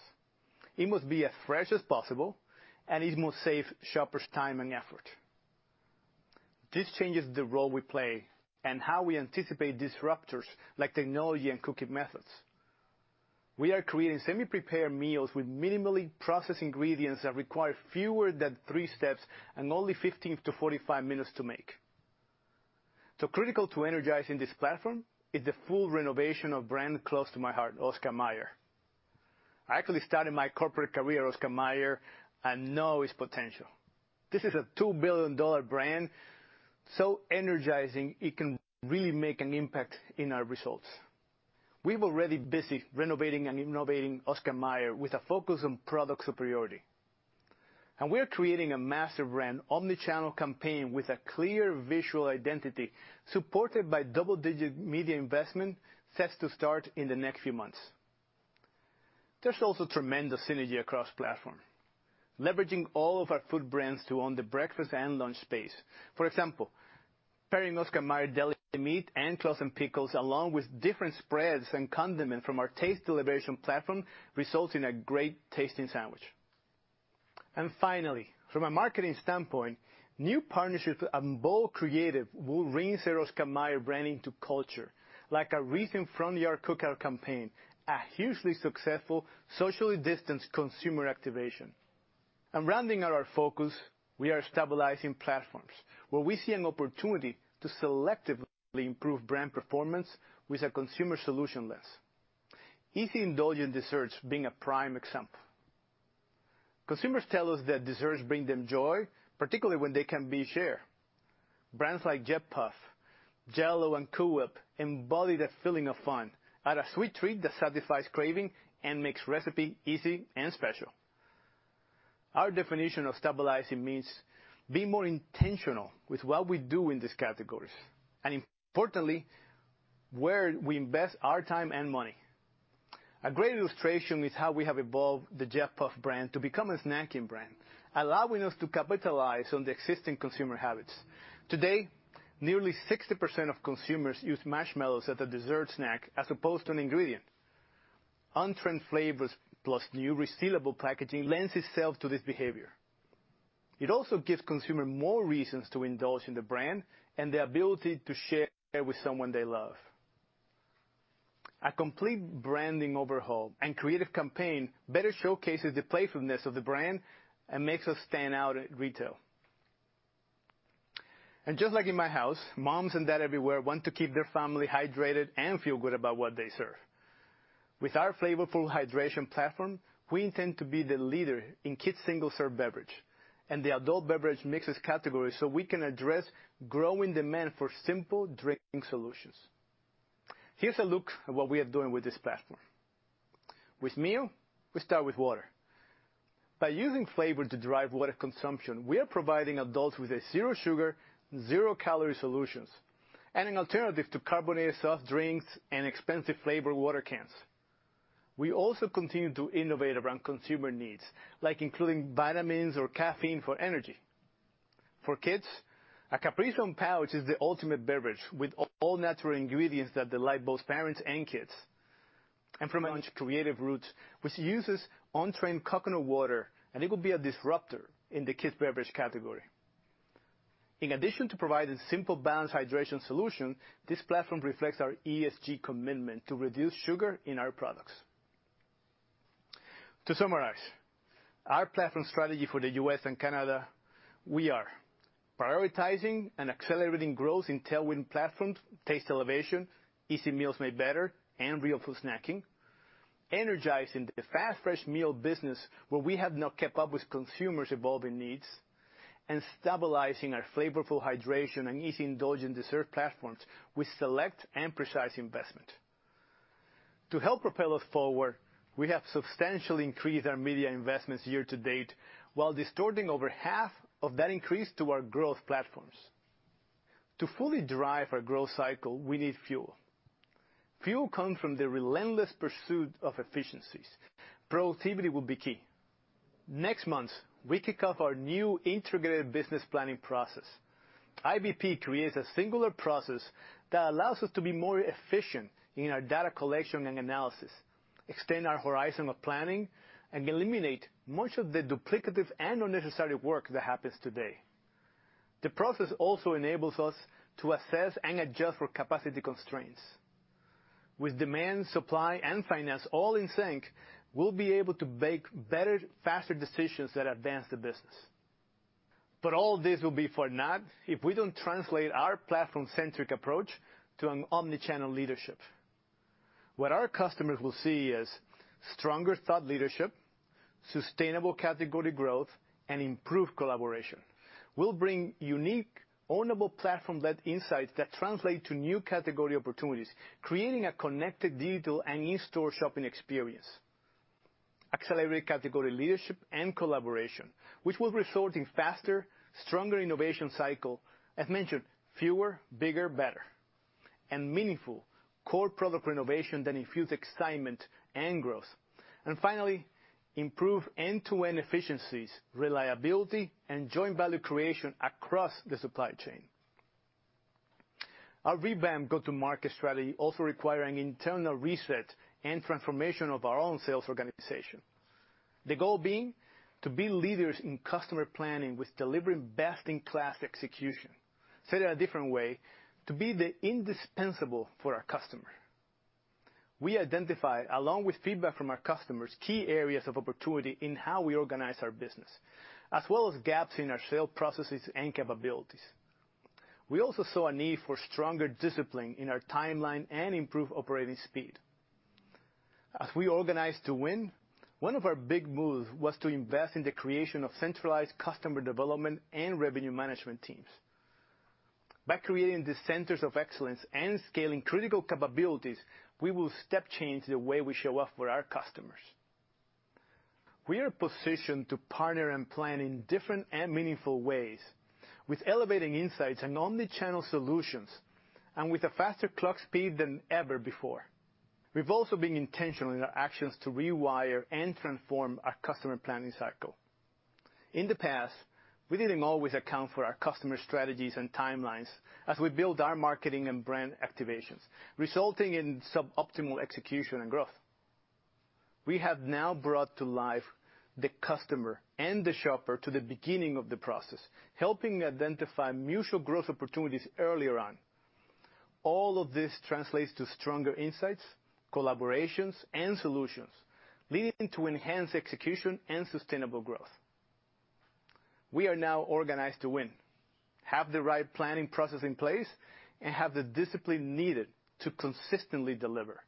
It must be as fresh as possible, and it must save shoppers time and effort. This changes the role we play and how we anticipate disruptors like technology and cooking methods. We are creating semi-prepared meals with minimally processed ingredients that require fewer than three steps and only 15-45 minutes to make. Critical to energizing this platform is the full renovation of brand close to my heart, Oscar Mayer. I actually started my corporate career at Oscar Mayer and know its potential. This is a $2 billion brand, so energizing it can really make an impact in our results. We're already busy renovating and innovating Oscar Mayer with a focus on product superiority. We are creating a massive brand omni-channel campaign with a clear visual identity, supported by double-digit media investment set to start in the next few months. There's also tremendous synergy across platform, leveraging all of our food brands to own the breakfast and lunch space. For example, pairing Oscar Mayer deli meat and Claussen pickles, along with different spreads and condiments from our Taste Elevation platform, results in a great-tasting sandwich. Finally, from a marketing standpoint, new partnerships and bold creative will bring the Oscar Mayer brand into culture, like our recent Front Yard Cookout campaign, a hugely successful socially distanced consumer activation. Rounding out our focus, we are stabilizing platforms where we see an opportunity to selectively improve brand performance with a consumer solution lens, easy, indulgent desserts being a prime example. Consumers tell us that desserts bring them joy, particularly when they can be shared. Brands like Jet-Puffed, JELL-O, and Cool Whip embody the feeling of fun, are a sweet treat that satisfies craving, and makes recipe easy and special. Our definition of stabilizing means being more intentional with what we do in these categories, and importantly, where we invest our time and money. A great illustration is how we have evolved the Jet-Puffed brand to become a snacking brand, allowing us to capitalize on the existing consumer habits. Today, nearly 60% of consumers use marshmallows as a dessert snack as opposed to an ingredient. On-trend flavors plus new resealable packaging lends itself to this behavior. It also gives consumer more reasons to indulge in the brand and the ability to share with someone they love. A complete branding overhaul and creative campaign better showcases the playfulness of the brand and makes us stand out at retail. Just like in my house, moms and dads everywhere want to keep their family hydrated and feel good about what they serve. With our Flavorful Hydration platform, we intend to be the leader in kids' single-serve beverage and the adult beverage mixes category so we can address growing demand for simple drinking solutions. Here's a look at what we are doing with this platform. With MiO, we start with water. By using flavor to drive water consumption, we are providing adults with a zero sugar, zero-calorie solutions and an alternative to carbonated soft drinks and expensive flavored water cans. We also continue to innovate around consumer needs, like including vitamins or caffeine for energy. For kids, a Capri-Sun pouch is the ultimate beverage with all-natural ingredients that delight both parents and kids. From Creative Roots, which uses on-trend coconut water, and it will be a disruptor in the kids' beverage category. In addition to providing simple, balanced hydration solution, this platform reflects our ESG commitment to reduce sugar in our products. To summarize, our platform strategy for the U.S. and Canada, we are prioritizing and accelerating growth in tailwind platforms, Taste Elevation, Easy Meals Made Better, and Real Food Snacking, energizing the Fast Fresh Meal business where we have not kept up with consumers' evolving needs, and stabilizing our Flavorful Hydration and easy, indulgent dessert platforms with select and precise investment. To help propel us forward, we have substantially increased our media investments year-to-date while distorting over half of that increase to our growth platforms. To fully drive our growth cycle, we need fuel. Fuel comes from the relentless pursuit of efficiencies. Productivity will be key. Next month, we kick off our new Integrated Business Planning process. IBP creates a singular process that allows us to be more efficient in our data collection and analysis, extend our horizon of planning, and eliminate much of the duplicative and unnecessary work that happens today. The process also enables us to assess and adjust for capacity constraints. With demand, supply, and finance all in sync, we'll be able to make better, faster decisions that advance the business. All this will be for naught if we don't translate our platform-centric approach to an omni-channel leadership. What our customers will see is stronger thought leadership, sustainable category growth, and improved collaboration. We'll bring unique, ownable platform-led insights that translate to new category opportunities, creating a connected digital and in-store shopping experience, accelerated category leadership and collaboration, which will result in faster, stronger innovation cycle. As mentioned, fewer, bigger, better, and meaningful core product renovation that infuses excitement and growth. Finally, improve end-to-end efficiencies, reliability, and joint value creation across the supply chain. Our revamped go-to-market strategy also requires an internal reset and transformation of our own sales organization. The goal being to be leaders in customer planning with delivering best-in-class execution. Said a different way, to be the indispensable for our customer. We identify, along with feedback from our customers, key areas of opportunity in how we organize our business, as well as gaps in our sales processes and capabilities. We also saw a need for stronger discipline in our timeline and improved operating speed. As we organize to win, one of our big moves was to invest in the creation of centralized customer development and revenue management teams. By creating these centers of excellence and scaling critical capabilities, we will step change the way we show up for our customers. We are positioned to partner and plan in different and meaningful ways with elevating insights and omni-channel solutions and with a faster clock speed than ever before. We've also been intentional in our actions to rewire and transform our customer planning cycle. In the past, we didn't always account for our customer strategies and timelines as we built our marketing and brand activations, resulting in sub-optimal execution and growth. We have now brought to life the customer and the shopper to the beginning of the process, helping identify mutual growth opportunities earlier on. All of this translates to stronger insights, collaborations, and solutions, leading to enhanced execution and sustainable growth. We are now organized to win, have the right planning process in place, and have the discipline needed to consistently deliver.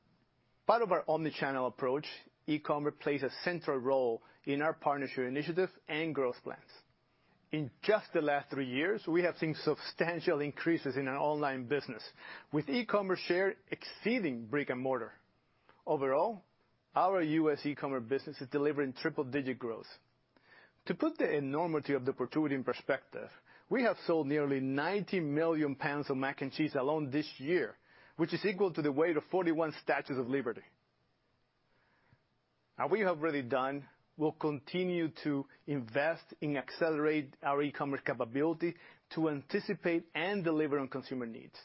Part of our omni-channel approach, e-commerce plays a central role in our partnership initiative and growth plans. In just the last three years, we have seen substantial increases in our online business, with e-commerce share exceeding brick and mortar. Overall, our U.S. e-commerce business is delivering triple-digit growth. To put the enormity of the opportunity in perspective, we have sold nearly 90 million pounds of mac and cheese alone this year, which is equal to the weight of 41 Statues of Liberty. We'll continue to invest in accelerating our e-commerce capability to anticipate and deliver on consumer needs.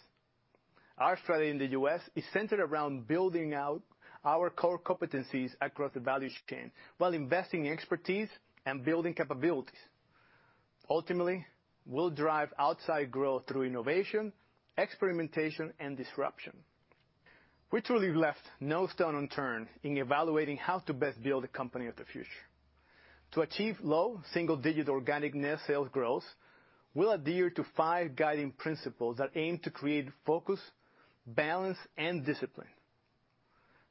Our strategy in the U.S. is centered around building out our core competencies across the value chain while investing in expertise and building capabilities. Ultimately, we'll drive outside growth through innovation, experimentation, and disruption. We truly left no stone unturned in evaluating how to best build a company of the future. To achieve low, single-digit organic net sales growth, we'll adhere to five guiding principles that aim to create focus, balance, and discipline.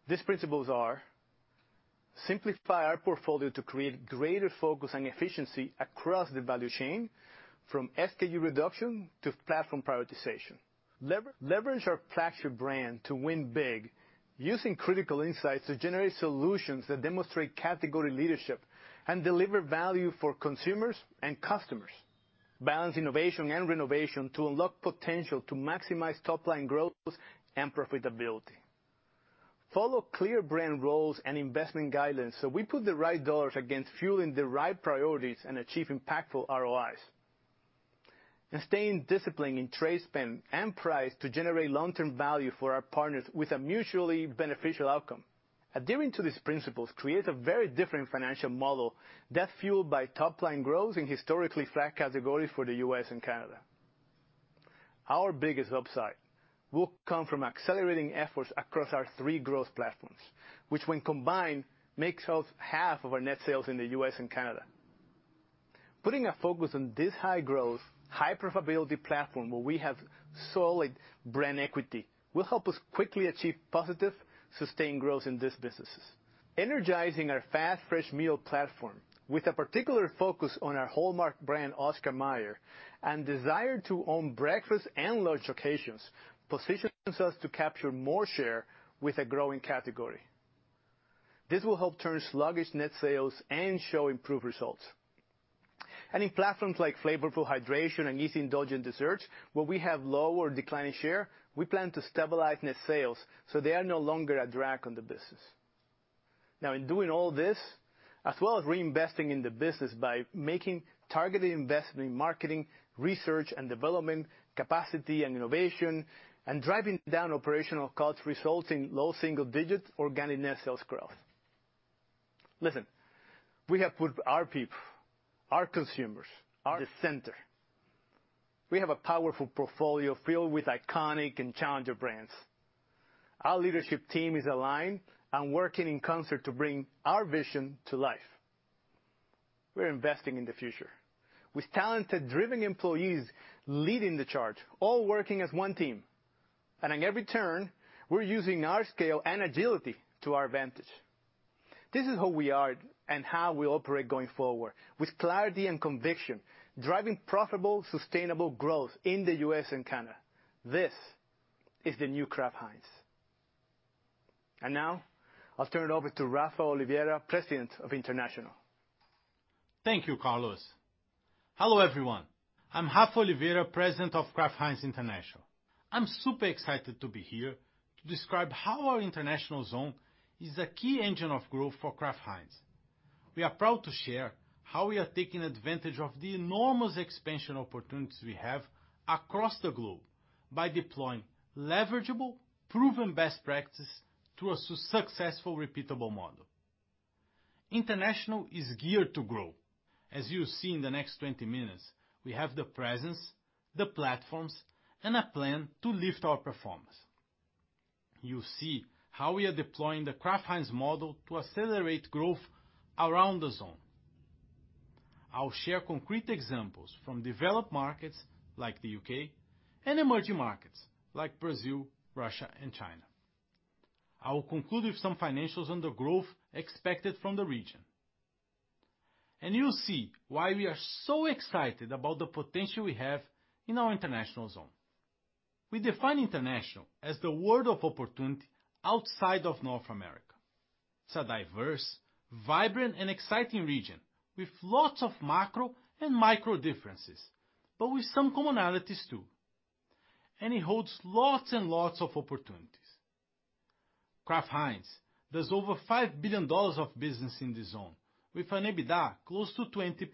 These principles are: simplify our portfolio to create greater focus and efficiency across the value chain, from SKU reduction to platform prioritization. Leverage our flagship brand to win big using critical insights to generate solutions that demonstrate category leadership and deliver value for consumers and customers. Balance innovation and renovation to unlock potential to maximize top-line growth and profitability. Follow clear brand roles and investment guidelines so we put the right dollars against fueling the right priorities and achieve impactful ROIs. Stay in discipline in trade spend and price to generate long-term value for our partners with a mutually beneficial outcome. Adhering to these principles creates a very different financial model that's fueled by top-line growth in historically flat categories for the U.S. and Canada. Our biggest upside will come from accelerating efforts across our three growth platforms, which when combined, makes up half of our net sales in the U.S. and Canada. Putting a focus on this high growth, high profitability platform where we have solid brand equity will help us quickly achieve positive, sustained growth in these businesses. Energizing our Fast Fresh Meal platform with a particular focus on our hallmark brand, Oscar Mayer, and desire to own breakfast and lunch occasions positions us to capture more share with a growing category. This will help turn sluggish net sales and show improved results. In platforms like Flavorful Hydration and Easy Indulgent Desserts, where we have low or declining share, we plan to stabilize net sales so they are no longer a drag on the business. In doing all this, as well as reinvesting in the business by making targeted investment in marketing, research and development, capacity and innovation, and driving down operational costs results in low single-digit organic net sales growth. Listen, we have put our people, our consumers at the center. We have a powerful portfolio filled with iconic and challenger brands. Our leadership team is aligned and working in concert to bring our vision to life. We're investing in the future with talented, driven employees leading the charge, all working as one team. At every turn, we're using our scale and agility to our advantage. This is who we are and how we'll operate going forward with clarity and conviction, driving profitable, sustainable growth in the U.S. and Canada. This is the new Kraft Heinz. Now I'll turn it over to Rafa Oliveira, President of International. Thank you, Carlos. Hello, everyone. I'm Rafa Oliveira, President of Kraft Heinz International. I'm super excited to be here to describe how our International Zone is a key engine of growth for Kraft Heinz. We are proud to share how we are taking advantage of the enormous expansion opportunities we have across the globe by deploying leverageable, proven best practices through a successful repeatable model. International is geared to grow. As you'll see in the next 20 minutes, we have the presence, the platforms, and a plan to lift our performance. You'll see how we are deploying the Kraft Heinz model to accelerate growth around the zone. I'll share concrete examples from developed markets like the U.K. and emerging markets like Brazil, Russia, and China. I will conclude with some financials on the growth expected from the region. You'll see why we are so excited about the potential we have in our International Zone. We define International as the world of opportunity outside of North America. It's a diverse, vibrant, and exciting region with lots of macro and micro differences, but with some commonalities too. It holds lots and lots of opportunities. Kraft Heinz does over $5 billion of business in this zone with an EBITDA close to 20%.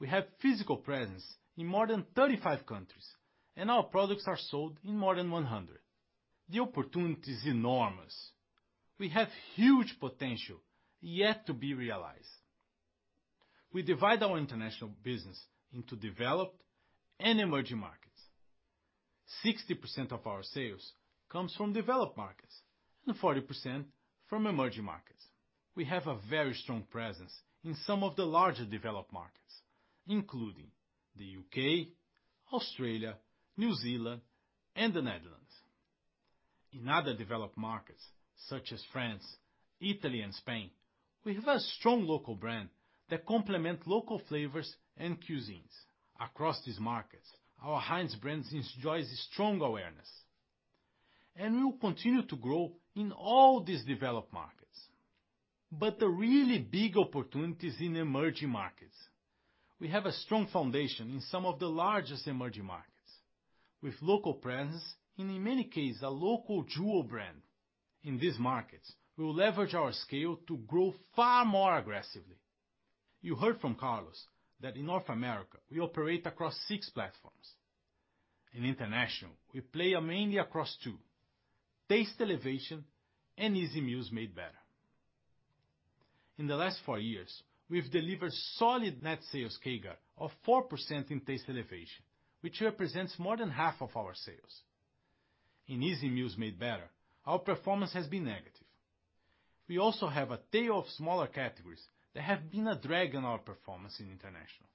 We have physical presence in more than 35 countries, and our products are sold in more than 100. The opportunity is enormous. We have huge potential yet to be realized. We divide our international business into developed and emerging markets. 60% of our sales comes from developed markets and 40% from emerging markets. We have a very strong presence in some of the larger developed markets, including the U.K., Australia, New Zealand, and the Netherlands. In other developed markets such as France, Italy, and Spain, we have a strong local brand that complement local flavors and cuisines. Across these markets, our Heinz brand enjoys strong awareness, and we will continue to grow in all these developed markets. The really big opportunity is in emerging markets. We have a strong foundation in some of the largest emerging markets with local presence, and in many cases, a local dual brand. In these markets, we'll leverage our scale to grow far more aggressively. You heard from Carlos that in North America, we operate across six platforms. In International, we play mainly across two, Taste Elevation and Easy Meals Made Better. In the last four years, we've delivered solid net sales CAGR of 4% in Taste Elevation, which represents more than half of our sales. In Easy Meals Made Better, our performance has been negative. We also have a tail of smaller categories that have been a drag on our performance in International.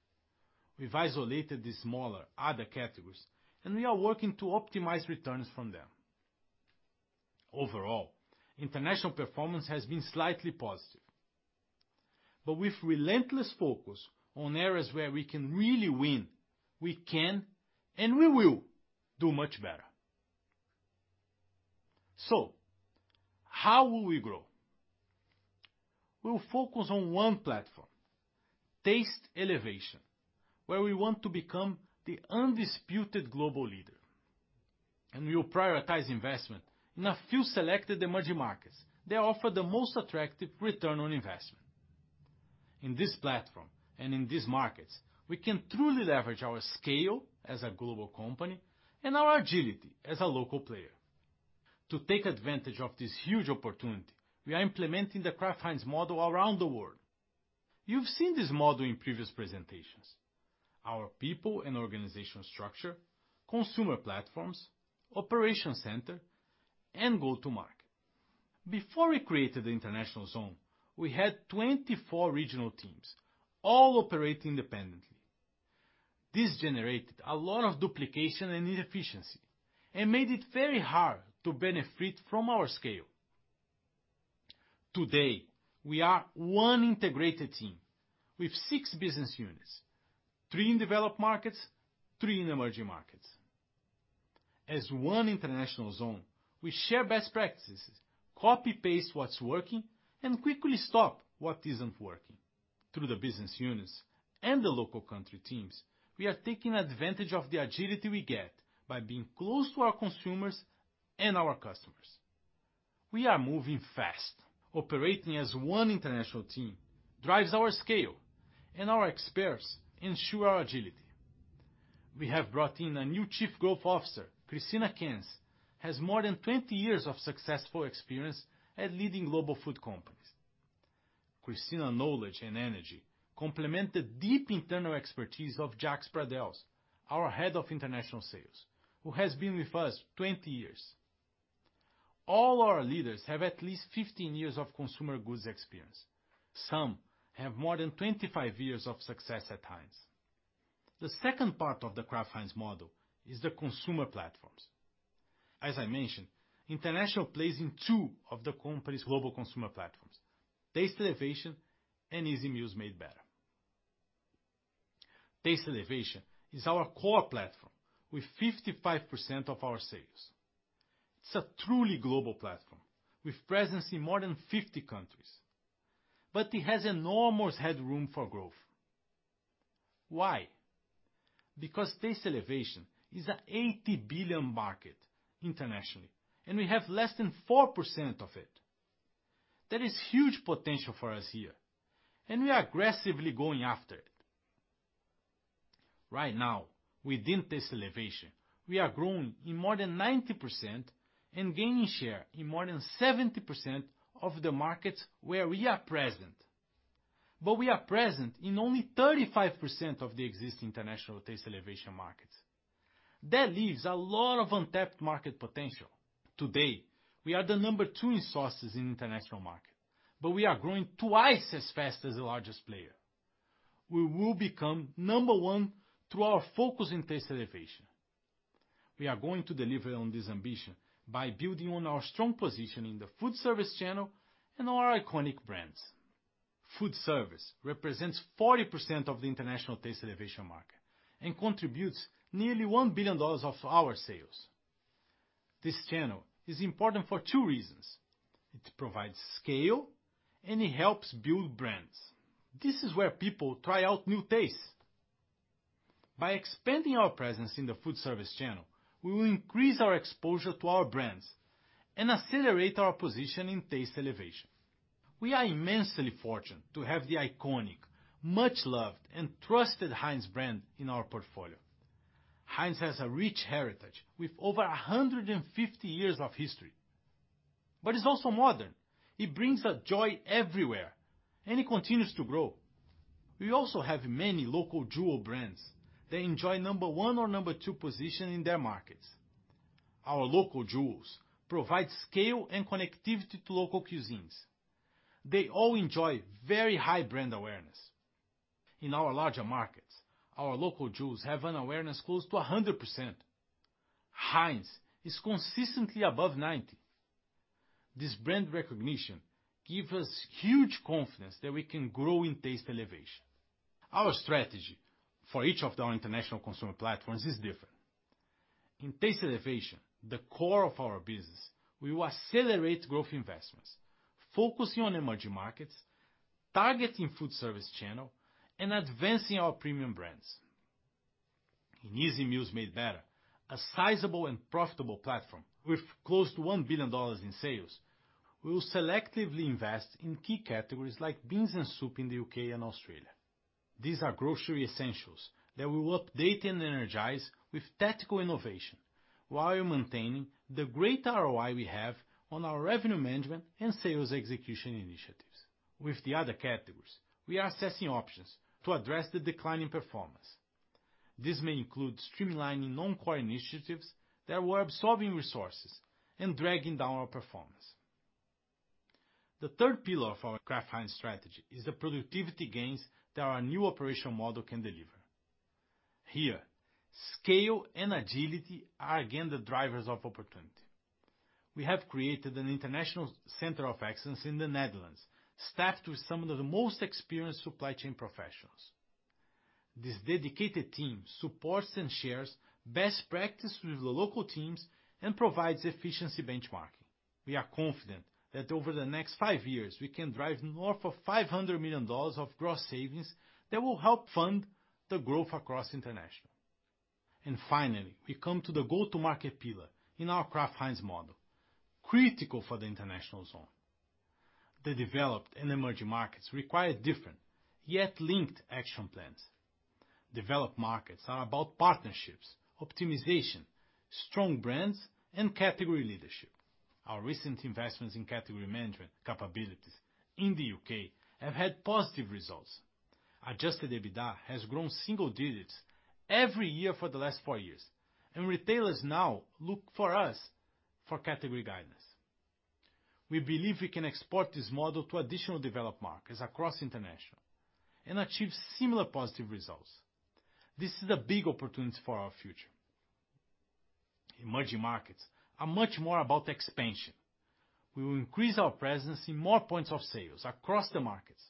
We've isolated the smaller other categories, and we are working to optimize returns from them. Overall, International performance has been slightly positive. With relentless focus on areas where we can really win, we can and we will do much better. How will we grow? We'll focus on one platform, Taste Elevation, where we want to become the undisputed global leader. We will prioritize investment in a few selected emerging markets that offer the most attractive return on investment. In this platform and in these markets, we can truly leverage our scale as a global company and our agility as a local player. To take advantage of this huge opportunity, we are implementing the Kraft Heinz model around the world. You've seen this model in previous presentations. Our people and organization structure, operation center, and go-to-market. Before we created the International Zone, we had 24 regional teams all operating independently. This generated a lot of duplication and inefficiency and made it very hard to benefit from our scale. Today, we are one integrated team with six business units, three in developed markets, three in emerging markets. As one International Zone, we share best practices, copy-paste what's working, and quickly stop what isn't working. Through the business units and the local country teams, we are taking advantage of the agility we get by being close to our consumers and our customers. We are moving fast. Operating as one international team drives our scale, and our experts ensure our agility. We have brought in a new Chief Growth Officer. Cristina Kenz has more than 20 years of successful experience at leading global food companies. Cristina's knowledge and energy complement the deep internal expertise of Jacques Pradels, our Head of International Sales, who has been with us 20 years. All our leaders have at least 15 years of consumer goods experience. Some have more than 25 years of success at Heinz. The second part of the Kraft Heinz model is the consumer platforms. As I mentioned, international plays in two of the company's global consumer platforms, Taste Elevation and Easy Meals Made Better. Taste Elevation is our core platform, with 55% of our sales. It's a truly global platform with presence in more than 50 countries, but it has enormous headroom for growth. Why? Because Taste Elevation is an $80 billion market internationally, and we have less than 4% of it. There is huge potential for us here. We are aggressively going after it. Right now, within Taste Elevation, we are growing in more than 90% and gaining share in more than 70% of the markets where we are present. We are present in only 35% of the existing international Taste Elevation markets. That leaves a lot of untapped market potential. Today, we are the number two in sauces in international market. We are growing twice as fast as the largest player. We will become number one through our focus in Taste Elevation. We are going to deliver on this ambition by building on our strong position in the food service channel and our iconic brands. Food service represents 40% of the international Taste Elevation market and contributes nearly $1 billion of our sales. This channel is important for two reasons. It provides scale, and it helps build brands. This is where people try out new tastes. By expanding our presence in the food service channel, we will increase our exposure to our brands and accelerate our position in Taste Elevation. We are immensely fortunate to have the iconic, much-loved, and trusted Heinz brand in our portfolio. Heinz has a rich heritage with over 150 years of history, but it's also modern. It brings joy everywhere, and it continues to grow. We also have many local jewel brands that enjoy number one or number two position in their markets. Our local jewels provide scale and connectivity to local cuisines. They all enjoy very high brand awareness. In our larger markets, our local jewels have an awareness close to 100%. Heinz is consistently above 90%. This brand recognition gives us huge confidence that we can grow in Taste Elevation. Our strategy for each of our international consumer platforms is different. In Taste Elevation, the core of our business, we will accelerate growth investments, focusing on emerging markets, targeting foodservice channel, and advancing our premium brands. In Easy Meals Made Better, a sizable and profitable platform with close to $1 billion in sales, we will selectively invest in key categories like beans and soup in the U.K. and Australia. These are grocery essentials that we will update and energize with tactical innovation while maintaining the great ROI we have on our revenue management and sales execution initiatives. With the other categories, we are assessing options to address the decline in performance. This may include streamlining non-core initiatives that were absorbing resources and dragging down our performance. The third pillar of our Kraft Heinz strategy is the productivity gains that our new operational model can deliver. Here, scale and agility are again the drivers of opportunity. We have created an international center of excellence in the Netherlands, staffed with some of the most experienced supply chain professionals. This dedicated team supports and shares best practices with the local teams and provides efficiency benchmarking. We are confident that over the next five years, we can drive north of $500 million of gross savings that will help fund the growth across international. Finally, we come to the go-to-market pillar in our Kraft Heinz model, critical for the International Zone. The developed and emerging markets require different, yet linked, action plans. Developed markets are about partnerships, optimization, strong brands, and category leadership. Our recent investments in category management capabilities in the U.K. have had positive results. Adjusted EBITDA has grown single digits every year for the last four years, and retailers now look to us for category guidance. We believe we can export this model to additional developed markets across international and achieve similar positive results. This is a big opportunity for our future. Emerging markets are much more about expansion. We will increase our presence in more points of sales across the markets.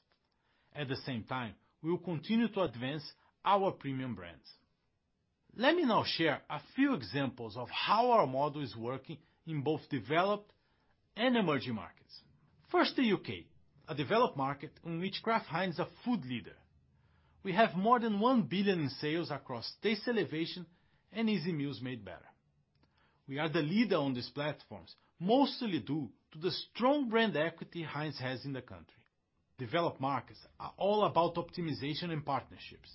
At the same time, we will continue to advance our premium brands. Let me now share a few examples of how our model is working in both developed and emerging markets. First, the U.K., a developed market in which Kraft Heinz is a food leader. We have more than $1 billion in sales across Taste Elevation and Easy Meals Made Better. We are the leader on these platforms, mostly due to the strong brand equity Heinz has in the country. Developed markets are all about optimization and partnerships.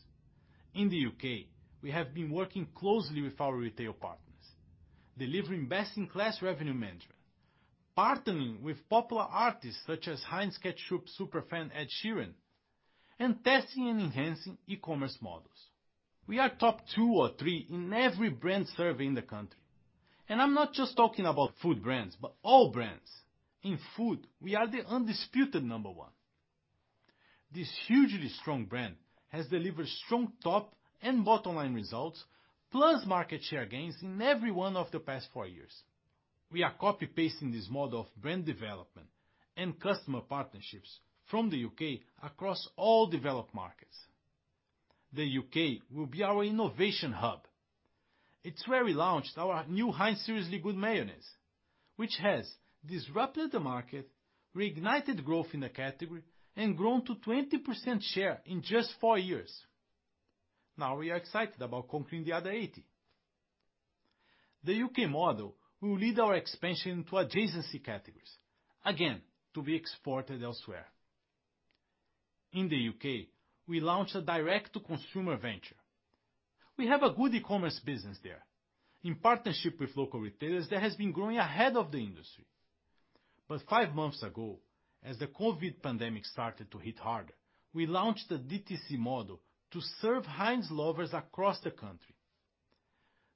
In the U.K., we have been working closely with our retail partners, delivering best-in-class revenue management, partnering with popular artists such as Heinz ketchup super fan Ed Sheeran, and testing and enhancing e-commerce models. We are top two or three in every brand survey in the country. I'm not just talking about food brands, but all brands. In food, we are the undisputed number one. This hugely strong brand has delivered strong top and bottom-line results, plus market share gains in every one of the past four years. We are copy-pasting this model of brand development and customer partnerships from the U.K. across all developed markets. The U.K. will be our innovation hub. It's where we launched our new Heinz Seriously Good Mayonnaise, which has disrupted the market, reignited growth in the category, and grown to 20% share in just four years. We are excited about conquering the other 80. The U.K. model will lead our expansion to adjacency categories, again, to be exported elsewhere. In the U.K., we launched a direct-to-consumer venture. We have a good e-commerce business there. In partnership with local retailers that has been growing ahead of the industry. Five months ago, as the COVID pandemic started to hit harder, we launched the DTC model to serve Heinz lovers across the country.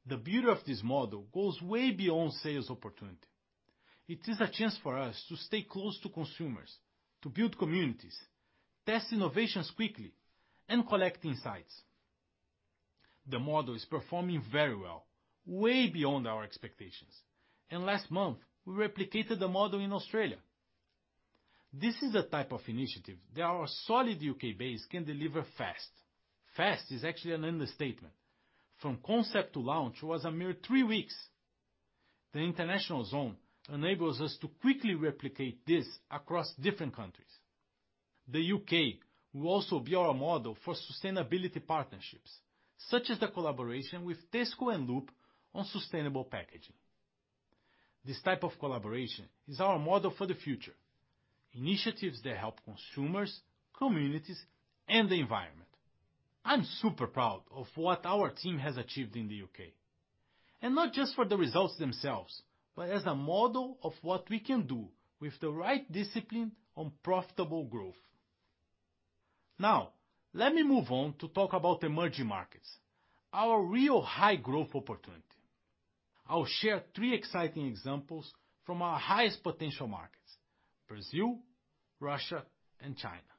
The beauty of this model goes way beyond sales opportunity. It is a chance for us to stay close to consumers, to build communities, test innovations quickly, and collect insights. The model is performing very well, way beyond our expectations. Last month, we replicated the model in Australia. This is the type of initiative that our solid U.K. base can deliver fast. Fast is actually an understatement. From concept to launch was a mere three weeks. The International Zone enables us to quickly replicate this across different countries. The U.K. will also be our model for sustainability partnerships, such as the collaboration with Tesco and Loop on sustainable packaging. This type of collaboration is our model for the future. Initiatives that help consumers, communities, and the environment. I am super proud of what our team has achieved in the U.K., not just for the results themselves, but as a model of what we can do with the right discipline on profitable growth. Let me move on to talk about emerging markets, our real high-growth opportunity. I'll share three exciting examples from our highest potential markets: Brazil, Russia, and China.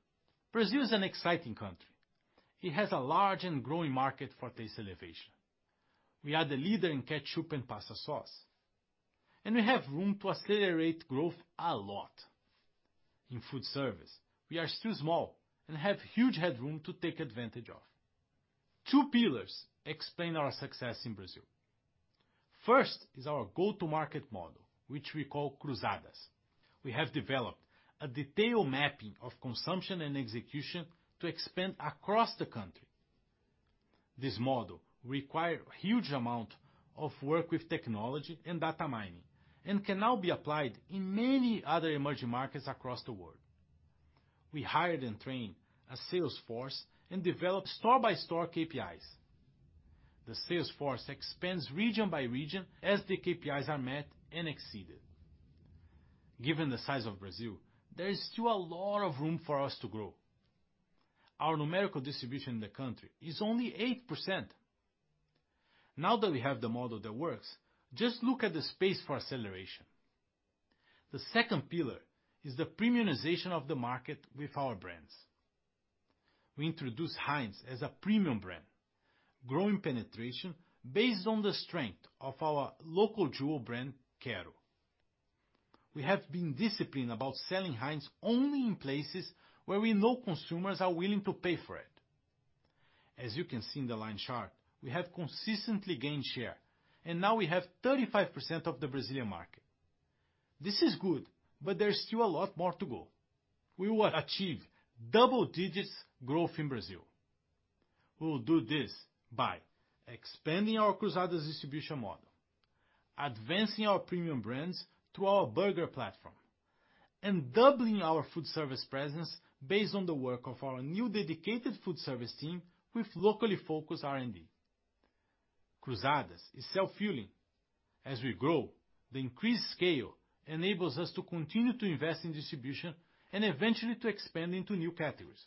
Brazil is an exciting country. It has a large and growing market for Taste Elevation. We are the leader in ketchup and pasta sauce, and we have room to accelerate growth a lot. In food service, we are still small and have huge headroom to take advantage of. Two pillars explain our success in Brazil. First is our go-to-market model, which we call Cruzadas. We have developed a detailed mapping of consumption and execution to expand across the country. This model require huge amount of work with technology and data mining and can now be applied in many other emerging markets across the world. We hired and trained a sales force and developed store-by-store KPIs. The sales force expands region by region as the KPIs are met and exceeded. Given the size of Brazil, there is still a lot of room for us to grow. Our numerical distribution in the country is only 8%. Now that we have the model that works, just look at the space for acceleration. The second pillar is the premiumization of the market with our brands. We introduced Heinz as a premium brand, growing penetration based on the strength of our local jewel brand, Quero. We have been disciplined about selling Heinz only in places where we know consumers are willing to pay for it. As you can see in the line chart, we have consistently gained share, and now we have 35% of the Brazilian market. This is good, but there's still a lot more to go. We will achieve double digits growth in Brazil. We will do this by expanding our Cruzadas distribution model, advancing our premium brands through our burger platform, and doubling our food service presence based on the work of our new dedicated food service team with locally focused R&D. Cruzadas is self-fueling. As we grow, the increased scale enables us to continue to invest in distribution and eventually to expand into new categories.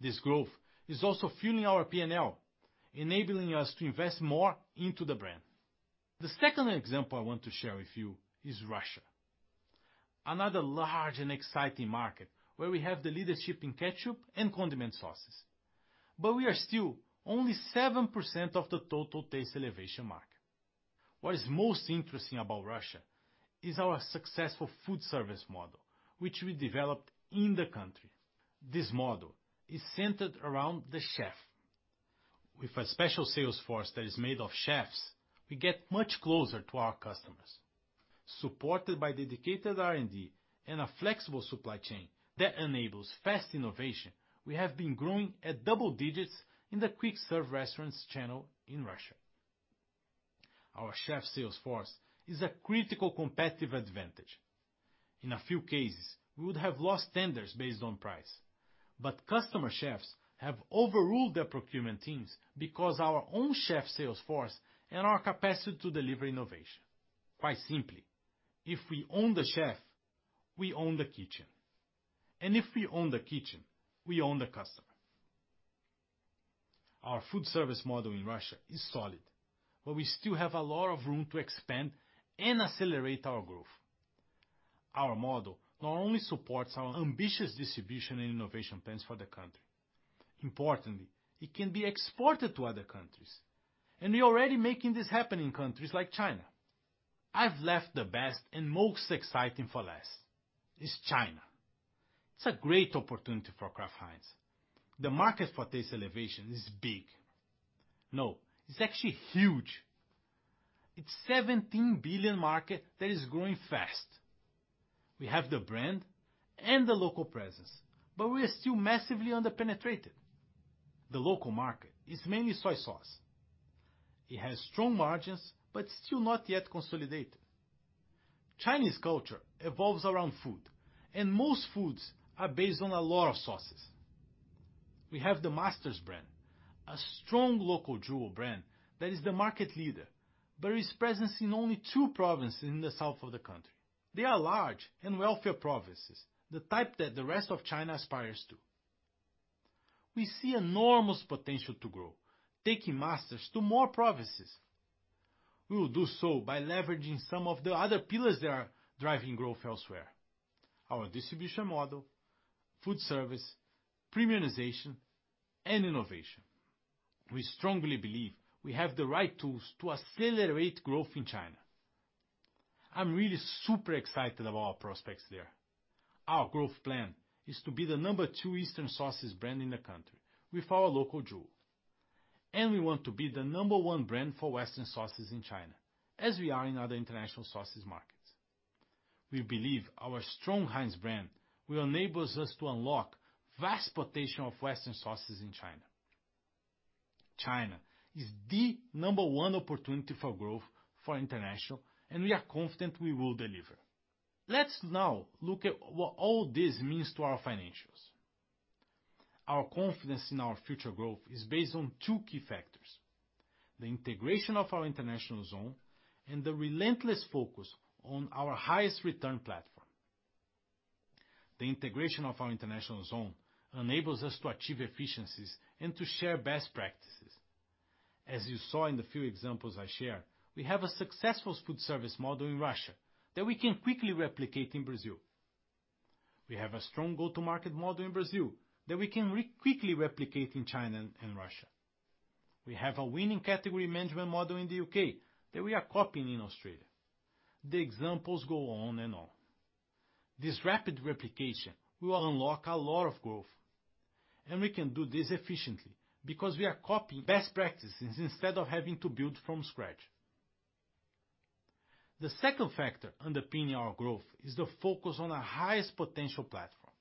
This growth is also fueling our P&L, enabling us to invest more into the brand. The second example I want to share with you is Russia. Another large and exciting market where we have the leadership in ketchup and condiment sauces. We are still only 7% of the total Taste Elevation market. What is most interesting about Russia is our successful food service model, which we developed in the country. This model is centered around the chef. With a special sales force that is made of chefs, we get much closer to our customers. Supported by dedicated R&D and a flexible supply chain that enables fast innovation, we have been growing at double digits in the quick-serve restaurants channel in Russia. Our chef sales force is a critical competitive advantage. In a few cases, we would have lost tenders based on price, but customer chefs have overruled their procurement teams because our own chef sales force and our capacity to deliver innovation. Quite simply, if we own the chef, we own the kitchen. If we own the kitchen, we own the customer. Our food service model in Russia is solid, but we still have a lot of room to expand and accelerate our growth. Our model not only supports our ambitious distribution and innovation plans for the country, importantly, it can be exported to other countries. We're already making this happen in countries like China. I've left the best and most exciting for last, is China. It's a great opportunity for Kraft Heinz. The market for Taste Elevation is big. No, it's actually huge. It's a $17 billion market that is growing fast. We have the brand and the local presence, but we are still massively under-penetrated. The local market is mainly soy sauce. It has strong margins, but still not yet consolidated. Chinese culture evolves around food, and most foods are based on a lot of sauces. We have the Master brand, a strong local jewel brand that is the market leader, but is present in only two provinces in the south of the country. They are large and wealthier provinces, the type that the rest of China aspires to. We see enormous potential to grow, taking Master to more provinces. We will do so by leveraging some of the other pillars that are driving growth elsewhere. Our distribution model, food service, premiumization, and innovation. We strongly believe we have the right tools to accelerate growth in China. I'm really super excited about our prospects there. Our growth plan is to be the number two Eastern sauces brand in the country with our local jewel. We want to be the number one brand for Western sauces in China, as we are in other international sauces markets. We believe our strong Heinz brand will enable us to unlock vast potential of Western sauces in China. China is the number one opportunity for growth for international, and we are confident we will deliver. Let's now look at what all this means to our financials. Our confidence in our future growth is based on two key factors, the integration of our International Zone and the relentless focus on our highest return platform. The integration of our International Zone enables us to achieve efficiencies and to share best practices. As you saw in the few examples I shared, we have a successful food service model in Russia that we can quickly replicate in Brazil. We have a strong go-to-market model in Brazil that we can quickly replicate in China and Russia. We have a winning category management model in the U.K. that we are copying in Australia. The examples go on and on. This rapid replication will unlock a lot of growth, and we can do this efficiently because we are copying best practices instead of having to build from scratch. The second factor underpinning our growth is the focus on our highest potential platform.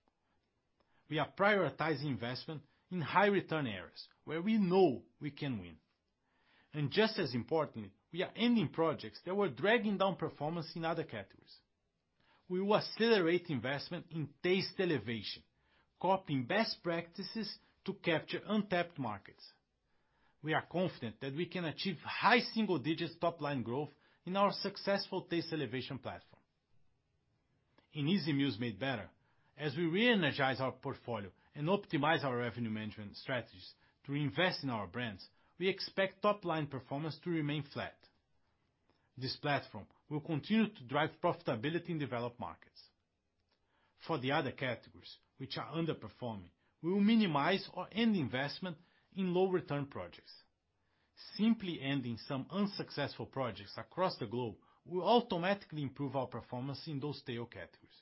We are prioritizing investment in high-return areas where we know we can win. Just as importantly, we are ending projects that were dragging down performance in other categories. We will accelerate investment in Taste Elevation, copying best practices to capture untapped markets. We are confident that we can achieve high single-digit top-line growth in our successful Taste Elevation platform. In Easy Meals Made Better, as we reenergize our portfolio and optimize our revenue management strategies to invest in our brands, we expect top-line performance to remain flat. This platform will continue to drive profitability in developed markets. For the other categories, which are underperforming, we will minimize or end investment in low-return projects. Simply ending some unsuccessful projects across the globe will automatically improve our performance in those tail categories.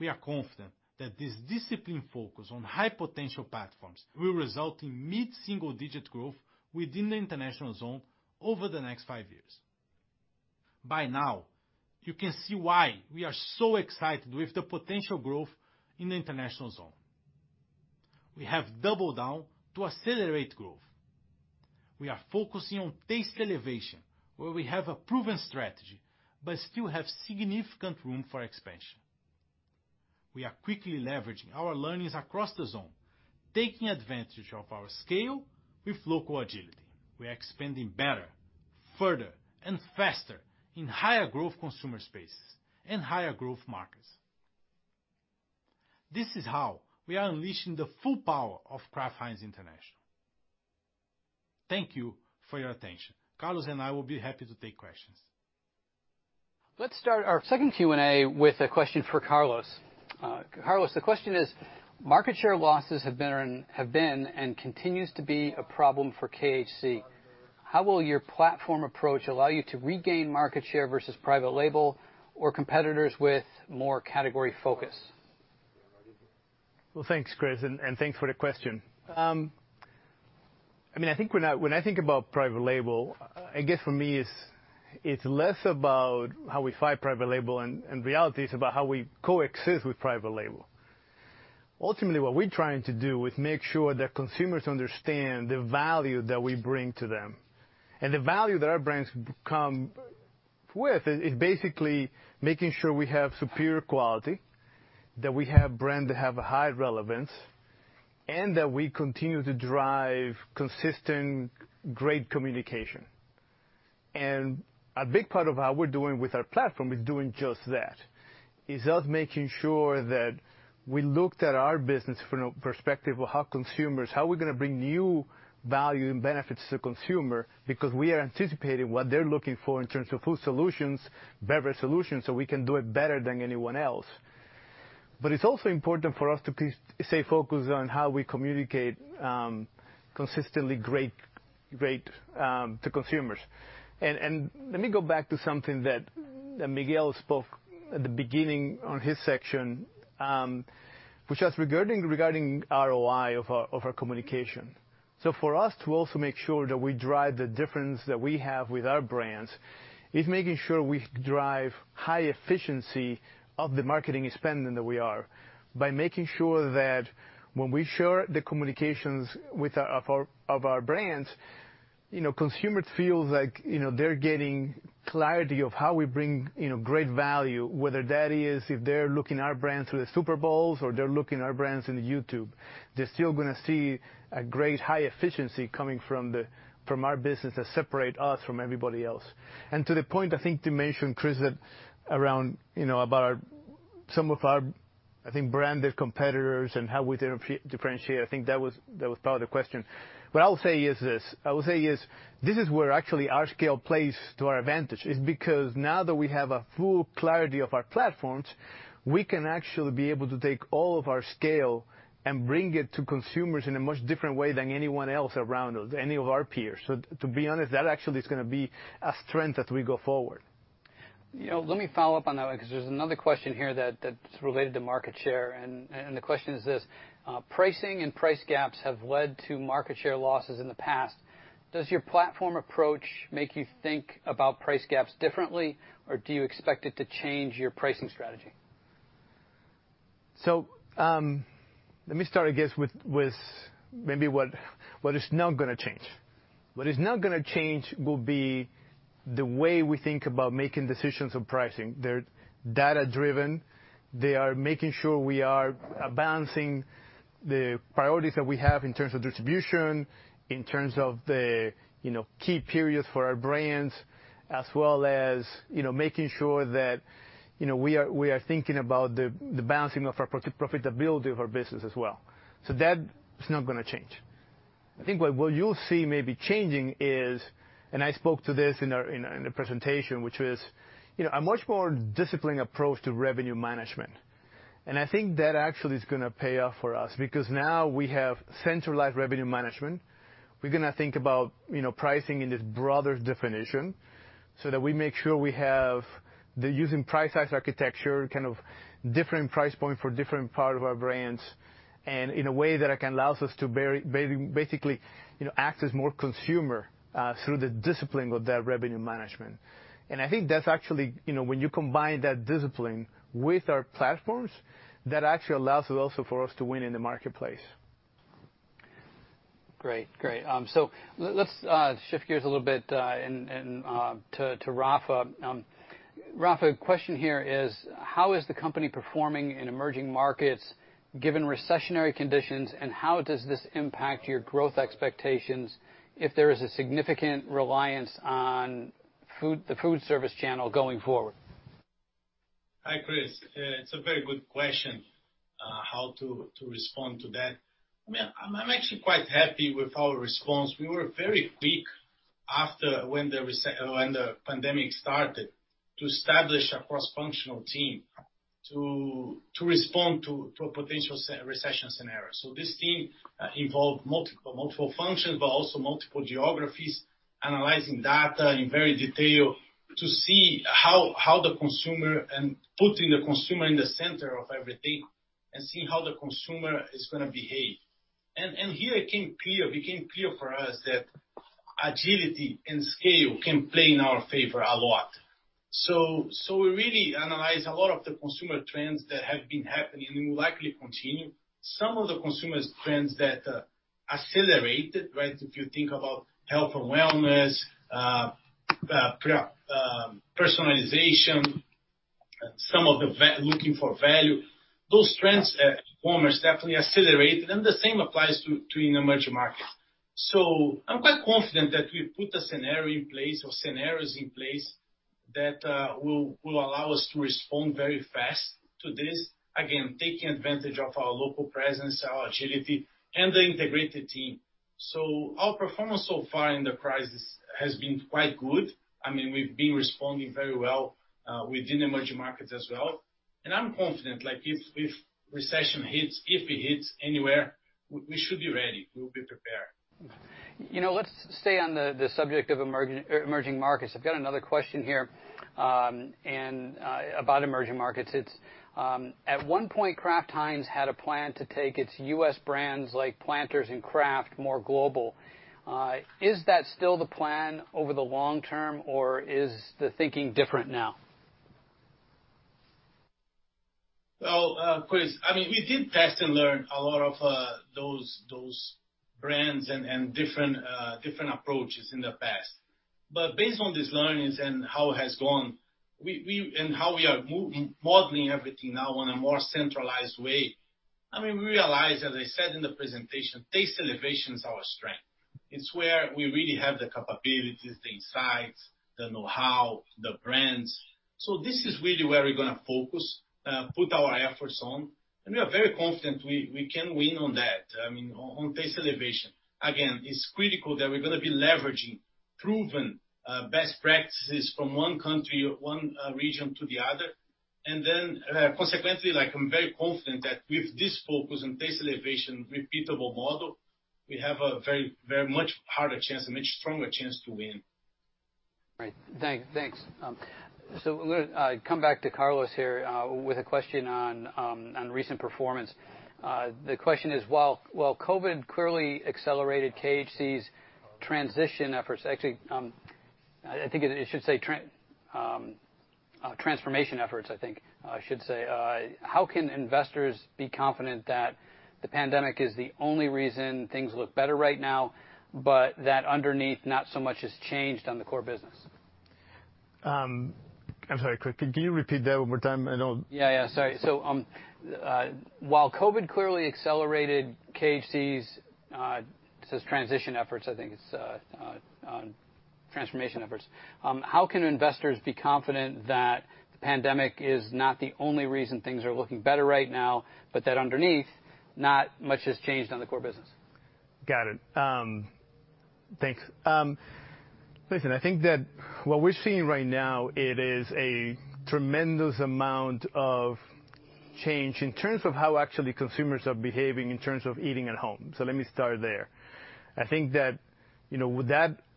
We are confident that this disciplined focus on high-potential platforms will result in mid-single-digit growth within the International Zone over the next five years. By now, you can see why we are so excited with the potential growth in the International Zone. We have doubled down to accelerate growth. We are focusing on Taste Elevation, where we have a proven strategy, but still have significant room for expansion. We are quickly leveraging our learnings across the zone, taking advantage of our scale with local agility. We are expanding better, further, and faster in higher growth consumer spaces and higher growth markets. This is how we are unleashing the full power of Kraft Heinz International. Thank you for your attention. Carlos and I will be happy to take questions. Let's start our second Q&A with a question for Carlos. Carlos, the question is, market share losses have been and continues to be a problem for KHC. How will your platform approach allow you to regain market share versus private label or competitors with more category focus? Well, thanks, Chris, and thanks for the question. When I think about private label, I guess for me, it's less about how we fight private label, and reality it's about how we coexist with private label. Ultimately, what we're trying to do is make sure that consumers understand the value that we bring to them. The value that our brands come with is basically making sure we have superior quality, that we have brands that have a high relevance, and that we continue to drive consistent great communication. A big part of how we're doing with our platform is doing just that. Is us making sure that we looked at our business from the perspective of how we're going to bring new value and benefits to the consumer because we are anticipating what they're looking for in terms of food solutions, beverage solutions, so we can do it better than anyone else. It's also important for us to stay focused on how we communicate consistently great to consumers. Let me go back to something that Miguel spoke at the beginning on his section, which was regarding ROI of our communication. For us to also make sure that we drive the difference that we have with our brands, is making sure we drive high efficiency of the marketing spend than we are by making sure that when we share the communications of our brands, consumers feel like they're getting clarity of how we bring great value, whether that is if they're looking at our brands through the Super Bowls or they're looking at our brands on YouTube. They're still going to see a great high efficiency coming from our business that separate us from everybody else. To the point, I think to mention, Chris, around about some of our branded competitors and how we differentiate, I think that was part of the question. What I will say is this is where actually our scale plays to our advantage is because now that we have a full clarity of our platforms, we can actually be able to take all of our scale and bring it to consumers in a much different way than anyone else around us, any of our peers. To be honest, that actually is going to be a strength as we go forward. Let me follow up on that because there's another question here that's related to market share. The question is this: pricing and price gaps have led to market share losses in the past. Does your platform approach make you think about price gaps differently, or do you expect it to change your pricing strategy? Let me start, I guess, with maybe what is not going to change. What is not going to change will be the way we think about making decisions on pricing. They're data-driven. They are making sure we are balancing the priorities that we have in terms of distribution, in terms of the key periods for our brands, as well as making sure that we are thinking about the balancing of our profitability of our business as well. That is not going to change. I think what you'll see maybe changing is, I spoke to this in the presentation, which was a much more disciplined approach to revenue management. I think that actually is going to pay off for us because now we have centralized revenue management. We're going to think about pricing in this broader definition so that we make sure we have, using price as architecture, kind of different price point for different part of our brands, and in a way that it can allow us to basically act as more consumer through the discipline of that revenue management. I think that's actually when you combine that discipline with our platforms, that actually allows also for us to win in the marketplace. Great. Let's shift gears a little bit to Rafa. Rafa, question here is, how is the company performing in emerging markets given recessionary conditions, and how does this impact your growth expectations if there is a significant reliance on the food service channel going forward? Hi, Chris. It's a very good question, how to respond to that. I'm actually quite happy with our response. We were very quick when the pandemic started to establish a cross-functional team to respond to a potential recession scenario. This team involved multiple functions, but also multiple geographies, analyzing data in very detail to see how the consumer, and putting the consumer in the center of everything and seeing how the consumer is going to behave. Here it became clear for us that agility and scale can play in our favor a lot. We really analyzed a lot of the consumer trends that have been happening and will likely continue. Some of the consumer trends that accelerated, if you think about health and wellness, personalization, some of the looking for value, those trends performers definitely accelerated, and the same applies to in emerging markets. I'm quite confident that we put a scenario in place or scenarios in place that will allow us to respond very fast to this, again, taking advantage of our local presence, our agility, and the integrated team. Our performance so far in the crisis has been quite good. We've been responding very well within emerging markets as well, and I'm confident, if recession hits, if it hits anywhere, we should be ready. We'll be prepared. Let's stay on the subject of emerging markets. I've got another question here about emerging markets. At one point, Kraft Heinz had a plan to take its U.S. brands like Planters and Kraft more global. Is that still the plan over the long term, or is the thinking different now? Well, Chris, we did test and learn a lot of those brands and different approaches in the past. Based on these learnings and how it has gone, and how we are modeling everything now in a more centralized way, we realized, as I said in the presentation, Taste Elevation is our strength. It's where we really have the capabilities, the insights, the know-how, the brands. This is really where we're going to focus, put our efforts on, and we are very confident we can win on that. On Taste Elevation. Again, it's critical that we're going to be leveraging proven best practices from one country or one region to the other. Consequently, I'm very confident that with this focus on Taste Elevation repeatable model, we have a very much harder chance, a much stronger chance to win. Great. Thanks. I'm going to come back to Carlos here with a question on recent performance. The question is, while COVID clearly accelerated KHC's transition efforts, actually, I think it should say transformation efforts, I should say. How can investors be confident that the pandemic is the only reason things look better right now, but that underneath, not so much has changed on the core business? I'm sorry, could you repeat that one more time? Yeah. Sorry. While COVID clearly accelerated KHC's, it says transition efforts, I think it's transformation efforts. How can investors be confident that the pandemic is not the only reason things are looking better right now, but that underneath, not much has changed on the core business? Got it. Thanks. I think that what we're seeing right now, it is a tremendous amount of change in terms of how actually consumers are behaving in terms of eating at home. Let me start there. I think that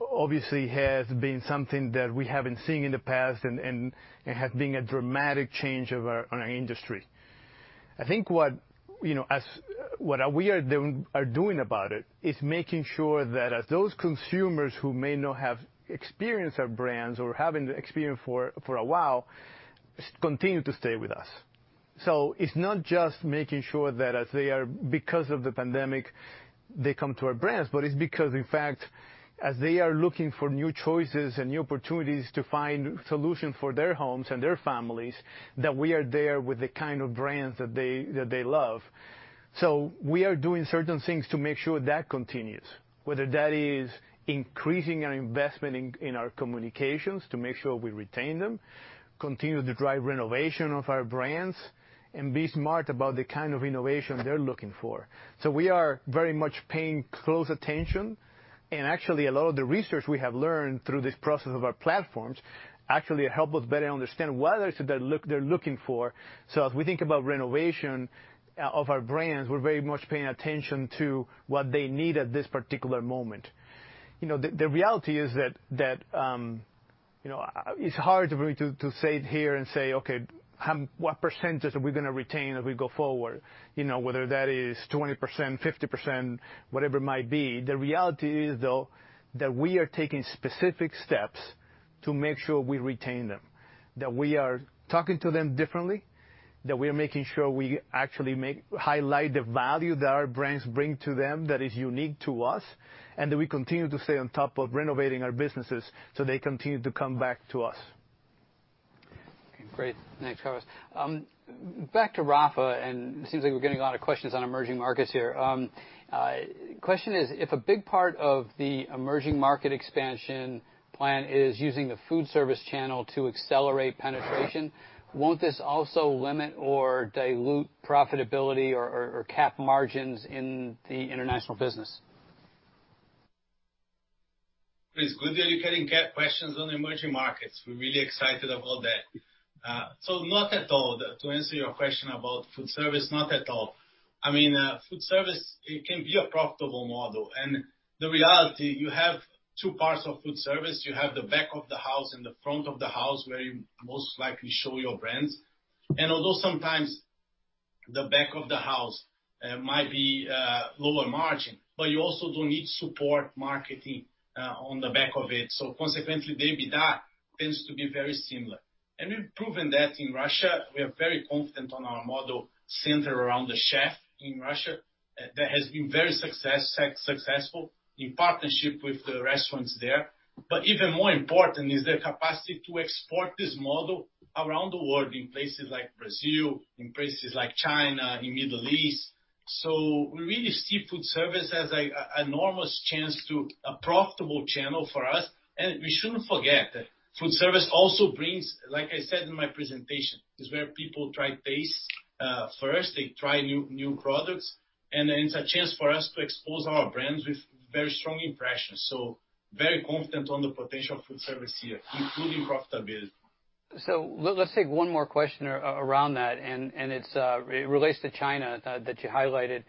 obviously has been something that we haven't seen in the past and has been a dramatic change on our industry. I think what we are doing about it is making sure that as those consumers who may not have experienced our brands or haven't experienced for a while, continue to stay with us. It's not just making sure that as they are, because of the pandemic, they come to our brands, but it's because, in fact, as they are looking for new choices and new opportunities to find solutions for their homes and their families, that we are there with the kind of brands that they love. We are doing certain things to make sure that continues, whether that is increasing our investment in our communications to make sure we retain them, continue to drive renovation of our brands, and be smart about the kind of innovation they're looking for. We are very much paying close attention, and actually, a lot of the research we have learned through this process of our platforms actually help us better understand what else they're looking for. As we think about renovation of our brands, we're very much paying attention to what they need at this particular moment. The reality is that it's hard for me to say it here and say, "Okay, what percentage are we going to retain as we go forward?" Whether that is 20%, 50%, whatever it might be. The reality is, though, that we are taking specific steps to make sure we retain them, that we are talking to them differently, that we are making sure we actually highlight the value that our brands bring to them that is unique to us, and that we continue to stay on top of renovating our businesses, so they continue to come back to us. Okay, great. Thanks, Carlos. Back to Rafa, it seems like we're getting a lot of questions on emerging markets here. Question is, if a big part of the emerging market expansion plan is using the food service channel to accelerate penetration, won't this also limit or dilute profitability or cap margins in the international business? It's good that you're getting questions on the emerging markets. We're really excited about that. Not at all. To answer your question about food service, not at all. Food service, it can be a profitable model. The reality, you have two parts of food service. You have the back of the house and the front of the house where you most likely show your brands. Although sometimes the back of the house might be lower margin, but you also don't need support marketing on the back of it. Consequently, EBITDA tends to be very similar. We've proven that in Russia. We are very confident on our model centered around the chef in Russia. That has been very successful in partnership with the restaurants there. Even more important is the capacity to export this model around the world in places like Brazil, in places like China, in Middle East. We really see food service as an enormous chance to a profitable channel for us. We shouldn't forget that food service also brings, like I said in my presentation, is where people try tastes first. They try new products, and it's a chance for us to expose our brands with very strong impressions. Very confident on the potential of food service here, including profitability. Let's take one more question around that, and it relates to China that you highlighted.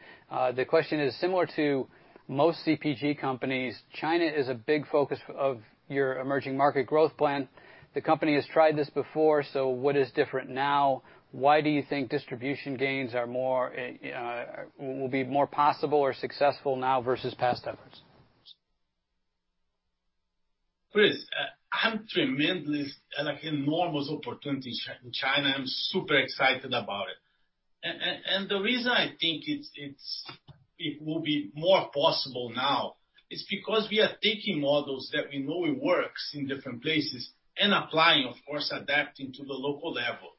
The question is similar to most CPG companies. China is a big focus of your emerging market growth plan. The company has tried this before, so what is different now? Why do you think distribution gains will be more possible or successful now versus past efforts? Chris, I have tremendous enormous opportunity in China. I'm super excited about it. The reason I think it will be more possible now is because we are taking models that we know works in different places and applying, of course, adapting to the local level.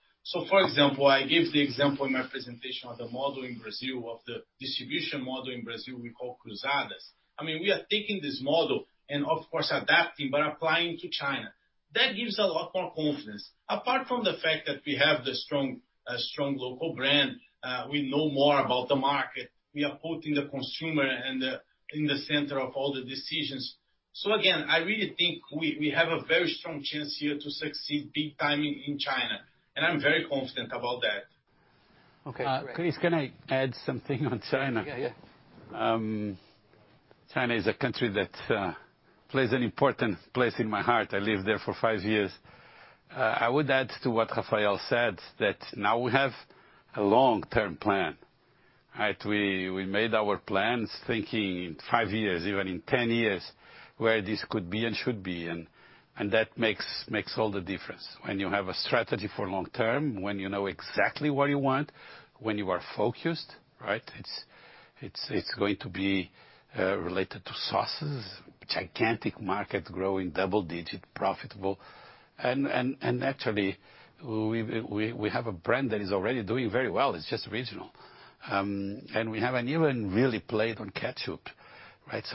For example, I gave the example in my presentation of the model in Brazil, of the distribution model in Brazil we call Cruzadas. We are taking this model and, of course, adapting, but applying to China. That gives a lot more confidence. Apart from the fact that we have the strong local brand, we know more about the market. We are putting the consumer in the center of all the decisions. Again, I really think we have a very strong chance here to succeed big time in China, and I'm very confident about that. Okay, great. Chris, can I add something on China? Yeah. China is a country that plays an important place in my heart. I lived there for five years. I would add to what Rafael said, that now we have a long-term plan, right? We made our plans thinking in five years, even in 10 years, where this could be and should be. That makes all the difference. When you have a strategy for long term, when you know exactly what you want, when you are focused, right? It's going to be related to sauces, gigantic market, growing double digit, profitable. Actually, we have a brand that is already doing very well. It's just regional. We haven't even really played on ketchup, right?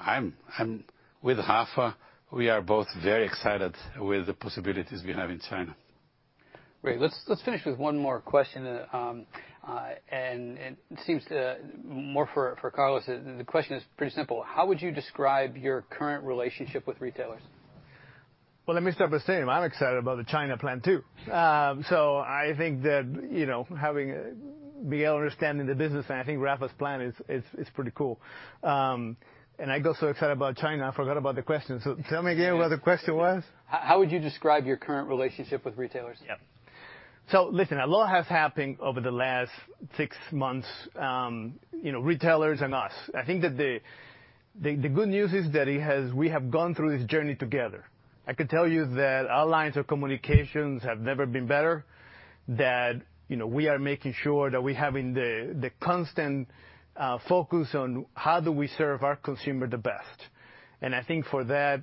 I'm with Rafa. We are both very excited with the possibilities we have in China. Great. Let's finish with one more question, and it seems more for Carlos. The question is pretty simple. How would you describe your current relationship with retailers? Let me start by saying I'm excited about the China plan, too. I think that, having been understanding the business, and I think Rafa's plan is pretty cool. I got so excited about China, I forgot about the question. Tell me again what the question was. How would you describe your current relationship with retailers? Yep. Listen, a lot has happened over the last six months, retailers and us. I think that the good news is that we have gone through this journey together. I could tell you that our lines of communications have never been better. We are making sure that we're having the constant focus on how do we serve our consumer the best. I think for that,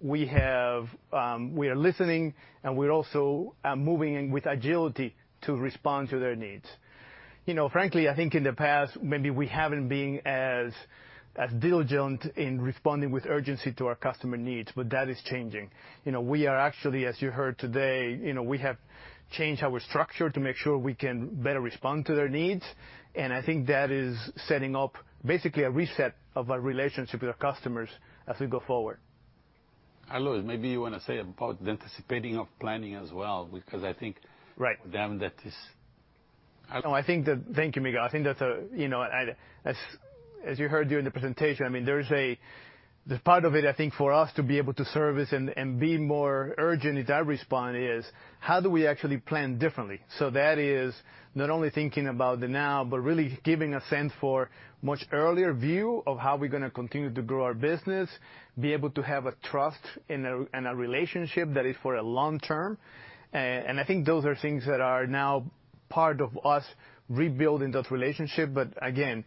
we are listening, and we're also moving in with agility to respond to their needs. Frankly, I think in the past, maybe we haven't been as diligent in responding with urgency to our customer needs. That is changing. We are actually, as you heard today, we have changed our structure to make sure we can better respond to their needs. I think that is setting up basically a reset of our relationship with our customers as we go forward. Carlos, maybe you want to say about the anticipating of planning as well. Right. For them, that is. No, thank you, Miguel. As you heard during the presentation, there's part of it, I think, for us to be able to service and be more urgent with our response is, how do we actually plan differently? That is not only thinking about the now, but really giving a sense for much earlier view of how we're going to continue to grow our business, be able to have a trust and a relationship that is for a long term. I think those are things that are now part of us rebuilding that relationship. Again,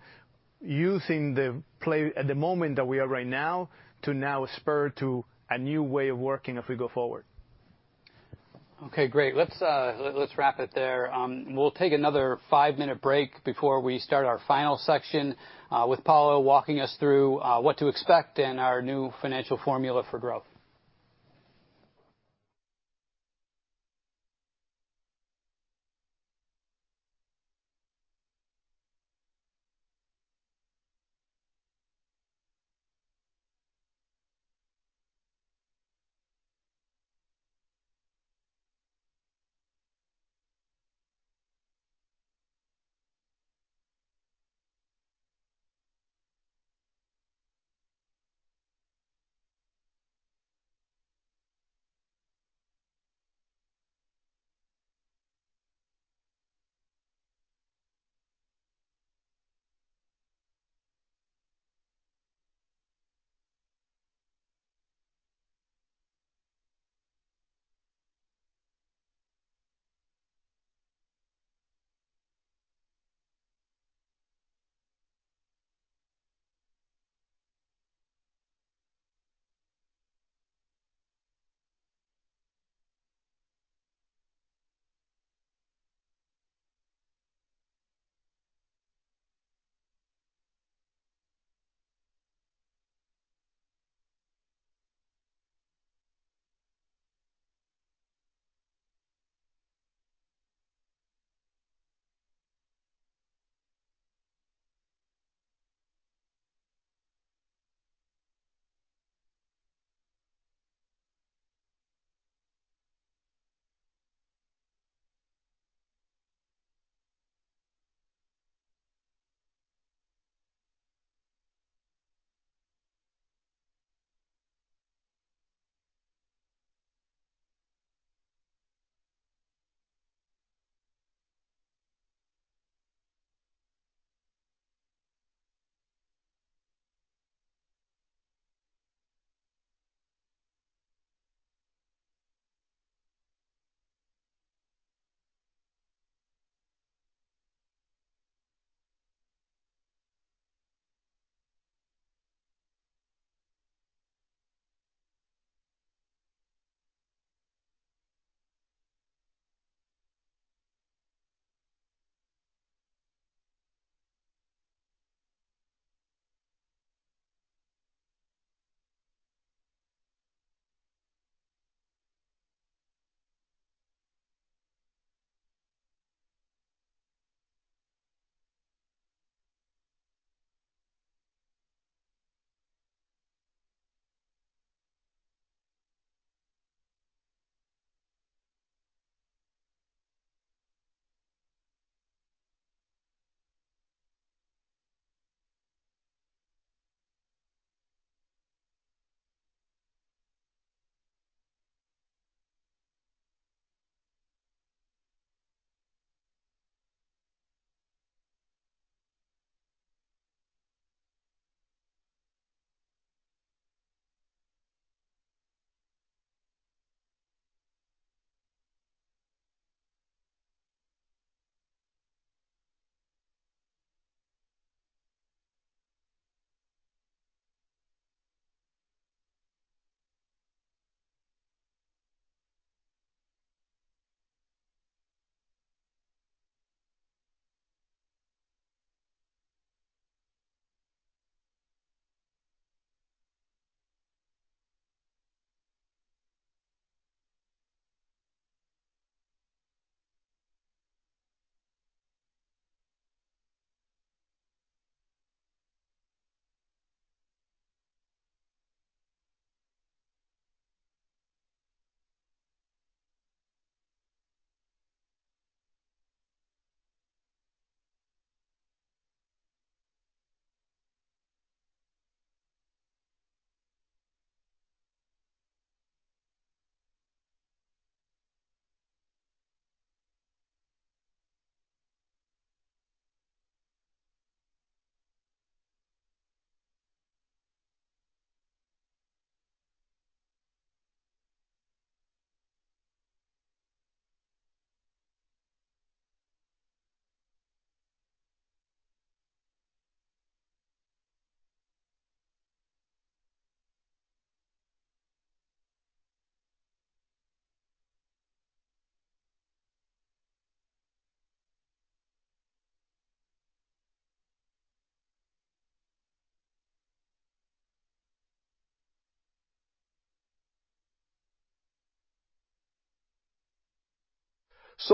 using the play at the moment that we are right now to now spur to a new way of working as we go forward. Okay, great. Let's wrap it there. We'll take another five-minute break before we start our final section with Paulo walking us through what to expect in our new financial formula for growth.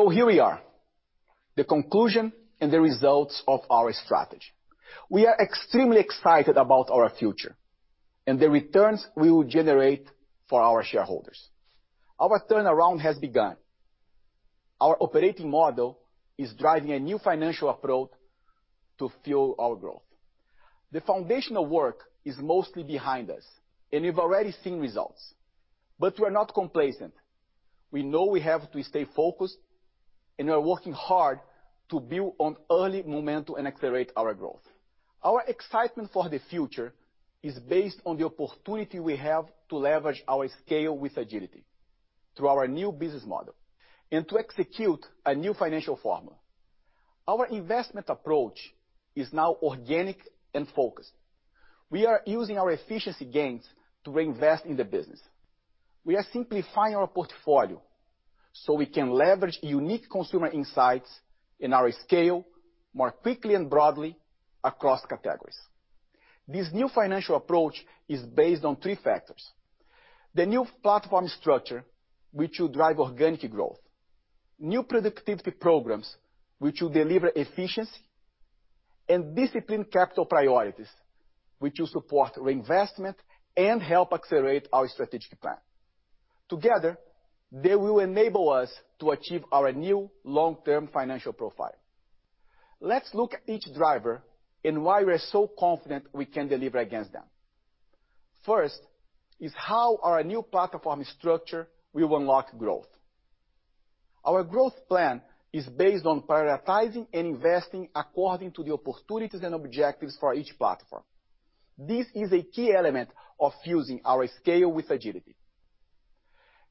Here we are, the conclusion and the results of our strategy. We are extremely excited about our future and the returns we will generate for our shareholders. Our turnaround has begun. Our operating model is driving a new financial approach to fuel our growth. The foundational work is mostly behind us, and we've already seen results. We're not complacent. We know we have to stay focused, and we're working hard to build on early momentum and accelerate our growth. Our excitement for the future is based on the opportunity we have to leverage our scale with agility through our new business model and to execute a new financial formula. Our investment approach is now organic and focused. We are using our efficiency gains to reinvest in the business. We are simplifying our portfolio so we can leverage unique consumer insights and our scale more quickly and broadly across categories. This new financial approach is based on three factors. The new platform structure, which will drive organic growth. New productivity programs, which will deliver efficiency. Disciplined capital priorities, which will support reinvestment and help accelerate our strategic plan. Together, they will enable us to achieve our new long-term financial profile. Let's look at each driver and why we're so confident we can deliver against them. First is how our new platform structure will unlock growth. Our growth plan is based on prioritizing and investing according to the opportunities and objectives for each platform. This is a key element of fusing our scale with agility.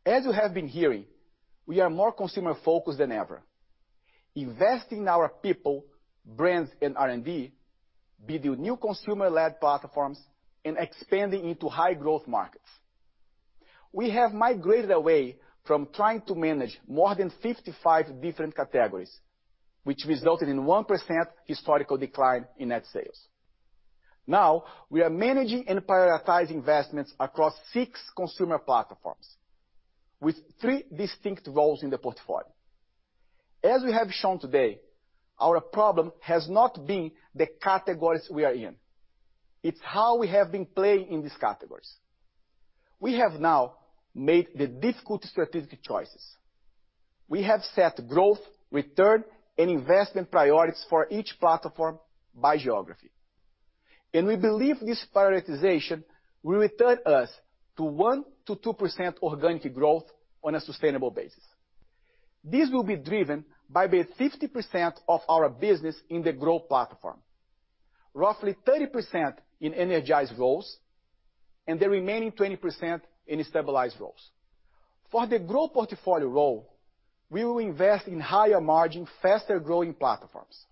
As you have been hearing, we are more consumer-focused than ever, investing in our people, brands, and R&D, building new consumer-led platforms and expanding into high-growth markets. We have migrated away from trying to manage more than 55 different categories, which resulted in 1% historical decline in net sales. Now, we are managing and prioritizing investments across six consumer platforms with three distinct roles in the portfolio. As we have shown today, our problem has not been the categories we are in. It's how we have been playing in these categories. We have now made the difficult strategic choices. We have set growth, return, and investment priorities for each platform by geography, and we believe this prioritization will return us to 1%-2% organic growth on a sustainable basis. This will be driven by the 50% of our business in the growth platform, roughly 30% in energized roles, and the remaining 20% in stabilized roles. For the growth portfolio role, we will invest in higher margin, faster-growing platforms.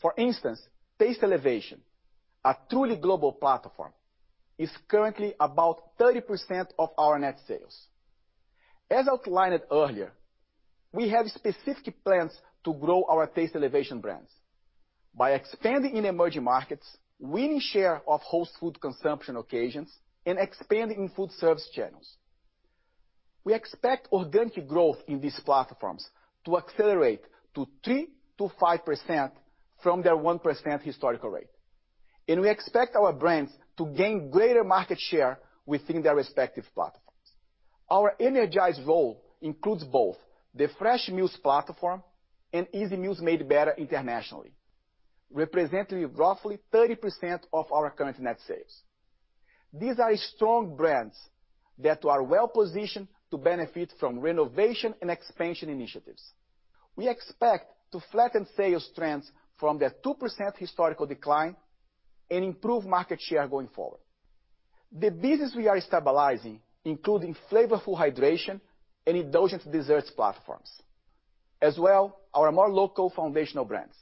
For instance, Taste Elevation, a truly global platform, is currently about 30% of our net sales. As outlined earlier, we have specific plans to grow our Taste Elevation brands by expanding in emerging markets, winning share of host food consumption occasions, and expanding in food service channels. We expect organic growth in these platforms to accelerate to 3%-5% from their 1% historical rate, and we expect our brands to gain greater market share within their respective platforms. Our energized role includes both the fresh meals platform and Easy Meals Made Better internationally, representing roughly 30% of our current net sales. These are strong brands that are well-positioned to benefit from renovation and expansion initiatives. We expect to flatten sales trends from their 2% historical decline and improve market share going forward. The business we are stabilizing including Flavorful Hydration and indulgent desserts platforms, as well our more local foundational brands.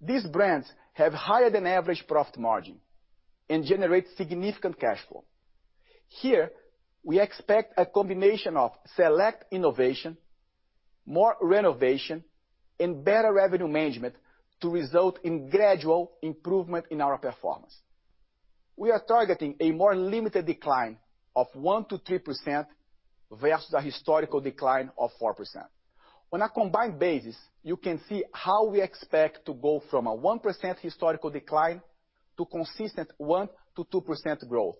These brands have higher than average profit margin and generate significant cash flow. Here, we expect a combination of select innovation, more renovation, and better revenue management to result in gradual improvement in our performance. We are targeting a more limited decline of 1%-3% versus a historical decline of 4%. On a combined basis, you can see how we expect to go from a 1% historical decline to consistent 1%-2% growth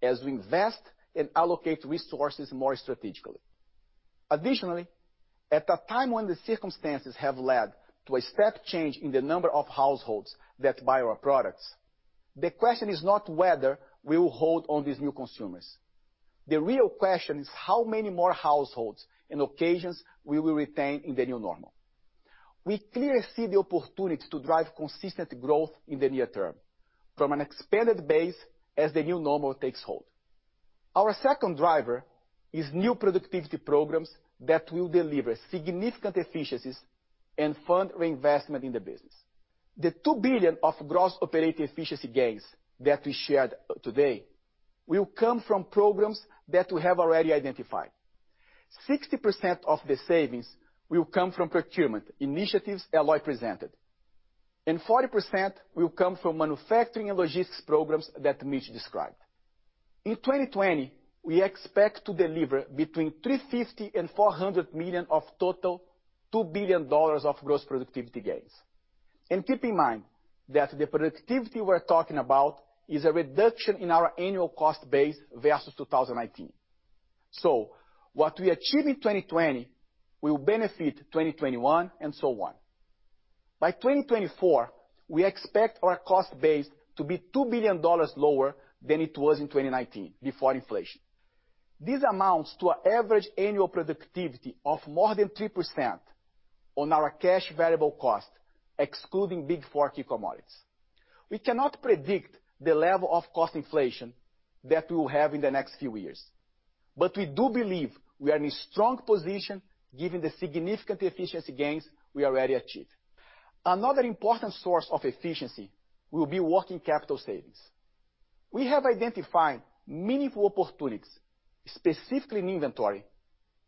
as we invest and allocate resources more strategically. Additionally, at a time when the circumstances have led to a step change in the number of households that buy our products, the question is not whether we will hold on these new consumers. The real question is how many more households and occasions we will retain in the new normal. We clearly see the opportunity to drive consistent growth in the near term from an expanded base as the new normal takes hold. Our second driver is new productivity programs that will deliver significant efficiencies and fund reinvestment in the business. The $2 billion of gross operating efficiency gains that we shared today will come from programs that we have already identified. 60% of the savings will come from procurement initiatives Eloi presented, and 40% will come from manufacturing and logistics programs that Mitch described. In 2020, we expect to deliver between $350 million and $400 million of total $2 billion of gross productivity gains. Keep in mind that the productivity we're talking about is a reduction in our annual cost base versus 2019. What we achieve in 2020 will benefit 2021 and so on. By 2024, we expect our cost base to be $2 billion lower than it was in 2019 before inflation. This amounts to an average annual productivity of more than 3% on our cash variable cost, excluding Big Four key commodities. We cannot predict the level of cost inflation that we will have in the next few years, but we do believe we are in a strong position given the significant efficiency gains we already achieved. Another important source of efficiency will be working capital savings. We have identified meaningful opportunities, specifically in inventory,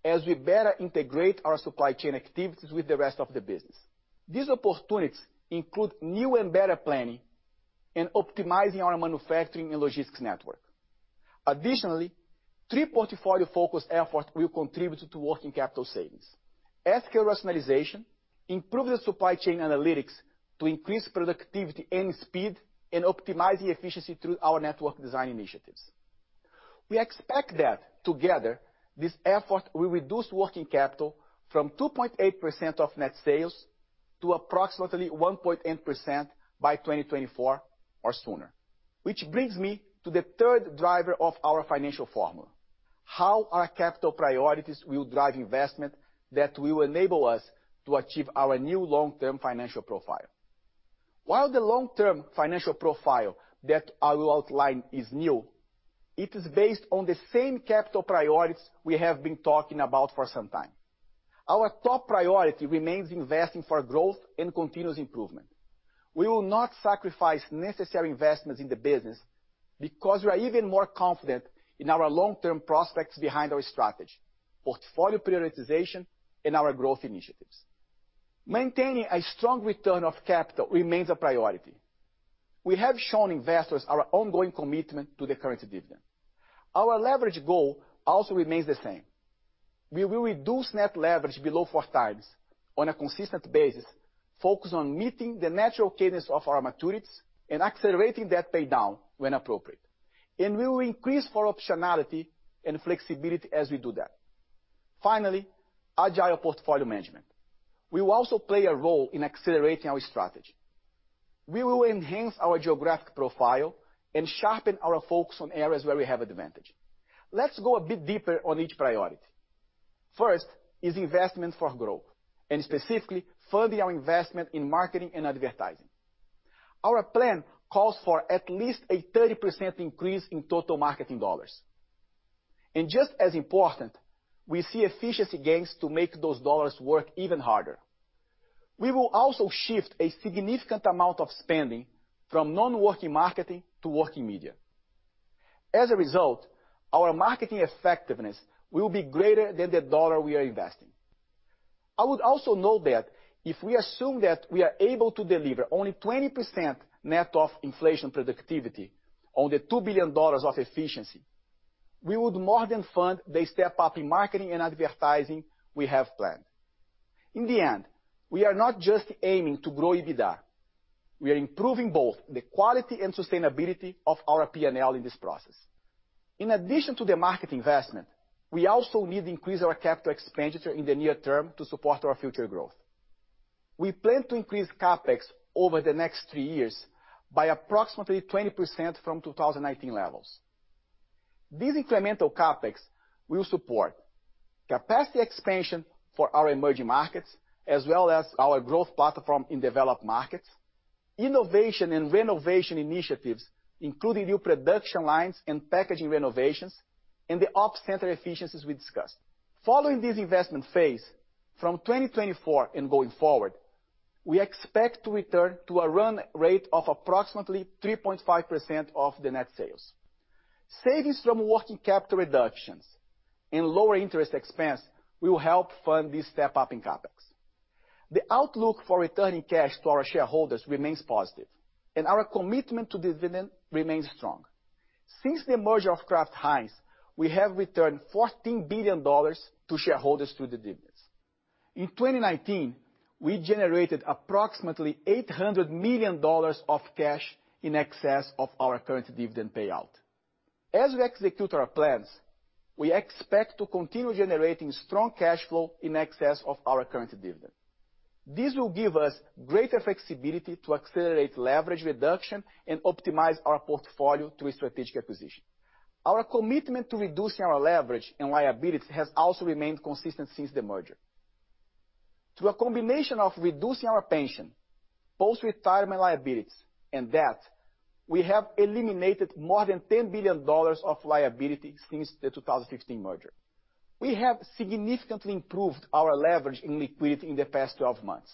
as we better integrate our supply chain activities with the rest of the business. These opportunities include new and better planning and optimizing our manufacturing and logistics network. Additionally, three portfolio-focused efforts will contribute to working capital savings. SKU rationalization, improve the supply chain analytics to increase productivity and speed, and optimizing efficiency through our network design initiatives. We expect that together, this effort will reduce working capital from 2.8% of net sales to approximately 1.8% by 2024 or sooner. Which brings me to the third driver of our financial formula, how our capital priorities will drive investment that will enable us to achieve our new long-term financial profile. While the long-term financial profile that I will outline is new, it is based on the same capital priorities we have been talking about for some time. Our top priority remains investing for growth and continuous improvement. We will not sacrifice necessary investments in the business because we are even more confident in our long-term prospects behind our strategy, portfolio prioritization, and our growth initiatives. Maintaining a strong return of capital remains a priority. We have shown investors our ongoing commitment to the current dividend. Our leverage goal also remains the same. We will reduce net leverage below four times on a consistent basis, focused on meeting the natural cadence of our maturities and accelerating that paydown when appropriate. We will increase for optionality and flexibility as we do that. Finally, agile portfolio management. We will also play a role in accelerating our strategy. We will enhance our geographic profile and sharpen our focus on areas where we have advantage. Let's go a bit deeper on each priority. First is investment for growth, specifically funding our investment in marketing and advertising. Our plan calls for at least a 30% increase in total marketing dollars. Just as important, we see efficiency gains to make those dollars work even harder. We will also shift a significant amount of spending from non-working marketing to working media. As a result, our marketing effectiveness will be greater than the dollar we are investing. I would also note that if we assume that we are able to deliver only 20% net of inflation productivity on the $2 billion of efficiency, we would more than fund the step up in marketing and advertising we have planned. In the end, we are not just aiming to grow EBITDA. We are improving both the quality and sustainability of our P&L in this process. In addition to the market investment, we also need to increase our capital expenditure in the near term to support our future growth. We plan to increase CapEx over the next three years by approximately 20% from 2019 levels. This incremental CapEx will support capacity expansion for our emerging markets, as well as our growth platform in developed markets. Innovation and renovation initiatives, including new production lines and packaging renovations, and the Ops Center efficiencies we discussed. Following this investment phase, from 2024 and going forward, we expect to return to a run rate of approximately 3.5% of the net sales. Savings from working capital reductions and lower interest expense will help fund this step up in CapEx. The outlook for returning cash to our shareholders remains positive, and our commitment to dividend remains strong. Since the merger of Kraft Heinz, we have returned $14 billion to shareholders through the dividends. In 2019, we generated approximately $800 million of cash in excess of our current dividend payout. As we execute our plans, we expect to continue generating strong cash flow in excess of our current dividend. This will give us greater flexibility to accelerate leverage reduction and optimize our portfolio through a strategic acquisition. Our commitment to reducing our leverage and liabilities has also remained consistent since the merger. Through a combination of reducing our pension, post-retirement liabilities, and debt, we have eliminated more than $10 billion of liability since the 2016 merger. We have significantly improved our leverage and liquidity in the past 12 months.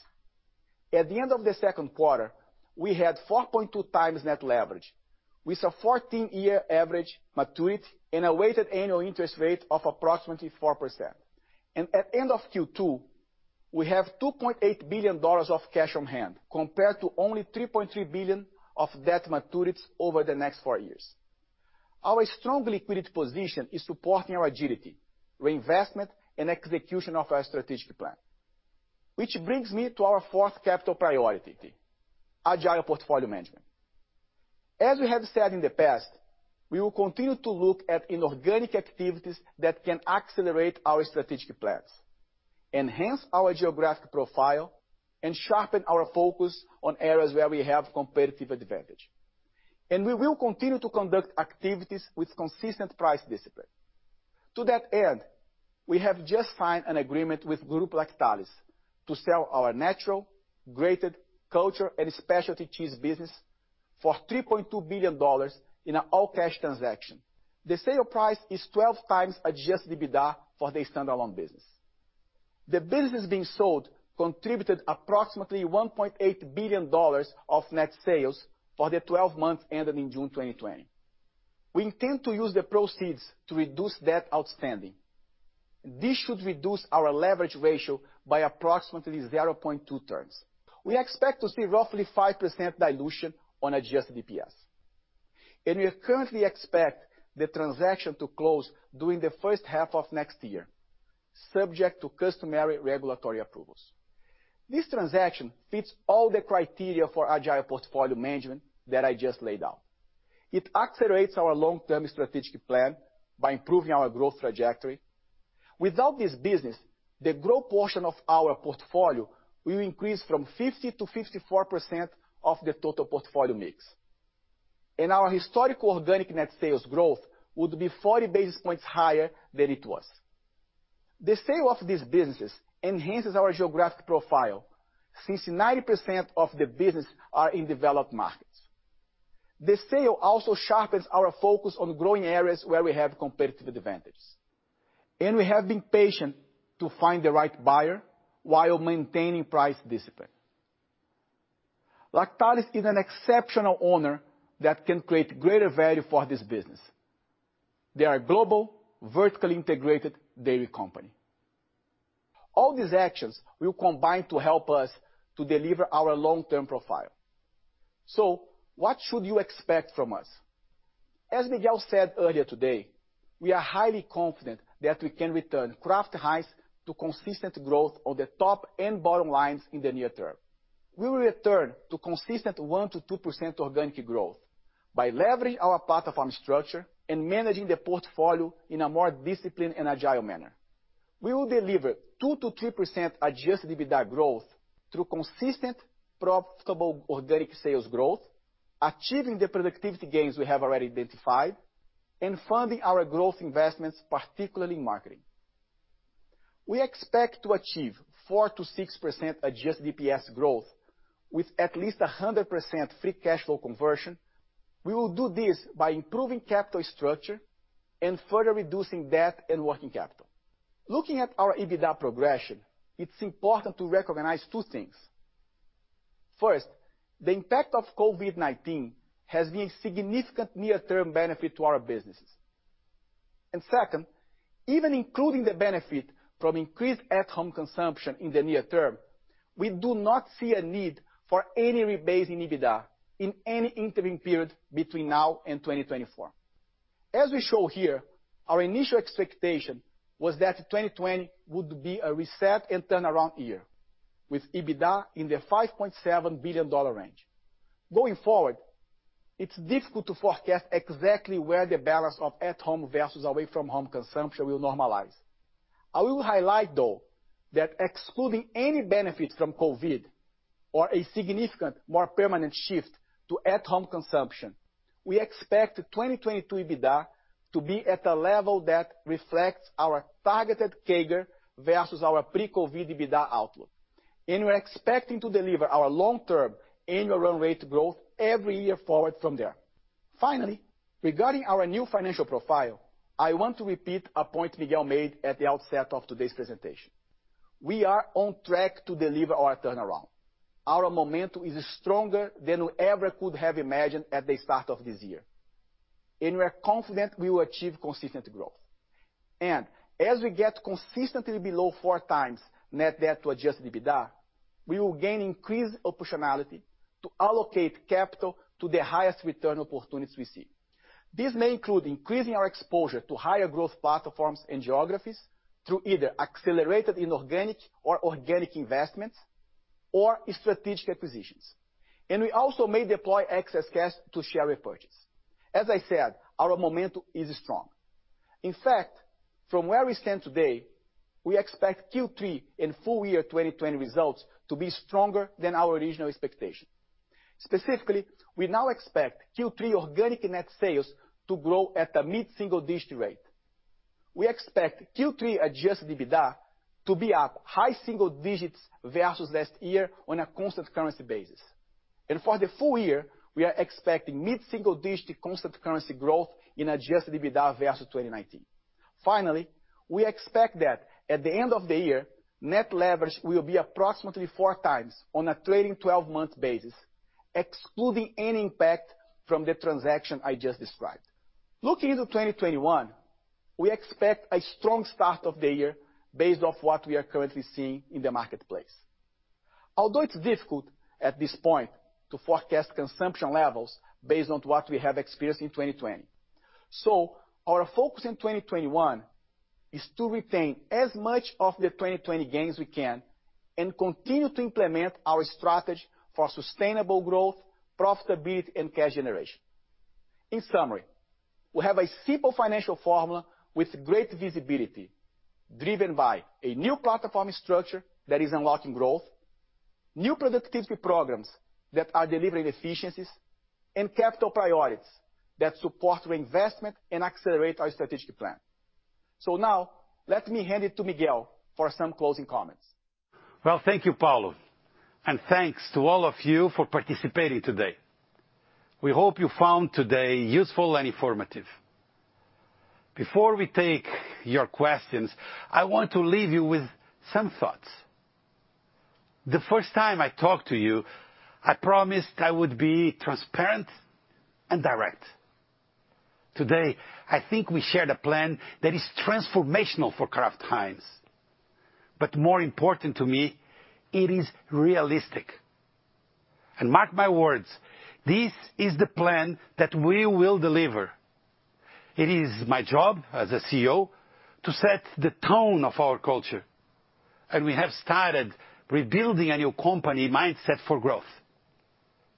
At the end of the second quarter, we had 4.2 times net leverage with a 14-year average maturity and a weighted annual interest rate of approximately 4%. At end of Q2, we have $2.8 billion of cash on hand, compared to only $3.3 billion of debt maturities over the next four years. Our strong liquidity position is supporting our agility, reinvestment, and execution of our strategic plan. Which brings me to our fourth capital priority, agile portfolio management. As we have said in the past, we will continue to look at inorganic activities that can accelerate our strategic plans, enhance our geographic profile, and sharpen our focus on areas where we have competitive advantage. We will continue to conduct activities with consistent price discipline. To that end, we have just signed an agreement with Groupe Lactalis to sell our natural, grated, culture, and specialty cheese business for $3.2 billion in an all-cash transaction. The sale price is 12 times Adjusted EBITDA for the standalone business. The business being sold contributed approximately $1.8 billion of net sales for the 12 months ending June 2020. We intend to use the proceeds to reduce debt outstanding. This should reduce our leverage ratio by approximately 0.2 turns. We expect to see roughly 5% dilution on adjusted EPS. We currently expect the transaction to close during the first half of next year, subject to customary regulatory approvals. This transaction fits all the criteria for agile portfolio management that I just laid out. It accelerates our long-term strategic plan by improving our growth trajectory. Without this business, the growth portion of our portfolio will increase from 50% to 54% of the total portfolio mix. Our historical organic net sales growth would be 40 basis points higher than it was. The sale of these businesses enhances our geographic profile since 90% of the business are in developed markets. The sale also sharpens our focus on growing areas where we have competitive advantage. We have been patient to find the right buyer while maintaining price discipline. Lactalis is an exceptional owner that can create greater value for this business. They are a global, vertically integrated dairy company. All these actions will combine to help us to deliver our long-term profile. What should you expect from us? As Miguel said earlier today, we are highly confident that we can return Kraft Heinz to consistent growth on the top and bottom lines in the near term. We will return to consistent 1%-2% organic growth by leveraging our platform structure and managing the portfolio in a more disciplined and agile manner. We will deliver 2%-3% Adjusted EBITDA growth through consistent, profitable organic sales growth, achieving the productivity gains we have already identified, and funding our growth investments, particularly in marketing. We expect to achieve 4%-6% adjusted EPS growth with at least 100% free cash flow conversion. We will do this by improving capital structure and further reducing debt and working capital. Looking at our EBITDA progression, it is important to recognize two things. First, the impact of COVID-19 has been a significant near-term benefit to our businesses. Second, even including the benefit from increased at-home consumption in the near term, we do not see a need for any rebase in EBITDA in any interim period between now and 2024. As we show here, our initial expectation was that 2020 would be a reset and turnaround year, with EBITDA in the $5.7 billion range. Going forward, it's difficult to forecast exactly where the balance of at-home versus away-from-home consumption will normalize. I will highlight though, that excluding any benefits from COVID or a significant, more permanent shift to at-home consumption, we expect 2022 EBITDA to be at a level that reflects our targeted CAGR versus our pre-COVID EBITDA outlook. We're expecting to deliver our long-term annual run rate growth every year forward from there. Finally, regarding our new financial profile, I want to repeat a point Miguel made at the outset of today's presentation. We are on track to deliver our turnaround. Our momentum is stronger than we ever could have imagined at the start of this year. We are confident we will achieve consistent growth. As we get consistently below four times net debt to Adjusted EBITDA, we will gain increased optionality to allocate capital to the highest return opportunities we see. This may include increasing our exposure to higher growth platforms and geographies through either accelerated inorganic or organic investments or strategic acquisitions. We also may deploy excess cash to share repurchase. As I said, our momentum is strong. In fact, from where we stand today, we expect Q3 and full year 2020 results to be stronger than our original expectation. Specifically, we now expect Q3 organic net sales to grow at a mid-single digit rate. We expect Q3 Adjusted EBITDA to be up high single digits versus last year on a constant currency basis. For the full year, we are expecting mid-single digit constant currency growth in Adjusted EBITDA versus 2019. Finally, we expect that at the end of the year, net leverage will be approximately four times on a trailing 12-month basis, excluding any impact from the transaction I just described. Looking into 2021, we expect a strong start of the year based off what we are currently seeing in the marketplace, although it is difficult at this point to forecast consumption levels based on what we have experienced in 2020. Our focus in 2021 is to retain as much of the 2020 gains we can and continue to implement our strategy for sustainable growth, profitability, and cash generation. In summary, we have a simple financial formula with great visibility driven by a new platform structure that is unlocking growth, new productivity programs that are delivering efficiencies, and capital priorities that support investment and accelerate our strategic plan. Now let me hand it to Miguel for some closing comments. Thank you, Paulo, and thanks to all of you for participating today. We hope you found today useful and informative. Before we take your questions, I want to leave you with some thoughts. The first time I talked to you, I promised I would be transparent and direct. Today, I think we shared a plan that is transformational for Kraft Heinz. More important to me, it is realistic. Mark my words, this is the plan that we will deliver. It is my job as a CEO to set the tone of our culture, and we have started rebuilding a new company mindset for growth.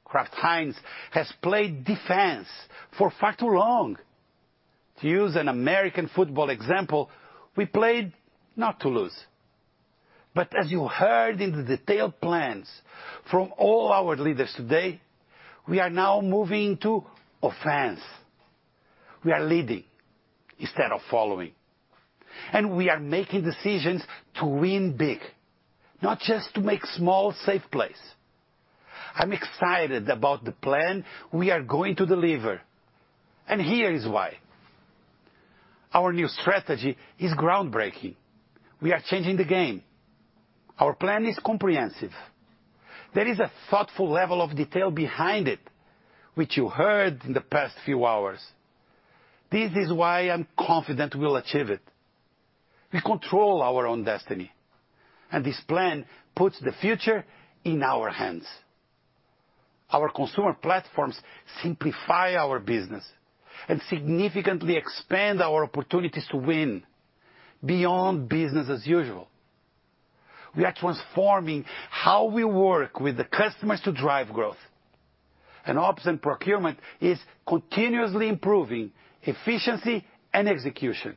Kraft Heinz has played defense for far too long. To use an American football example, we played not to lose, but as you heard in the detailed plans from all our leaders today, we are now moving to offense. We are leading instead of following, and we are making decisions to win big, not just to make small, safe plays. I'm excited about the plan we are going to deliver, and here is why. Our new strategy is groundbreaking. We are changing the game. Our plan is comprehensive. There is a thoughtful level of detail behind it, which you heard in the past few hours. This is why I'm confident we'll achieve it. We control our own destiny, and this plan puts the future in our hands. Our consumer platforms simplify our business and significantly expand our opportunities to win beyond business as usual. We are transforming how we work with the customers to drive growth. Ops and procurement is continuously improving efficiency and execution.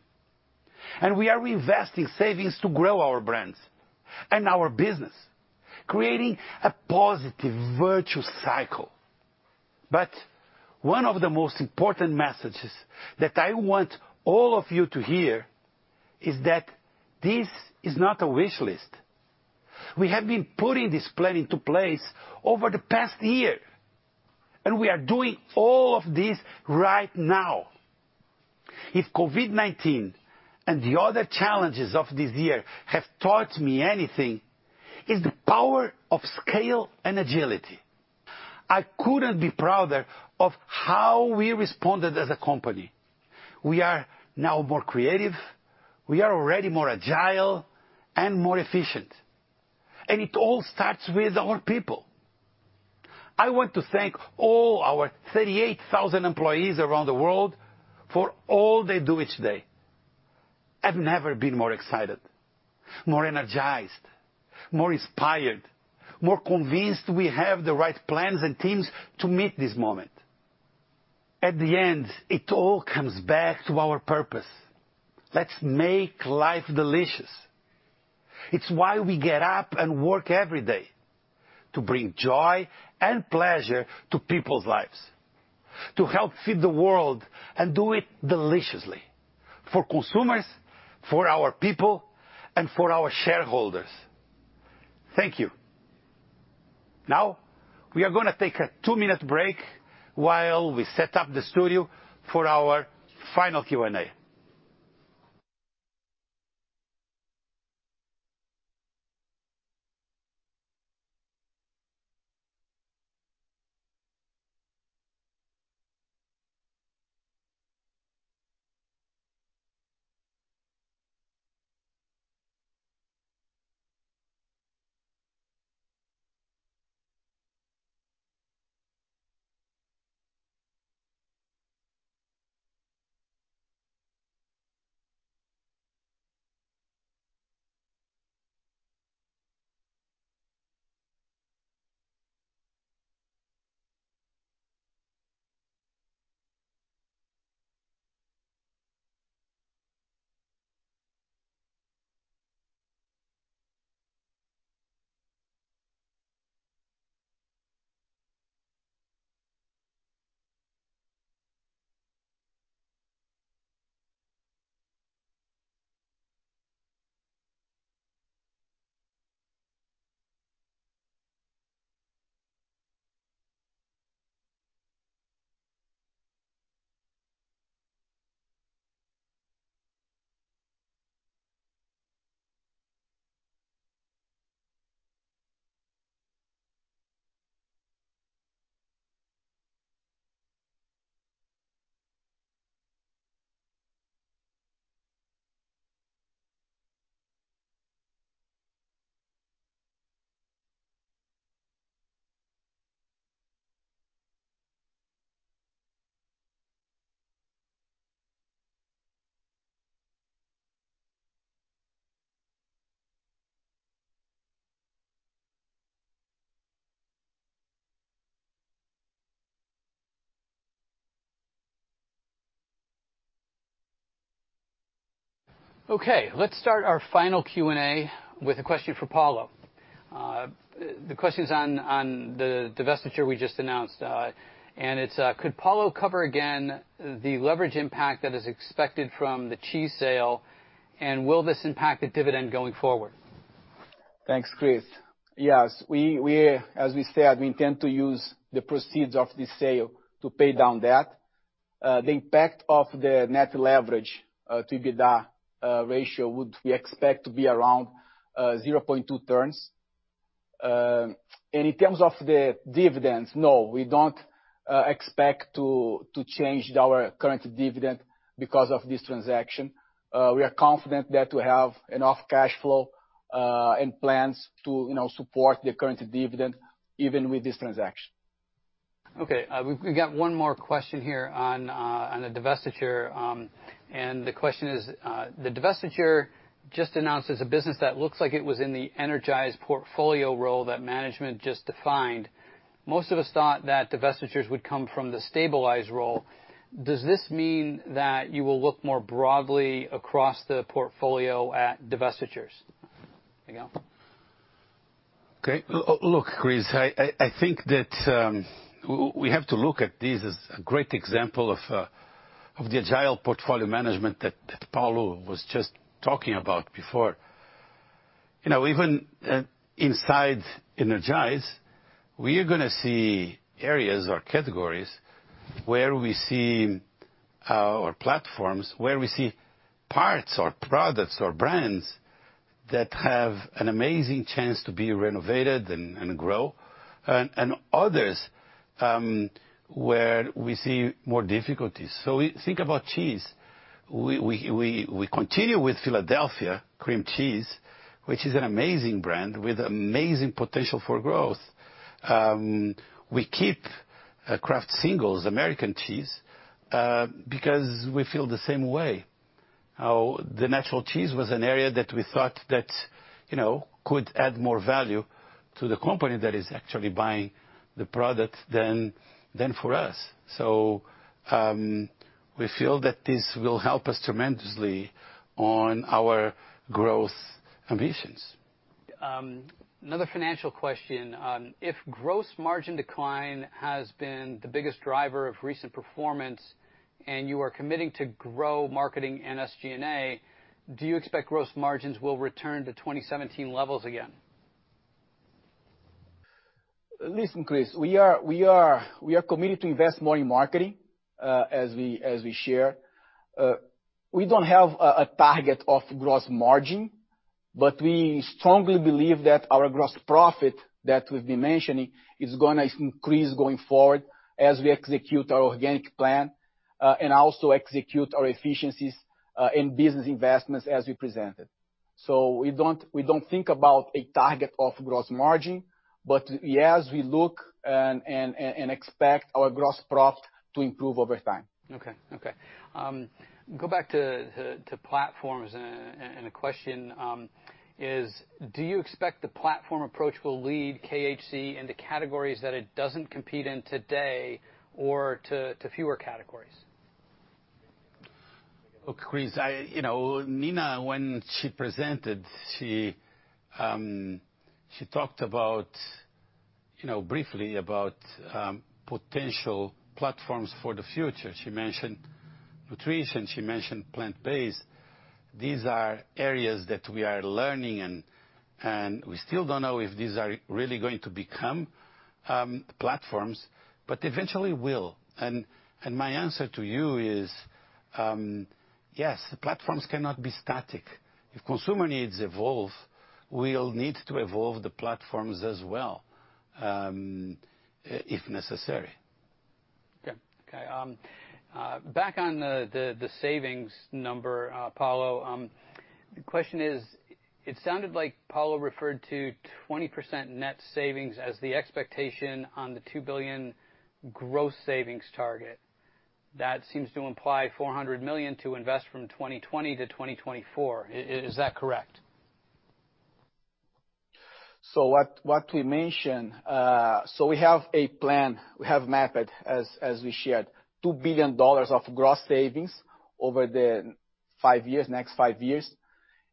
We are reinvesting savings to grow our brands and our business, creating a positive virtuous cycle. One of the most important messages that I want all of you to hear is that this is not a wish list. We have been putting this plan into place over the past year, and we are doing all of this right now. If COVID-19 and the other challenges of this year have taught me anything, it's the power of scale and agility. I couldn't be prouder of how we responded as a company. We are now more creative, we are already more agile and more efficient. It all starts with our people. I want to thank all our 38,000 employees around the world for all they do each day. I've never been more excited, more energized, more inspired, more convinced we have the right plans and teams to meet this moment. At the end, it all comes back to our purpose. Let's make life delicious. It's why we get up and work every day to bring joy and pleasure to people's lives. To help feed the world and do it deliciously for consumers, for our people, and for our shareholders. Thank you. Now, we are going to take a two-minute break while we set up the studio for our final Q&A. Okay, let's start our final Q&A with a question for Paulo. The question's on the divestiture we just announced. It's could Paulo cover again the leverage impact that is expected from the cheese sale, and will this impact the dividend going forward? Thanks, Chris. Yes. As we said, we intend to use the proceeds of the sale to pay down debt. The impact of the net leverage to EBITDA ratio would, we expect, to be around 0.2 turns. In terms of the dividends, no, we don't expect to change our current dividend because of this transaction. We are confident that we have enough cash flow and plans to support the current dividend even with this transaction. Okay. We've got one more question here on the divestiture. The question is, the divestiture just announced is a business that looks like it was in the energized portfolio role that management just defined. Most of us thought that divestitures would come from the stabilized role. Does this mean that you will look more broadly across the portfolio at divestitures? Miguel? Okay. Look, Chris, I think that we have to look at this as a great example of the agile portfolio management that Paulo was just talking about before. Even inside energize, we are going to see areas or categories where we see our platforms, where we see parts or products or brands that have an amazing chance to be renovated and grow, and others where we see more difficulties. Think about cheese. We continue with Philadelphia Cream Cheese, which is an amazing brand with amazing potential for growth. We keep Kraft Singles American cheese, because we feel the same way. How the natural cheese was an area that we thought that could add more value to the company that is actually buying the product than for us. We feel that this will help us tremendously on our growth ambitions. Another financial question. If gross margin decline has been the biggest driver of recent performance and you are committing to grow marketing and SG&A, do you expect gross margins will return to 2017 levels again? Listen, Chris, we are committed to invest more in marketing, as we shared. We don't have a target of gross margin, but we strongly believe that our gross profit that we've been mentioning is going to increase going forward as we execute our organic plan, and also execute our efficiencies in business investments as we presented. We don't think about a target of gross margin, but yes, we look and expect our gross profit to improve over time. Okay. Go back to platforms and the question is: do you expect the platform approach will lead KHC into categories that it doesn't compete in today or to fewer categories? Look, Chris, Nina, when she presented, she talked briefly about potential platforms for the future. She mentioned nutrition, she mentioned plant-based. These are areas that we are learning in, and we still don't know if these are really going to become platforms, but eventually will. My answer to you is yes, the platforms cannot be static. If consumer needs evolve, we'll need to evolve the platforms as well, if necessary. Okay. Back on the savings number, Paulo. The question is: it sounded like Paulo referred to 20% net savings as the expectation on the $2 billion gross savings target. That seems to imply $400 million to invest from 2020 to 2024. Is that correct? What we mentioned, so we have a plan. We have mapped as we shared, $2 billion of gross savings over the next five years.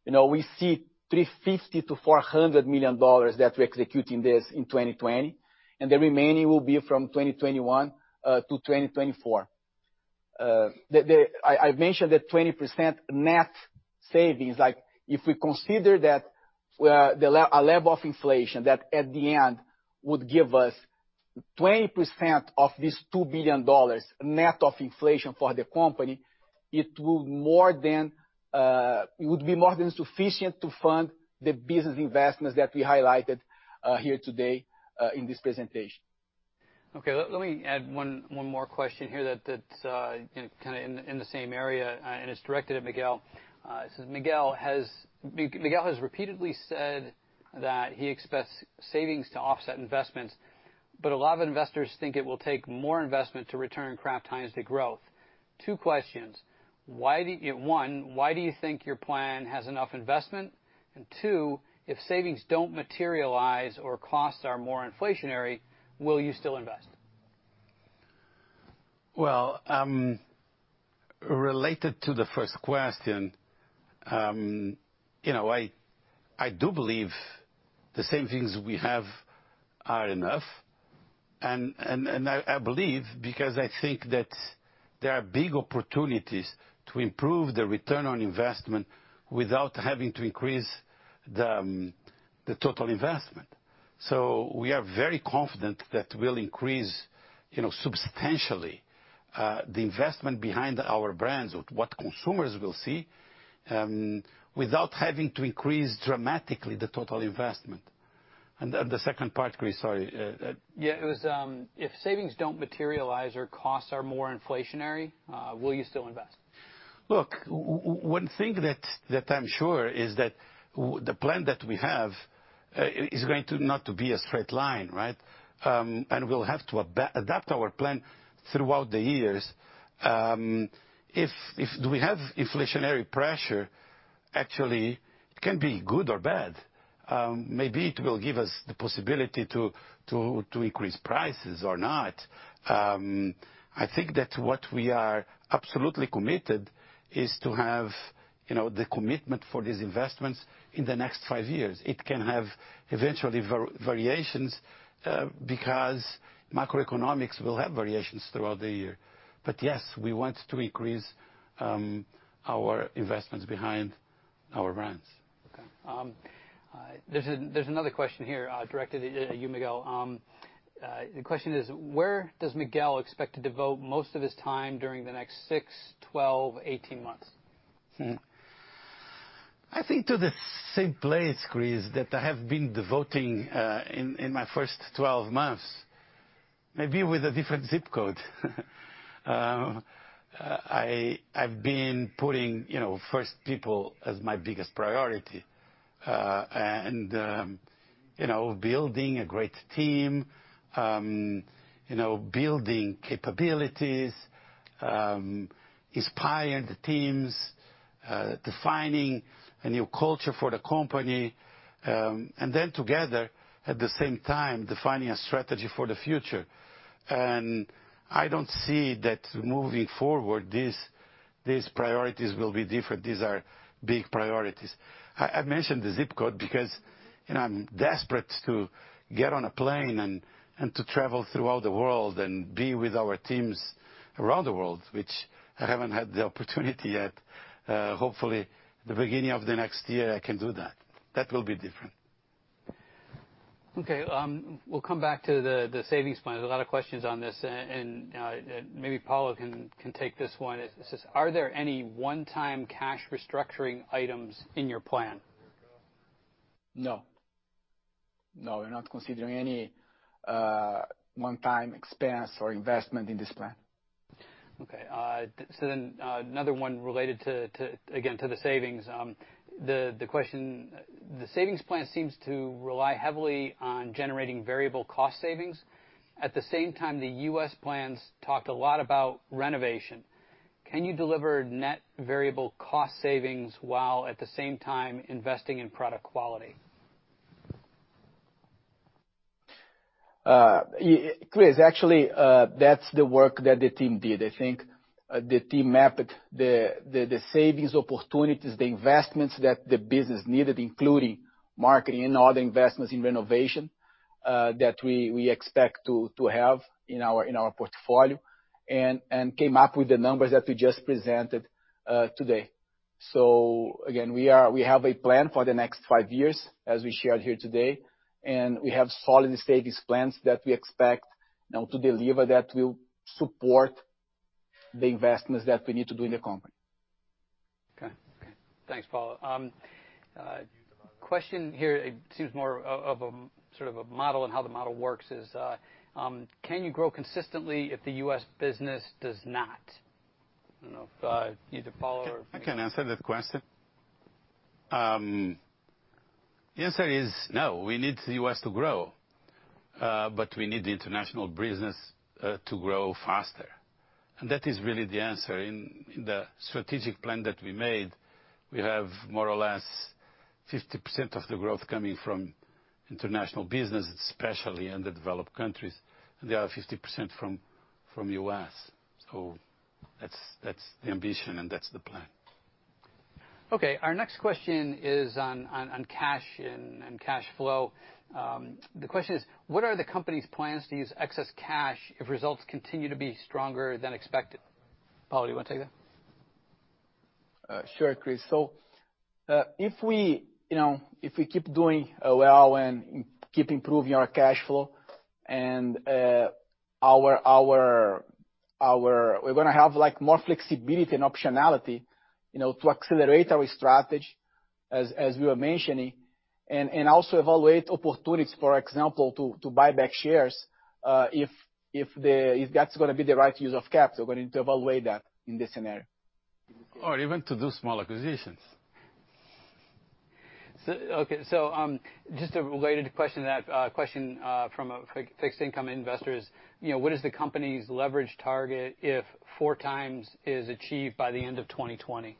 We see $350 million-$400 million that we execute in this in 2020, and the remaining will be from 2021-2024. I mentioned the 20% net savings, like if we consider that a level of inflation that at the end would give us 20% of this $2 billion net of inflation for the company, it would be more than sufficient to fund the business investments that we highlighted here today in this presentation. Okay. Let me add one more question here that's kind of in the same area. It's directed at Miguel. It says Miguel has repeatedly said that he expects savings to offset investments, but a lot of investors think it will take more investment to return Kraft Heinz to growth. Two questions. One, why do you think your plan has enough investment? Two, if savings don't materialize or costs are more inflationary, will you still invest? Well, related to the first question, I do believe the savings we have are enough, I believe because I think that there are big opportunities to improve the return on investment without having to increase the total investment. We are very confident that we'll increase substantially, the investment behind our brands or what consumers will see, without having to increase dramatically the total investment. The second part, Chris, sorry. Yeah, it was if savings don't materialize or costs are more inflationary, will you still invest? Look, one thing that I'm sure is that the plan that we have is going to not to be a straight line, right? We'll have to adapt our plan throughout the years. If we have inflationary pressure, actually it can be good or bad. Maybe it will give us the possibility to increase prices or not. I think that what we are absolutely committed is to have the commitment for these investments in the next five years. It can have eventually variations, because macroeconomics will have variations throughout the year. Yes, we want to increase our investments behind our brands. Okay. There's another question here directed at you, Miguel. The question is: where does Miguel expect to devote most of his time during the next six, 12, 18 months? I think to the same place, Chris, that I have been devoting in my first 12 months, maybe with a different zip code. I've been putting first people as my biggest priority, building a great team, building capabilities, inspire the teams, defining a new culture for the company, and then together at the same time, defining a strategy for the future. I don't see that moving forward, these priorities will be different. These are big priorities. I mentioned the ZIP code because I'm desperate to get on a plane and to travel throughout the world and be with our teams around the world, which I haven't had the opportunity yet. Hopefully, the beginning of the next year I can do that. That will be different. Okay. We'll come back to the savings plan. There's a lot of questions on this, and maybe Paulo can take this one. It says, "Are there any one-time cash restructuring items in your plan? No. No, we're not considering any one-time expense or investment in this plan. Another one related, again, to the savings. The question, "The savings plan seems to rely heavily on generating variable cost savings. At the same time, the U.S. plans talked a lot about renovation. Can you deliver net variable cost savings while at the same time investing in product quality? Chris, actually, that's the work that the team did. I think the team mapped the savings opportunities, the investments that the business needed, including marketing and all the investments in renovation, that we expect to have in our portfolio and came up with the numbers that we just presented today. Again, we have a plan for the next five years as we shared here today, and we have solid savings plans that we expect now to deliver that will support the investments that we need to do in the company. Okay. Thanks, Paulo. Question here, it seems more of a model and how the model works is, "Can you grow consistently if the U.S. business does not?" I don't know if, either Paulo. I can answer that question. The answer is no. We need the U.S. to grow, but we need the international business to grow faster. That is really the answer. In the strategic plan that we made, we have more or less 50% of the growth coming from international business, especially in the developed countries, and the other 50% from U.S. That's the ambition and that's the plan. Okay. Our next question is on cash and cash flow. The question is, "What are the company's plans to use excess cash if results continue to be stronger than expected?" Paulo, do you want to take that? Sure, Chris. If we keep doing well and keep improving our cash flow and we're going to have more flexibility and optionality to accelerate our strategy, as we were mentioning, and also evaluate opportunities, for example, to buy back shares, if that's going to be the right use of capital, we're going to evaluate that in this scenario. Even to do small acquisitions. Just a related question from a fixed income investor is, "What is the company's leverage target if 4 times is achieved by the end of 2020?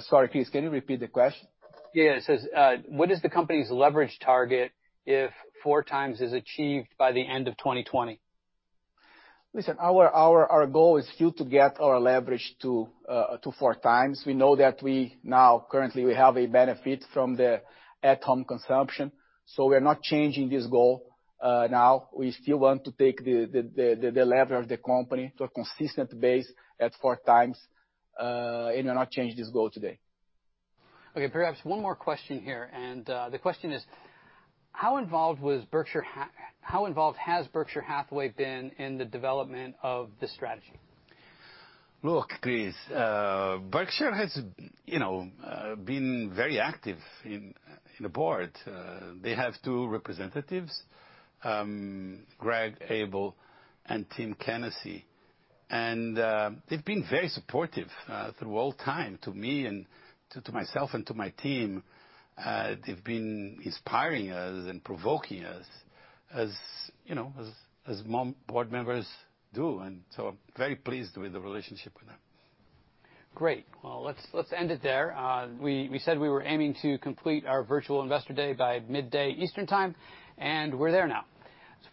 Sorry, Chris, can you repeat the question? Yeah, it says, "What is the company's leverage target if four times is achieved by the end of 2020? Listen, our goal is still to get our leverage to four times. We know that currently we have a benefit from the at-home consumption, so we're not changing this goal now. We still want to take the leverage of the company to a consistent base at four times and not change this goal today. Okay, perhaps one more question here, and the question is, "How involved has Berkshire Hathaway been in the development of this strategy? Look, Chris, Berkshire has been very active in the board. They have two representatives, Greg Abel and Timothy Kenesey. They've been very supportive through all time to me and to myself and to my team. They've been inspiring us and provoking us as board members do. Very pleased with the relationship with them. Great. Well, let's end it there. We said we were aiming to complete our virtual Investor Day by midday Eastern time. We're there now.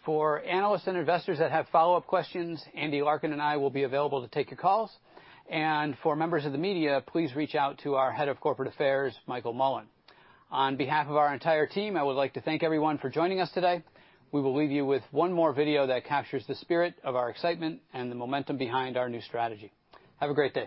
For analysts and investors that have follow-up questions, Andy Larkin and I will be available to take your calls. For members of the media, please reach out to our Head of Corporate Affairs, Michael Mullen. On behalf of our entire team, I would like to thank everyone for joining us today. We will leave you with one more video that captures the spirit of our excitement and the momentum behind our new strategy. Have a great day.